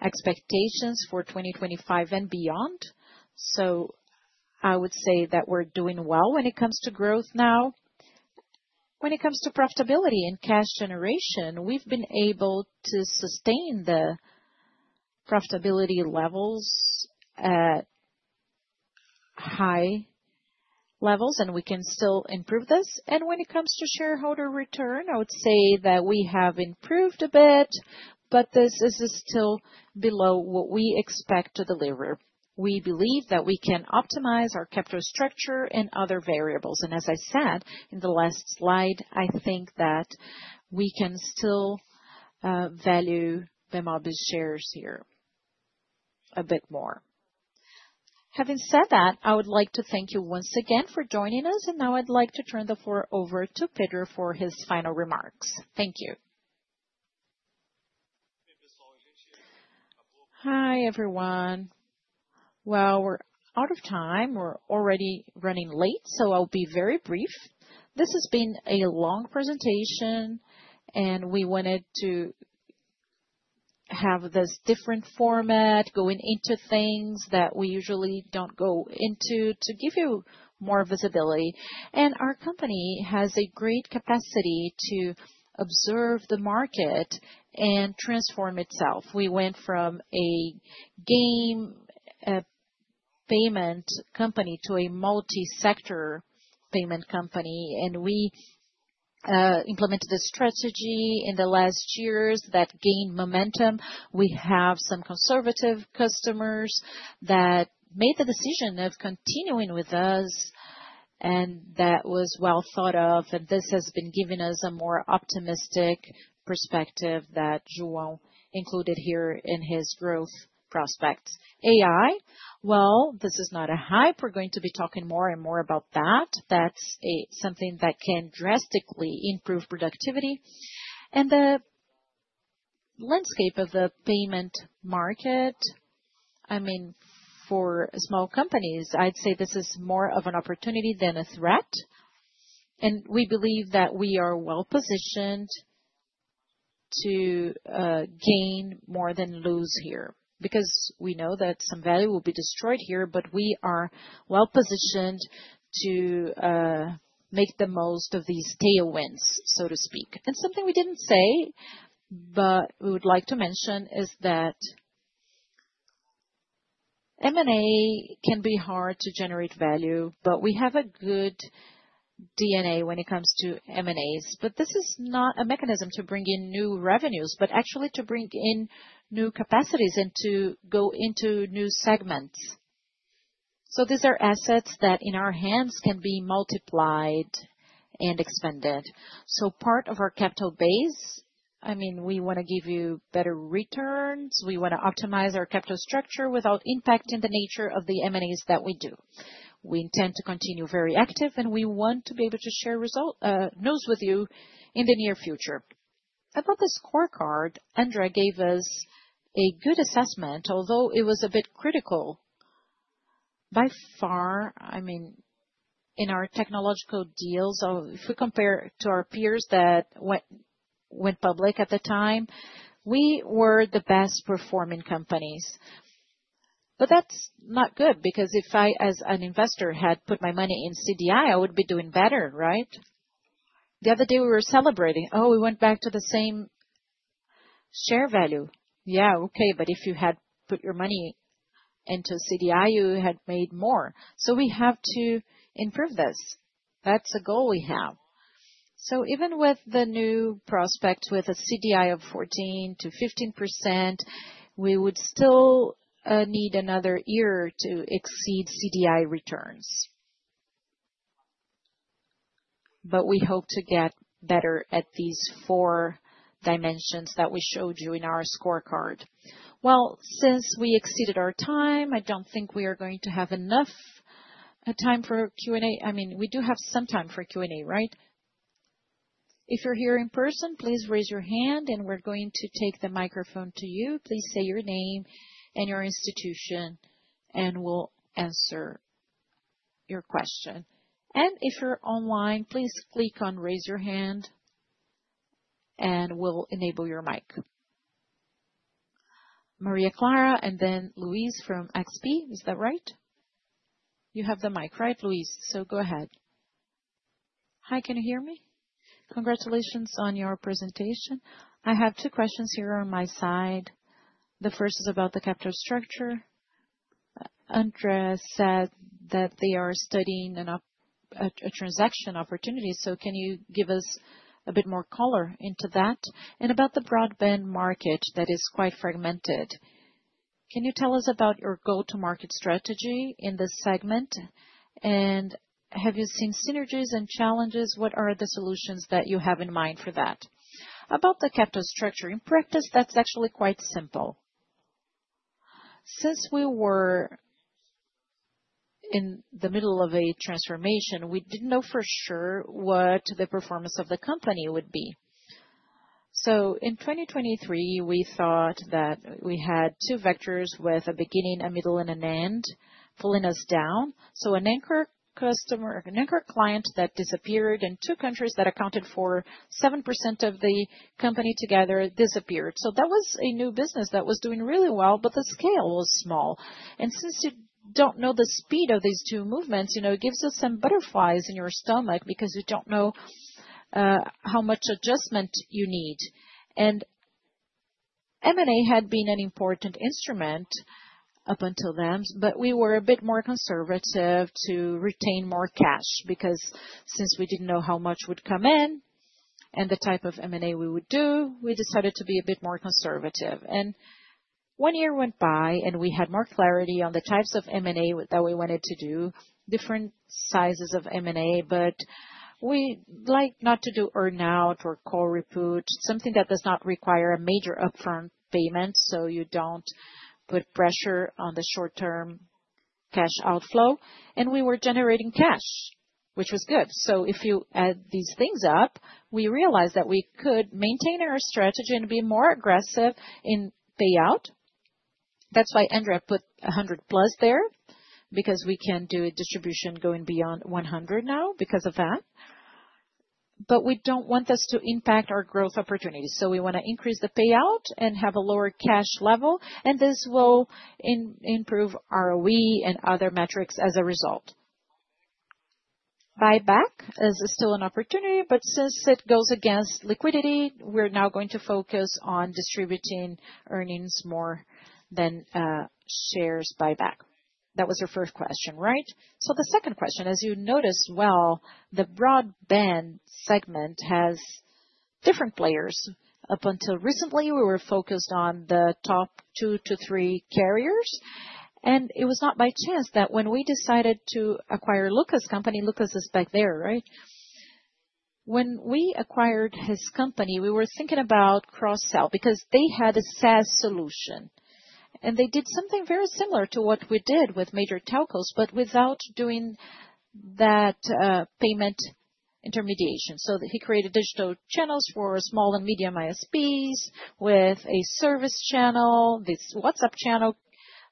expectations for 2025 and beyond. I would say that we're doing well when it comes to growth now. When it comes to profitability and cash generation, we've been able to sustain the profitability levels at high levels, and we can still improve this. When it comes to shareholder return, I would say that we have improved a bit, but this is still below what we expect to deliver. We believe that we can optimize our capital structure and other variables. As I said in the last slide, I think that we can still value Bemobi's shares here a bit more. Having said that, I would like to thank you once again for joining us, and now I'd like to turn the floor over to Peter for his final remarks. Thank you. Hi everyone. We are out of time. We are already running late, so I'll be very brief. This has been a long presentation, and we wanted to have this different format going into things that we usually do not go into to give you more visibility. Our company has a great capacity to observe the market and transform itself. We went from a game payment company to a multi-sector payment company, and we implemented a strategy in the last years that gained momentum. We have some conservative customers that made the decision of continuing with us, and that was well thought of, and this has been giving us a more optimistic perspective that João included here in his growth prospects. AI, this is not a hype. We're going to be talking more and more about that. That's something that can drastically improve productivity. The landscape of the payment market, I mean, for small companies, I'd say this is more of an opportunity than a threat. We believe that we are well positioned to gain more than lose here because we know that some value will be destroyed here, but we are well positioned to make the most of these tailwinds, so to speak. Something we did not say, but we would like to mention, is that M&A can be hard to generate value, but we have a good DNA when it comes to M&As. This is not a mechanism to bring in new revenues, but actually to bring in new capacities and to go into new segments. These are assets that in our hands can be multiplied and expanded. Part of our capital base, I mean, we want to give you better returns. We want to optimize our capital structure without impacting the nature of the M&As that we do. We intend to continue very active, and we want to be able to share news with you in the near future. About this scorecard, André gave us a good assessment, although it was a bit critical. By far, I mean, in our technological deals, if we compare to our peers that went public at the time, we were the best-performing companies. That is not good because if I, as an investor, had put my money in CDI, I would be doing better, right? The other day we were celebrating, "Oh, we went back to the same share value." Yeah, okay, but if you had put your money into CDI, you had made more. We have to improve this. That is a goal we have. Even with the new prospect with a CDI of 14-15%, we would still need another year to exceed CDI returns. We hope to get better at these four dimensions that we showed you in our scorecard. Since we exceeded our time, I do not think we are going to have enough time for Q&A. I mean, we do have some time for Q&A, right? If you're here in person, please raise your hand, and we're going to take the microphone to you. Please say your name and your institution, and we'll answer your question. If you're online, please click on "Raise Your Hand," and we'll enable your mic. Maria Clara and then Luis from XP, is that right? You have the mic, right, Luis? Go ahead. Hi, can you hear me? Congratulations on your presentation. I have two questions here on my side. The first is about the capital structure. André said that they are studying a transaction opportunity. Can you give us a bit more color into that? About the broadband market that is quite fragmented, can you tell us about your go-to-market strategy in this segment? Have you seen synergies and challenges? What are the solutions that you have in mind for that? About the capital structure in practice, that is actually quite simple. Since we were in the middle of a transformation, we did not know for sure what the performance of the company would be. In 2023, we thought that we had two vectors with a beginning, a middle, and an end pulling us down. An anchor client that disappeared in two countries that accounted for 7% of the company together disappeared. That was a new business that was doing really well, but the scale was small. Since you do not know the speed of these two movements, it gives you some butterflies in your stomach because you do not know how much adjustment you need. M&A had been an important instrument up until then, but we were a bit more conservative to retain more cash because since we did not know how much would come in and the type of M&A we would do, we decided to be a bit more conservative. One year went by, and we had more clarity on the types of M&A that we wanted to do, different sizes of M&A, but we like not to do earn-out or call-repooch, something that does not require a major upfront payment so you do not put pressure on the short-term cash outflow. We were generating cash, which was good. If you add these things up, we realized that we could maintain our strategy and be more aggressive in payout. That is why André put 100 plus there because we can do distribution going beyond 100 now because of that. We do not want this to impact our growth opportunities. We want to increase the payout and have a lower cash level, and this will improve ROE and other metrics as a result. Buyback is still an opportunity, but since it goes against liquidity, we are now going to focus on distributing earnings more than shares buyback. That was your first question, right? The second question, as you noticed well, the broadband segment has different players. Up until recently, we were focused on the top two to three carriers, and it was not by chance that when we decided to acquire Lucas's company—Lucas is back there, right? When we acquired his company, we were thinking about cross-sell because they had a SaaS solution, and they did something very similar to what we did with major telcos, but without doing that payment intermediation. He created digital channels for small and medium ISPs with a service channel. This WhatsApp channel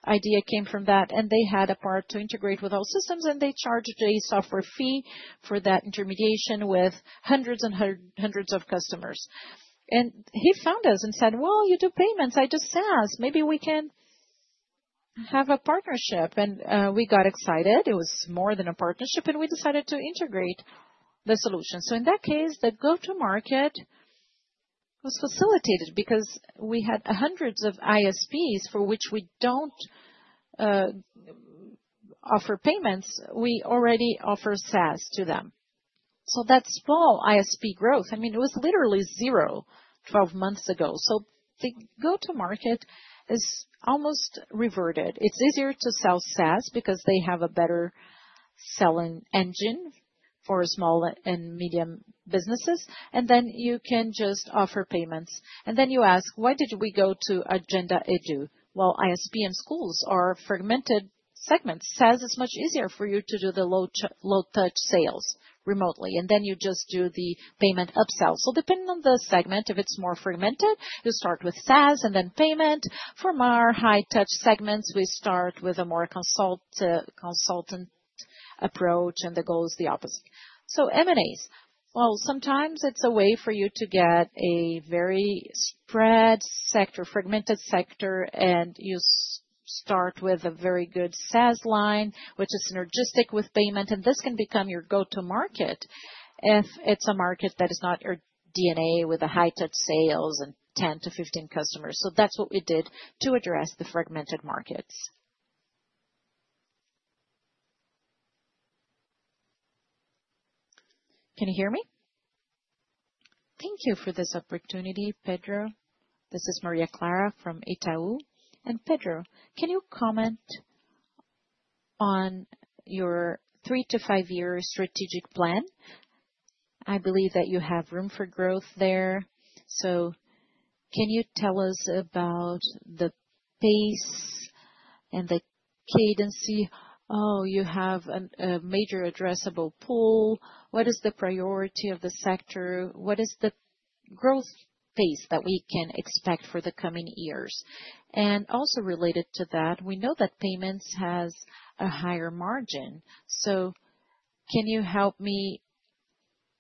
idea came from that, and they had a part to integrate with all systems, and they charged a software fee for that intermediation with hundreds and hundreds of customers. He found us and said, "Well, you do payments. I do SaaS. Maybe we can have a partnership." We got excited. It was more than a partnership, and we decided to integrate the solution. In that case, the go-to-market was facilitated because we had hundreds of ISPs for which we do not offer payments. We already offer SaaS to them. That small ISP growth, I mean, it was literally zero 12 months ago. The go-to-market is almost reverted. It's easier to sell SaaS because they have a better selling engine for small and medium businesses, and then you can just offer payments. You ask, "Why did we go to Agenda Edu?" ISP and schools are fragmented segments. SaaS is much easier for you to do the low-touch sales remotely, and then you just do the payment upsell. Depending on the segment, if it's more fragmented, you start with SaaS and then payment. For more high-touch segments, we start with a more consultant approach, and the goal is the opposite. M&As, sometimes it's a way for you to get a very spread sector, fragmented sector, and you start with a very good SaaS line, which is synergistic with payment, and this can become your go-to-market if it's a market that is not your DNA with a high-touch sales and 10-15 customers. So that's what we did to address the fragmented markets. Can you hear me? Thank you for this opportunity, Pedro. This is Maria Clara from Itaú. And Pedro, can you comment on your three to five-year strategic plan? I believe that you have room for growth there. So can you tell us about the pace and the cadency? Oh, you have a major addressable pool. What is the priority of the sector? What is the growth pace that we can expect for the coming years? And also related to that, we know that payments has a higher margin. So can you help me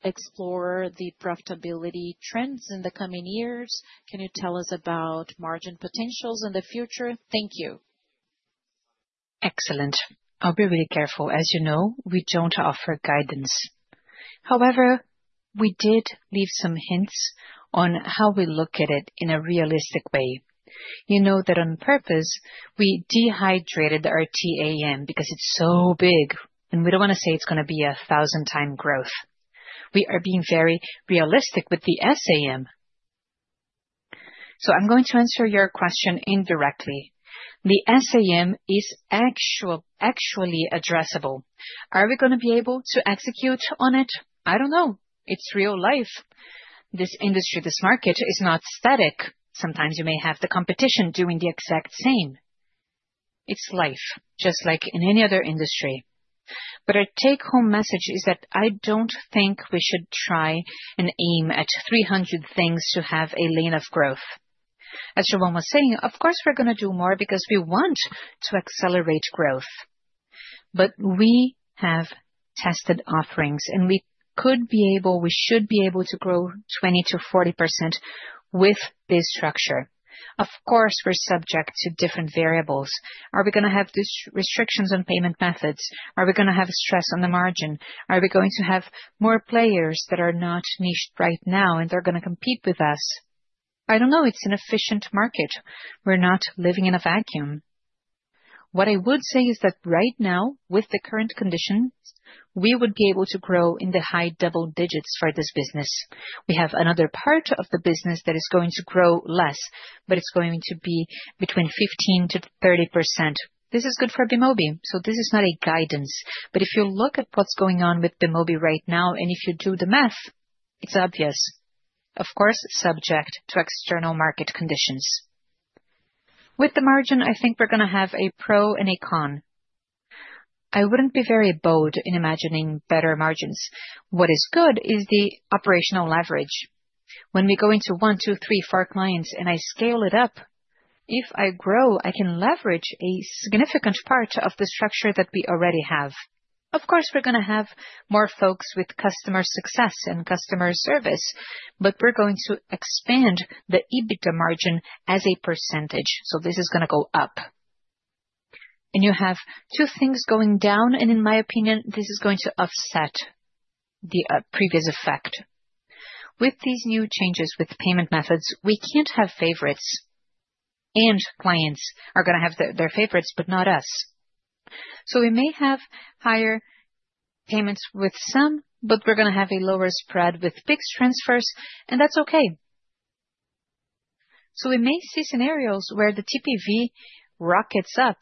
explore the profitability trends in the coming years? Can you tell us about margin potentials in the future? Thank you. Excellent. I'll be really careful. As you know, we don't offer guidance. However, we did leave some hints on how we look at it in a realistic way. You know that on purpose, we dehydrated our TAM because it's so big, and we don't want to say it's going to be a thousand-time growth. We are being very realistic with the SAM. I'm going to answer your question indirectly. The SAM is actually addressable. Are we going to be able to execute on it? I don't know. It's real life. This industry, this market is not static. Sometimes you may have the competition doing the exact same. It's life, just like in any other industry. Our take-home message is that I don't think we should try and aim at 300 things to have a lane of growth. As João was saying, of course, we're going to do more because we want to accelerate growth. We have tested offerings, and we could be able, we should be able to grow 20-40% with this structure. Of course, we're subject to different variables. Are we going to have these restrictions on payment methods? Are we going to have stress on the margin? Are we going to have more players that are not niched right now, and they're going to compete with us? I don't know. It's an efficient market. We're not living in a vacuum. What I would say is that right now, with the current conditions, we would be able to grow in the high double digits for this business. We have another part of the business that is going to grow less, but it's going to be between 15-30%. This is good for Bemobi. This is not a guidance. If you look at what's going on with Bemobi right now, and if you do the math, it's obvious. Of course, subject to external market conditions. With the margin, I think we're going to have a pro and a con. I wouldn't be very bold in imagining better margins. What is good is the operational leverage. When we go into one, two, three for clients and I scale it up, if I grow, I can leverage a significant part of the structure that we already have. Of course, we're going to have more folks with customer success and customer service, but we're going to expand the EBITDA margin as a percentage. This is going to go up. You have two things going down, and in my opinion, this is going to offset the previous effect. With these new changes with payment methods, we can't have favorites, and clients are going to have their favorites, but not us. We may have higher payments with some, but we're going to have a lower spread with fixed transfers, and that's okay. We may see scenarios where the TPV rockets up,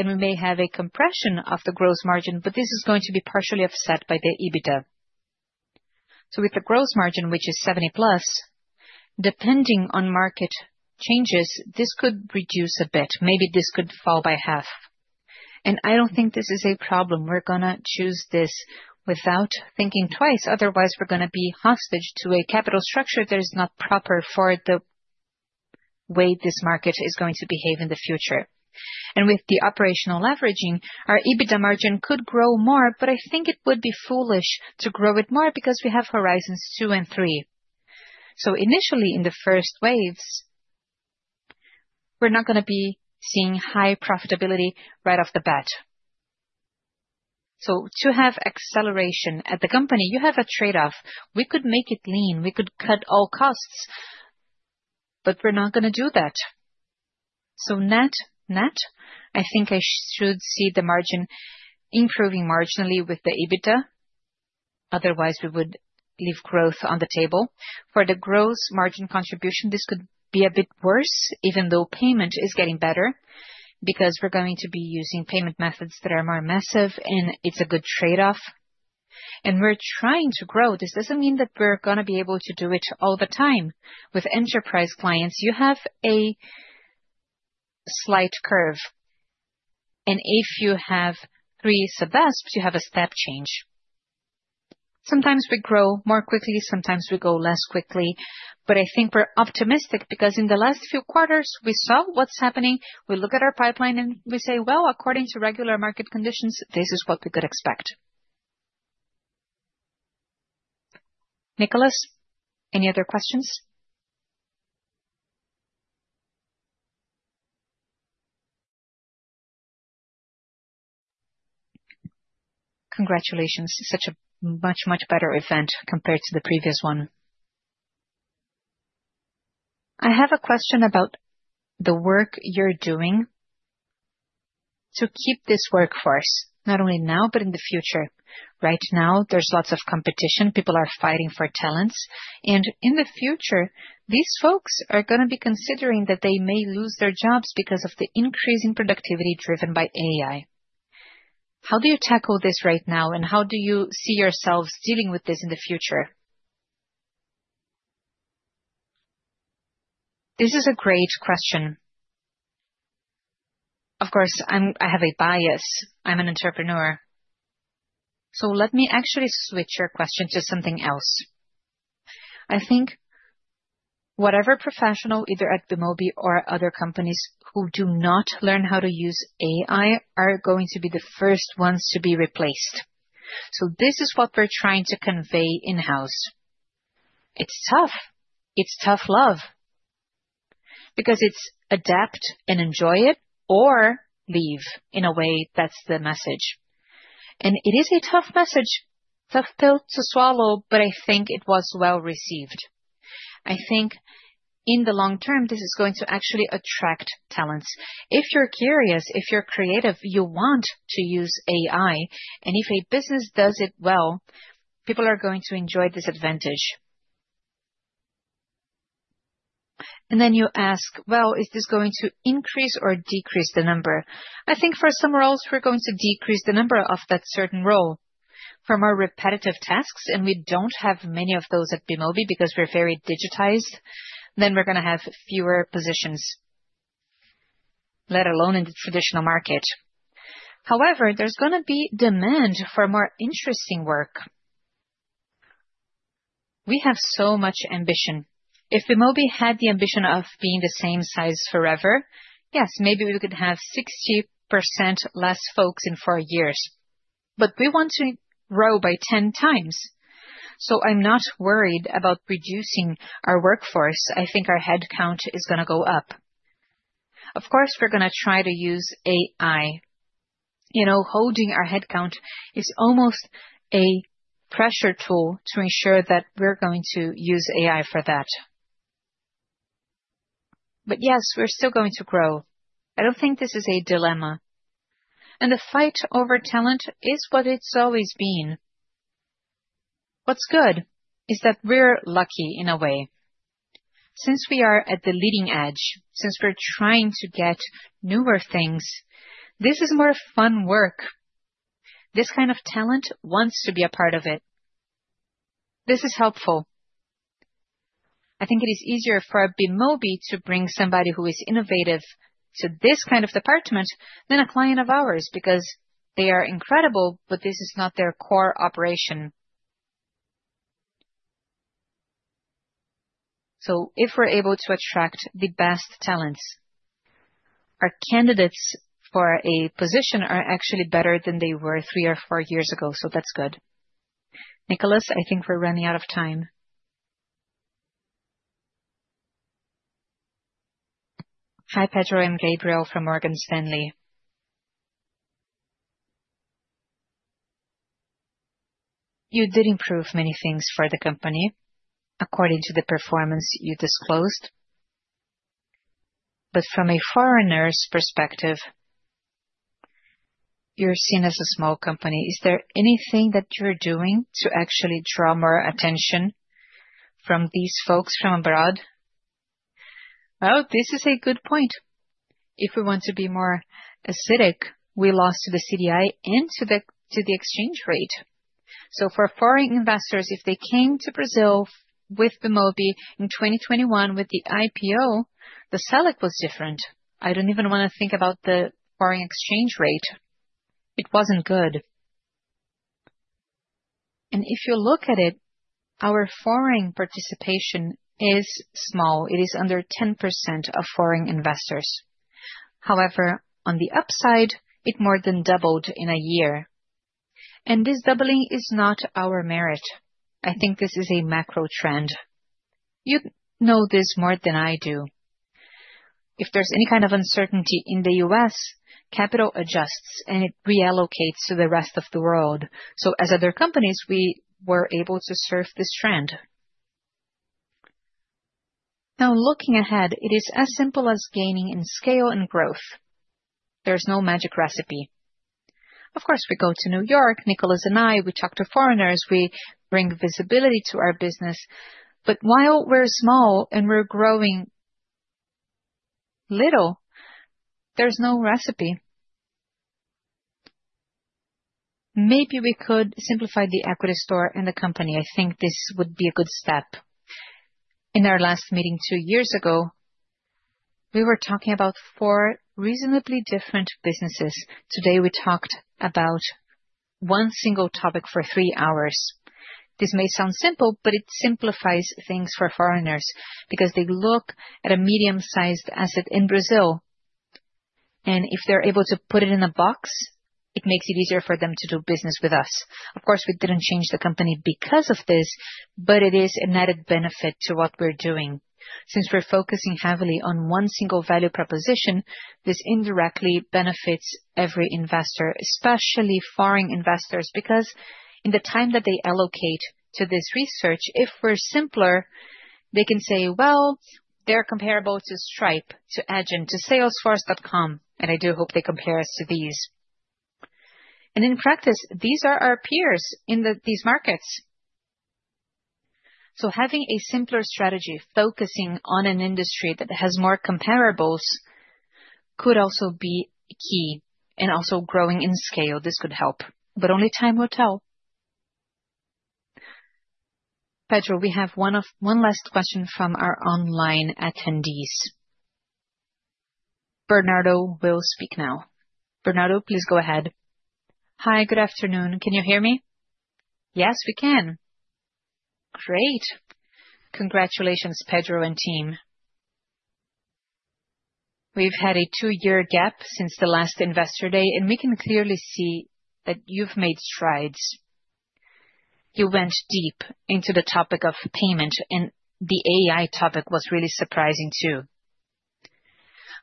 and we may have a compression of the gross margin, but this is going to be partially offset by the EBITDA. With the gross margin, which is 70% plus, depending on market changes, this could reduce a bit. Maybe this could fall by half. I don't think this is a problem. We're going to choose this without thinking twice. Otherwise, we're going to be hostage to a capital structure that is not proper for the way this market is going to behave in the future. With the operational leveraging, our EBITDA margin could grow more, but I think it would be foolish to grow it more because we have horizons two and three. Initially, in the first waves, we're not going to be seeing high profitability right off the bat. To have acceleration at the company, you have a trade-off. We could make it lean. We could cut all costs, but we're not going to do that. Net, net, I think I should see the margin improving marginally with the EBITDA. Otherwise, we would leave growth on the table. For the gross margin contribution, this could be a bit worse, even though payment is getting better because we're going to be using payment methods that are more massive, and it's a good trade-off. We're trying to grow. This does not mean that we are going to be able to do it all the time. With enterprise clients, you have a slight curve. If you have three sub-bests, you have a step change. Sometimes we grow more quickly. Sometimes we grow less quickly. I think we are optimistic because in the last few quarters, we saw what is happening. We look at our pipeline, and we say, "According to regular market conditions, this is what we could expect." Nicholas, any other questions? Congratulations. Such a much, much better event compared to the previous one. I have a question about the work you are doing to keep this workforce, not only now, but in the future. Right now, there is lots of competition. People are fighting for talents. In the future, these folks are going to be considering that they may lose their jobs because of the increase in productivity driven by AI. How do you tackle this right now, and how do you see yourselves dealing with this in the future? This is a great question. Of course, I have a bias. I'm an entrepreneur. Let me actually switch your question to something else. I think whatever professional, either at Bemobi or other companies who do not learn how to use AI, are going to be the first ones to be replaced. This is what we're trying to convey in-house. It's tough. It's tough love because it's adapt and enjoy it or leave. In a way, that's the message. It is a tough message, tough pill to swallow, but I think it was well received. I think in the long term, this is going to actually attract talents. If you're curious, if you're creative, you want to use AI. If a business does it well, people are going to enjoy this advantage. You ask, "Is this going to increase or decrease the number?" I think for some roles, we're going to decrease the number of that certain role from our repetitive tasks, and we do not have many of those at Bemobi because we're very digitized. We're going to have fewer positions, let alone in the traditional market. However, there's going to be demand for more interesting work. We have so much ambition. If Bemobi had the ambition of being the same size forever, yes, maybe we could have 60% less folks in four years. We want to grow by 10 times. I am not worried about reducing our workforce. I think our headcount is going to go up. Of course, we're going to try to use AI. You know, holding our headcount is almost a pressure tool to ensure that we're going to use AI for that. Yes, we're still going to grow. I don't think this is a dilemma. The fight over talent is what it's always been. What's good is that we're lucky in a way. Since we are at the leading edge, since we're trying to get newer things, this is more fun work. This kind of talent wants to be a part of it. This is helpful. I think it is easier for a Bemobi to bring somebody who is innovative to this kind of department than a client of ours because they are incredible, but this is not their core operation. If we're able to attract the best talents, our candidates for a position are actually better than they were three or four years ago. That's good. Nicholas, I think we're running out of time. Hi, Pedro and Gabriel from Morgan Stanley. You did improve many things for the company according to the performance you disclosed. From a foreigner's perspective, you're seen as a small company. Is there anything that you're doing to actually draw more attention from these folks from abroad? This is a good point. If we want to be more acidic, we lost to the CDI and to the exchange rate. For foreign investors, if they came to Brazil with BMOBE in 2021 with the IPO, the salad was different. I don't even want to think about the foreign exchange rate. It wasn't good. If you look at it, our foreign participation is small. It is under 10% of foreign investors. However, on the upside, it more than doubled in a year. This doubling is not our merit. I think this is a macro trend. You know this more than I do. If there is any kind of uncertainty in the U.S., capital adjusts and it reallocates to the rest of the world. As other companies, we were able to serve this trend. Now, looking ahead, it is as simple as gaining in scale and growth. There is no magic recipe. Of course, we go to New York, Nicholas and I, we talk to foreigners, we bring visibility to our business. While we are small and we are growing little, there is no recipe. Maybe we could simplify the equity store and the company. I think this would be a good step. In our last meeting two years ago, we were talking about four reasonably different businesses. Today, we talked about one single topic for three hours. This may sound simple, but it simplifies things for foreigners because they look at a medium-sized asset in Brazil. If they are able to put it in a box, it makes it easier for them to do business with us. Of course, we did not change the company because of this, but it is an added benefit to what we are doing. Since we are focusing heavily on one single value proposition, this indirectly benefits every investor, especially foreign investors, because in the time that they allocate to this research, if we are simpler, they can say, "Well, they are comparable to Stripe, to Adyen, to Salesforce.com." I do hope they compare us to these. In practice, these are our peers in these markets. Having a simpler strategy, focusing on an industry that has more comparables could also be key and also growing in scale. This could help, but only time will tell. Pedro, we have one last question from our online attendees. Bernardo will speak now. Bernardo, please go ahead. Hi, good afternoon. Can you hear me? Yes, we can. Great. Congratulations, Pedro and team. We've had a two-year gap since the last investor day, and we can clearly see that you've made strides. You went deep into the topic of payment, and the AI topic was really surprising too.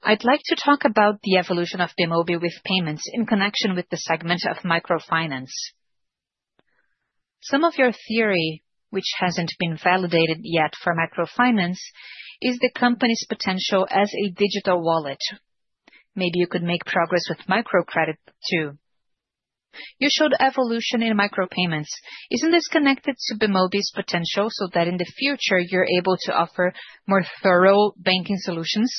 I'd like to talk about the evolution of Bemobi with payments in connection with the segment of microfinance. Some of your theory, which hasn't been validated yet for microfinance, is the company's potential as a digital wallet. Maybe you could make progress with microcredit too. You showed evolution in micropayments. Isn't this connected to Bemobi's potential so that in the future, you're able to offer more thorough banking solutions?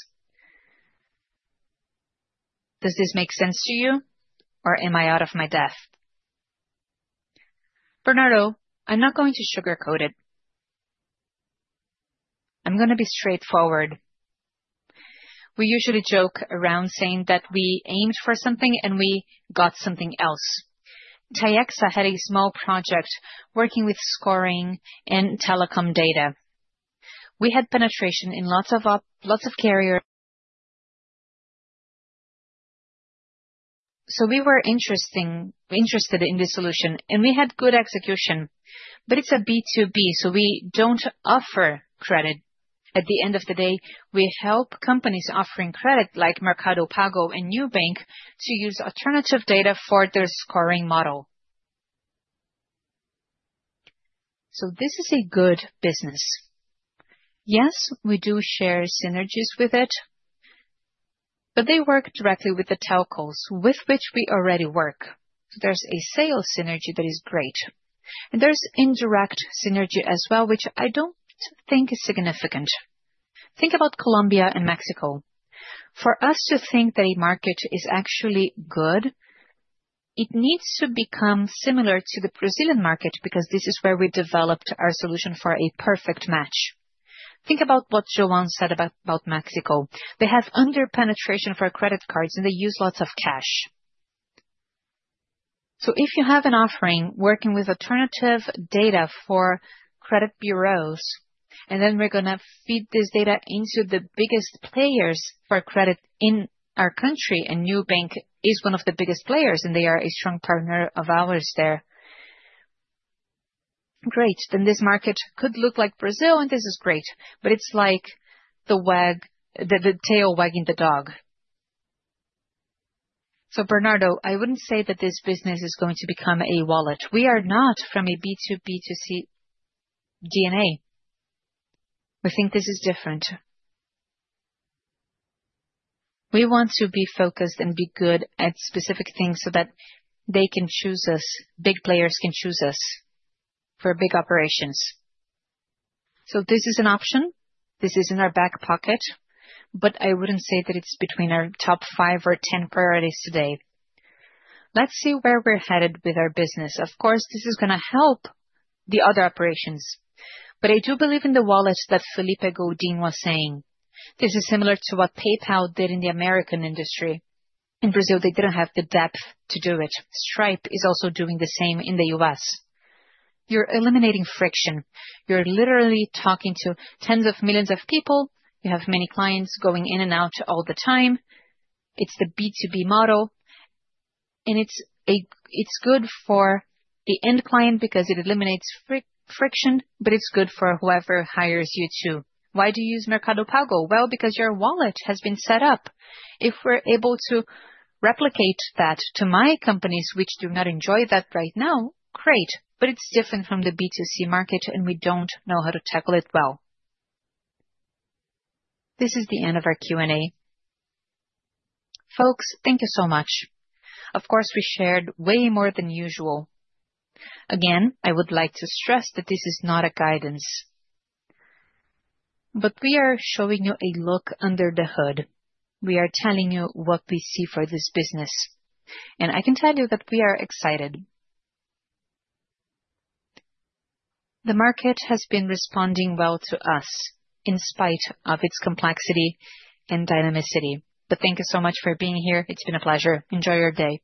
Does this make sense to you, or am I out of my depth? Bernardo, I'm not going to sugarcoat it. I'm going to be straightforward. We usually joke around saying that we aimed for something and we got something else. Taixa had a small project working with scoring and telecom data. We had penetration in lots of carriers. So we were interested in this solution, and we had good execution, but it's a B2B, so we don't offer credit. At the end of the day, we help companies offering credit like Mercado Pago and Nubank to use alternative data for their scoring model. So this is a good business. Yes, we do share synergies with it, but they work directly with the telcos, with which we already work. There is a sales synergy that is great. There is indirect synergy as well, which I do not think is significant. Think about Colombia and Mexico. For us to think that a market is actually good, it needs to become similar to the Brazilian market because this is where we developed our solution for a perfect match. Think about what João said about Mexico. They have under-penetration for credit cards, and they use lots of cash. If you have an offering working with alternative data for credit bureaus, and then we are going to feed this data into the biggest players for credit in our country, and Nubank is one of the biggest players, and they are a strong partner of ours there. Great. This market could look like Brazil, and this is great, but it is like the tail wagging the dog. Bernardo, I wouldn't say that this business is going to become a wallet. We are not from a B2B2C DNA. We think this is different. We want to be focused and be good at specific things so that they can choose us, big players can choose us for big operations. This is an option. This is in our back pocket, but I wouldn't say that it's between our top five or ten priorities today. Let's see where we're headed with our business. Of course, this is going to help the other operations, but I do believe in the wallets that Felipe Godin was saying. This is similar to what PayPal did in the American industry. In Brazil, they didn't have the depth to do it. Stripe is also doing the same in the U.S. You're eliminating friction. You're literally talking to tens of millions of people. You have many clients going in and out all the time. It's the B2B model, and it's good for the end client because it eliminates friction, but it's good for whoever hires you too. Why do you use Mercado Pago? Because your wallet has been set up. If we're able to replicate that to my companies, which do not enjoy that right now, great, but it's different from the B2C market, and we don't know how to tackle it well. This is the end of our Q&A. Folks, thank you so much. Of course, we shared way more than usual. Again, I would like to stress that this is not a guidance, but we are showing you a look under the hood. We are telling you what we see for this business, and I can tell you that we are excited. The market has been responding well to us in spite of its complexity and dynamicity, but thank you so much for being here. It's been a pleasure. Enjoy your day.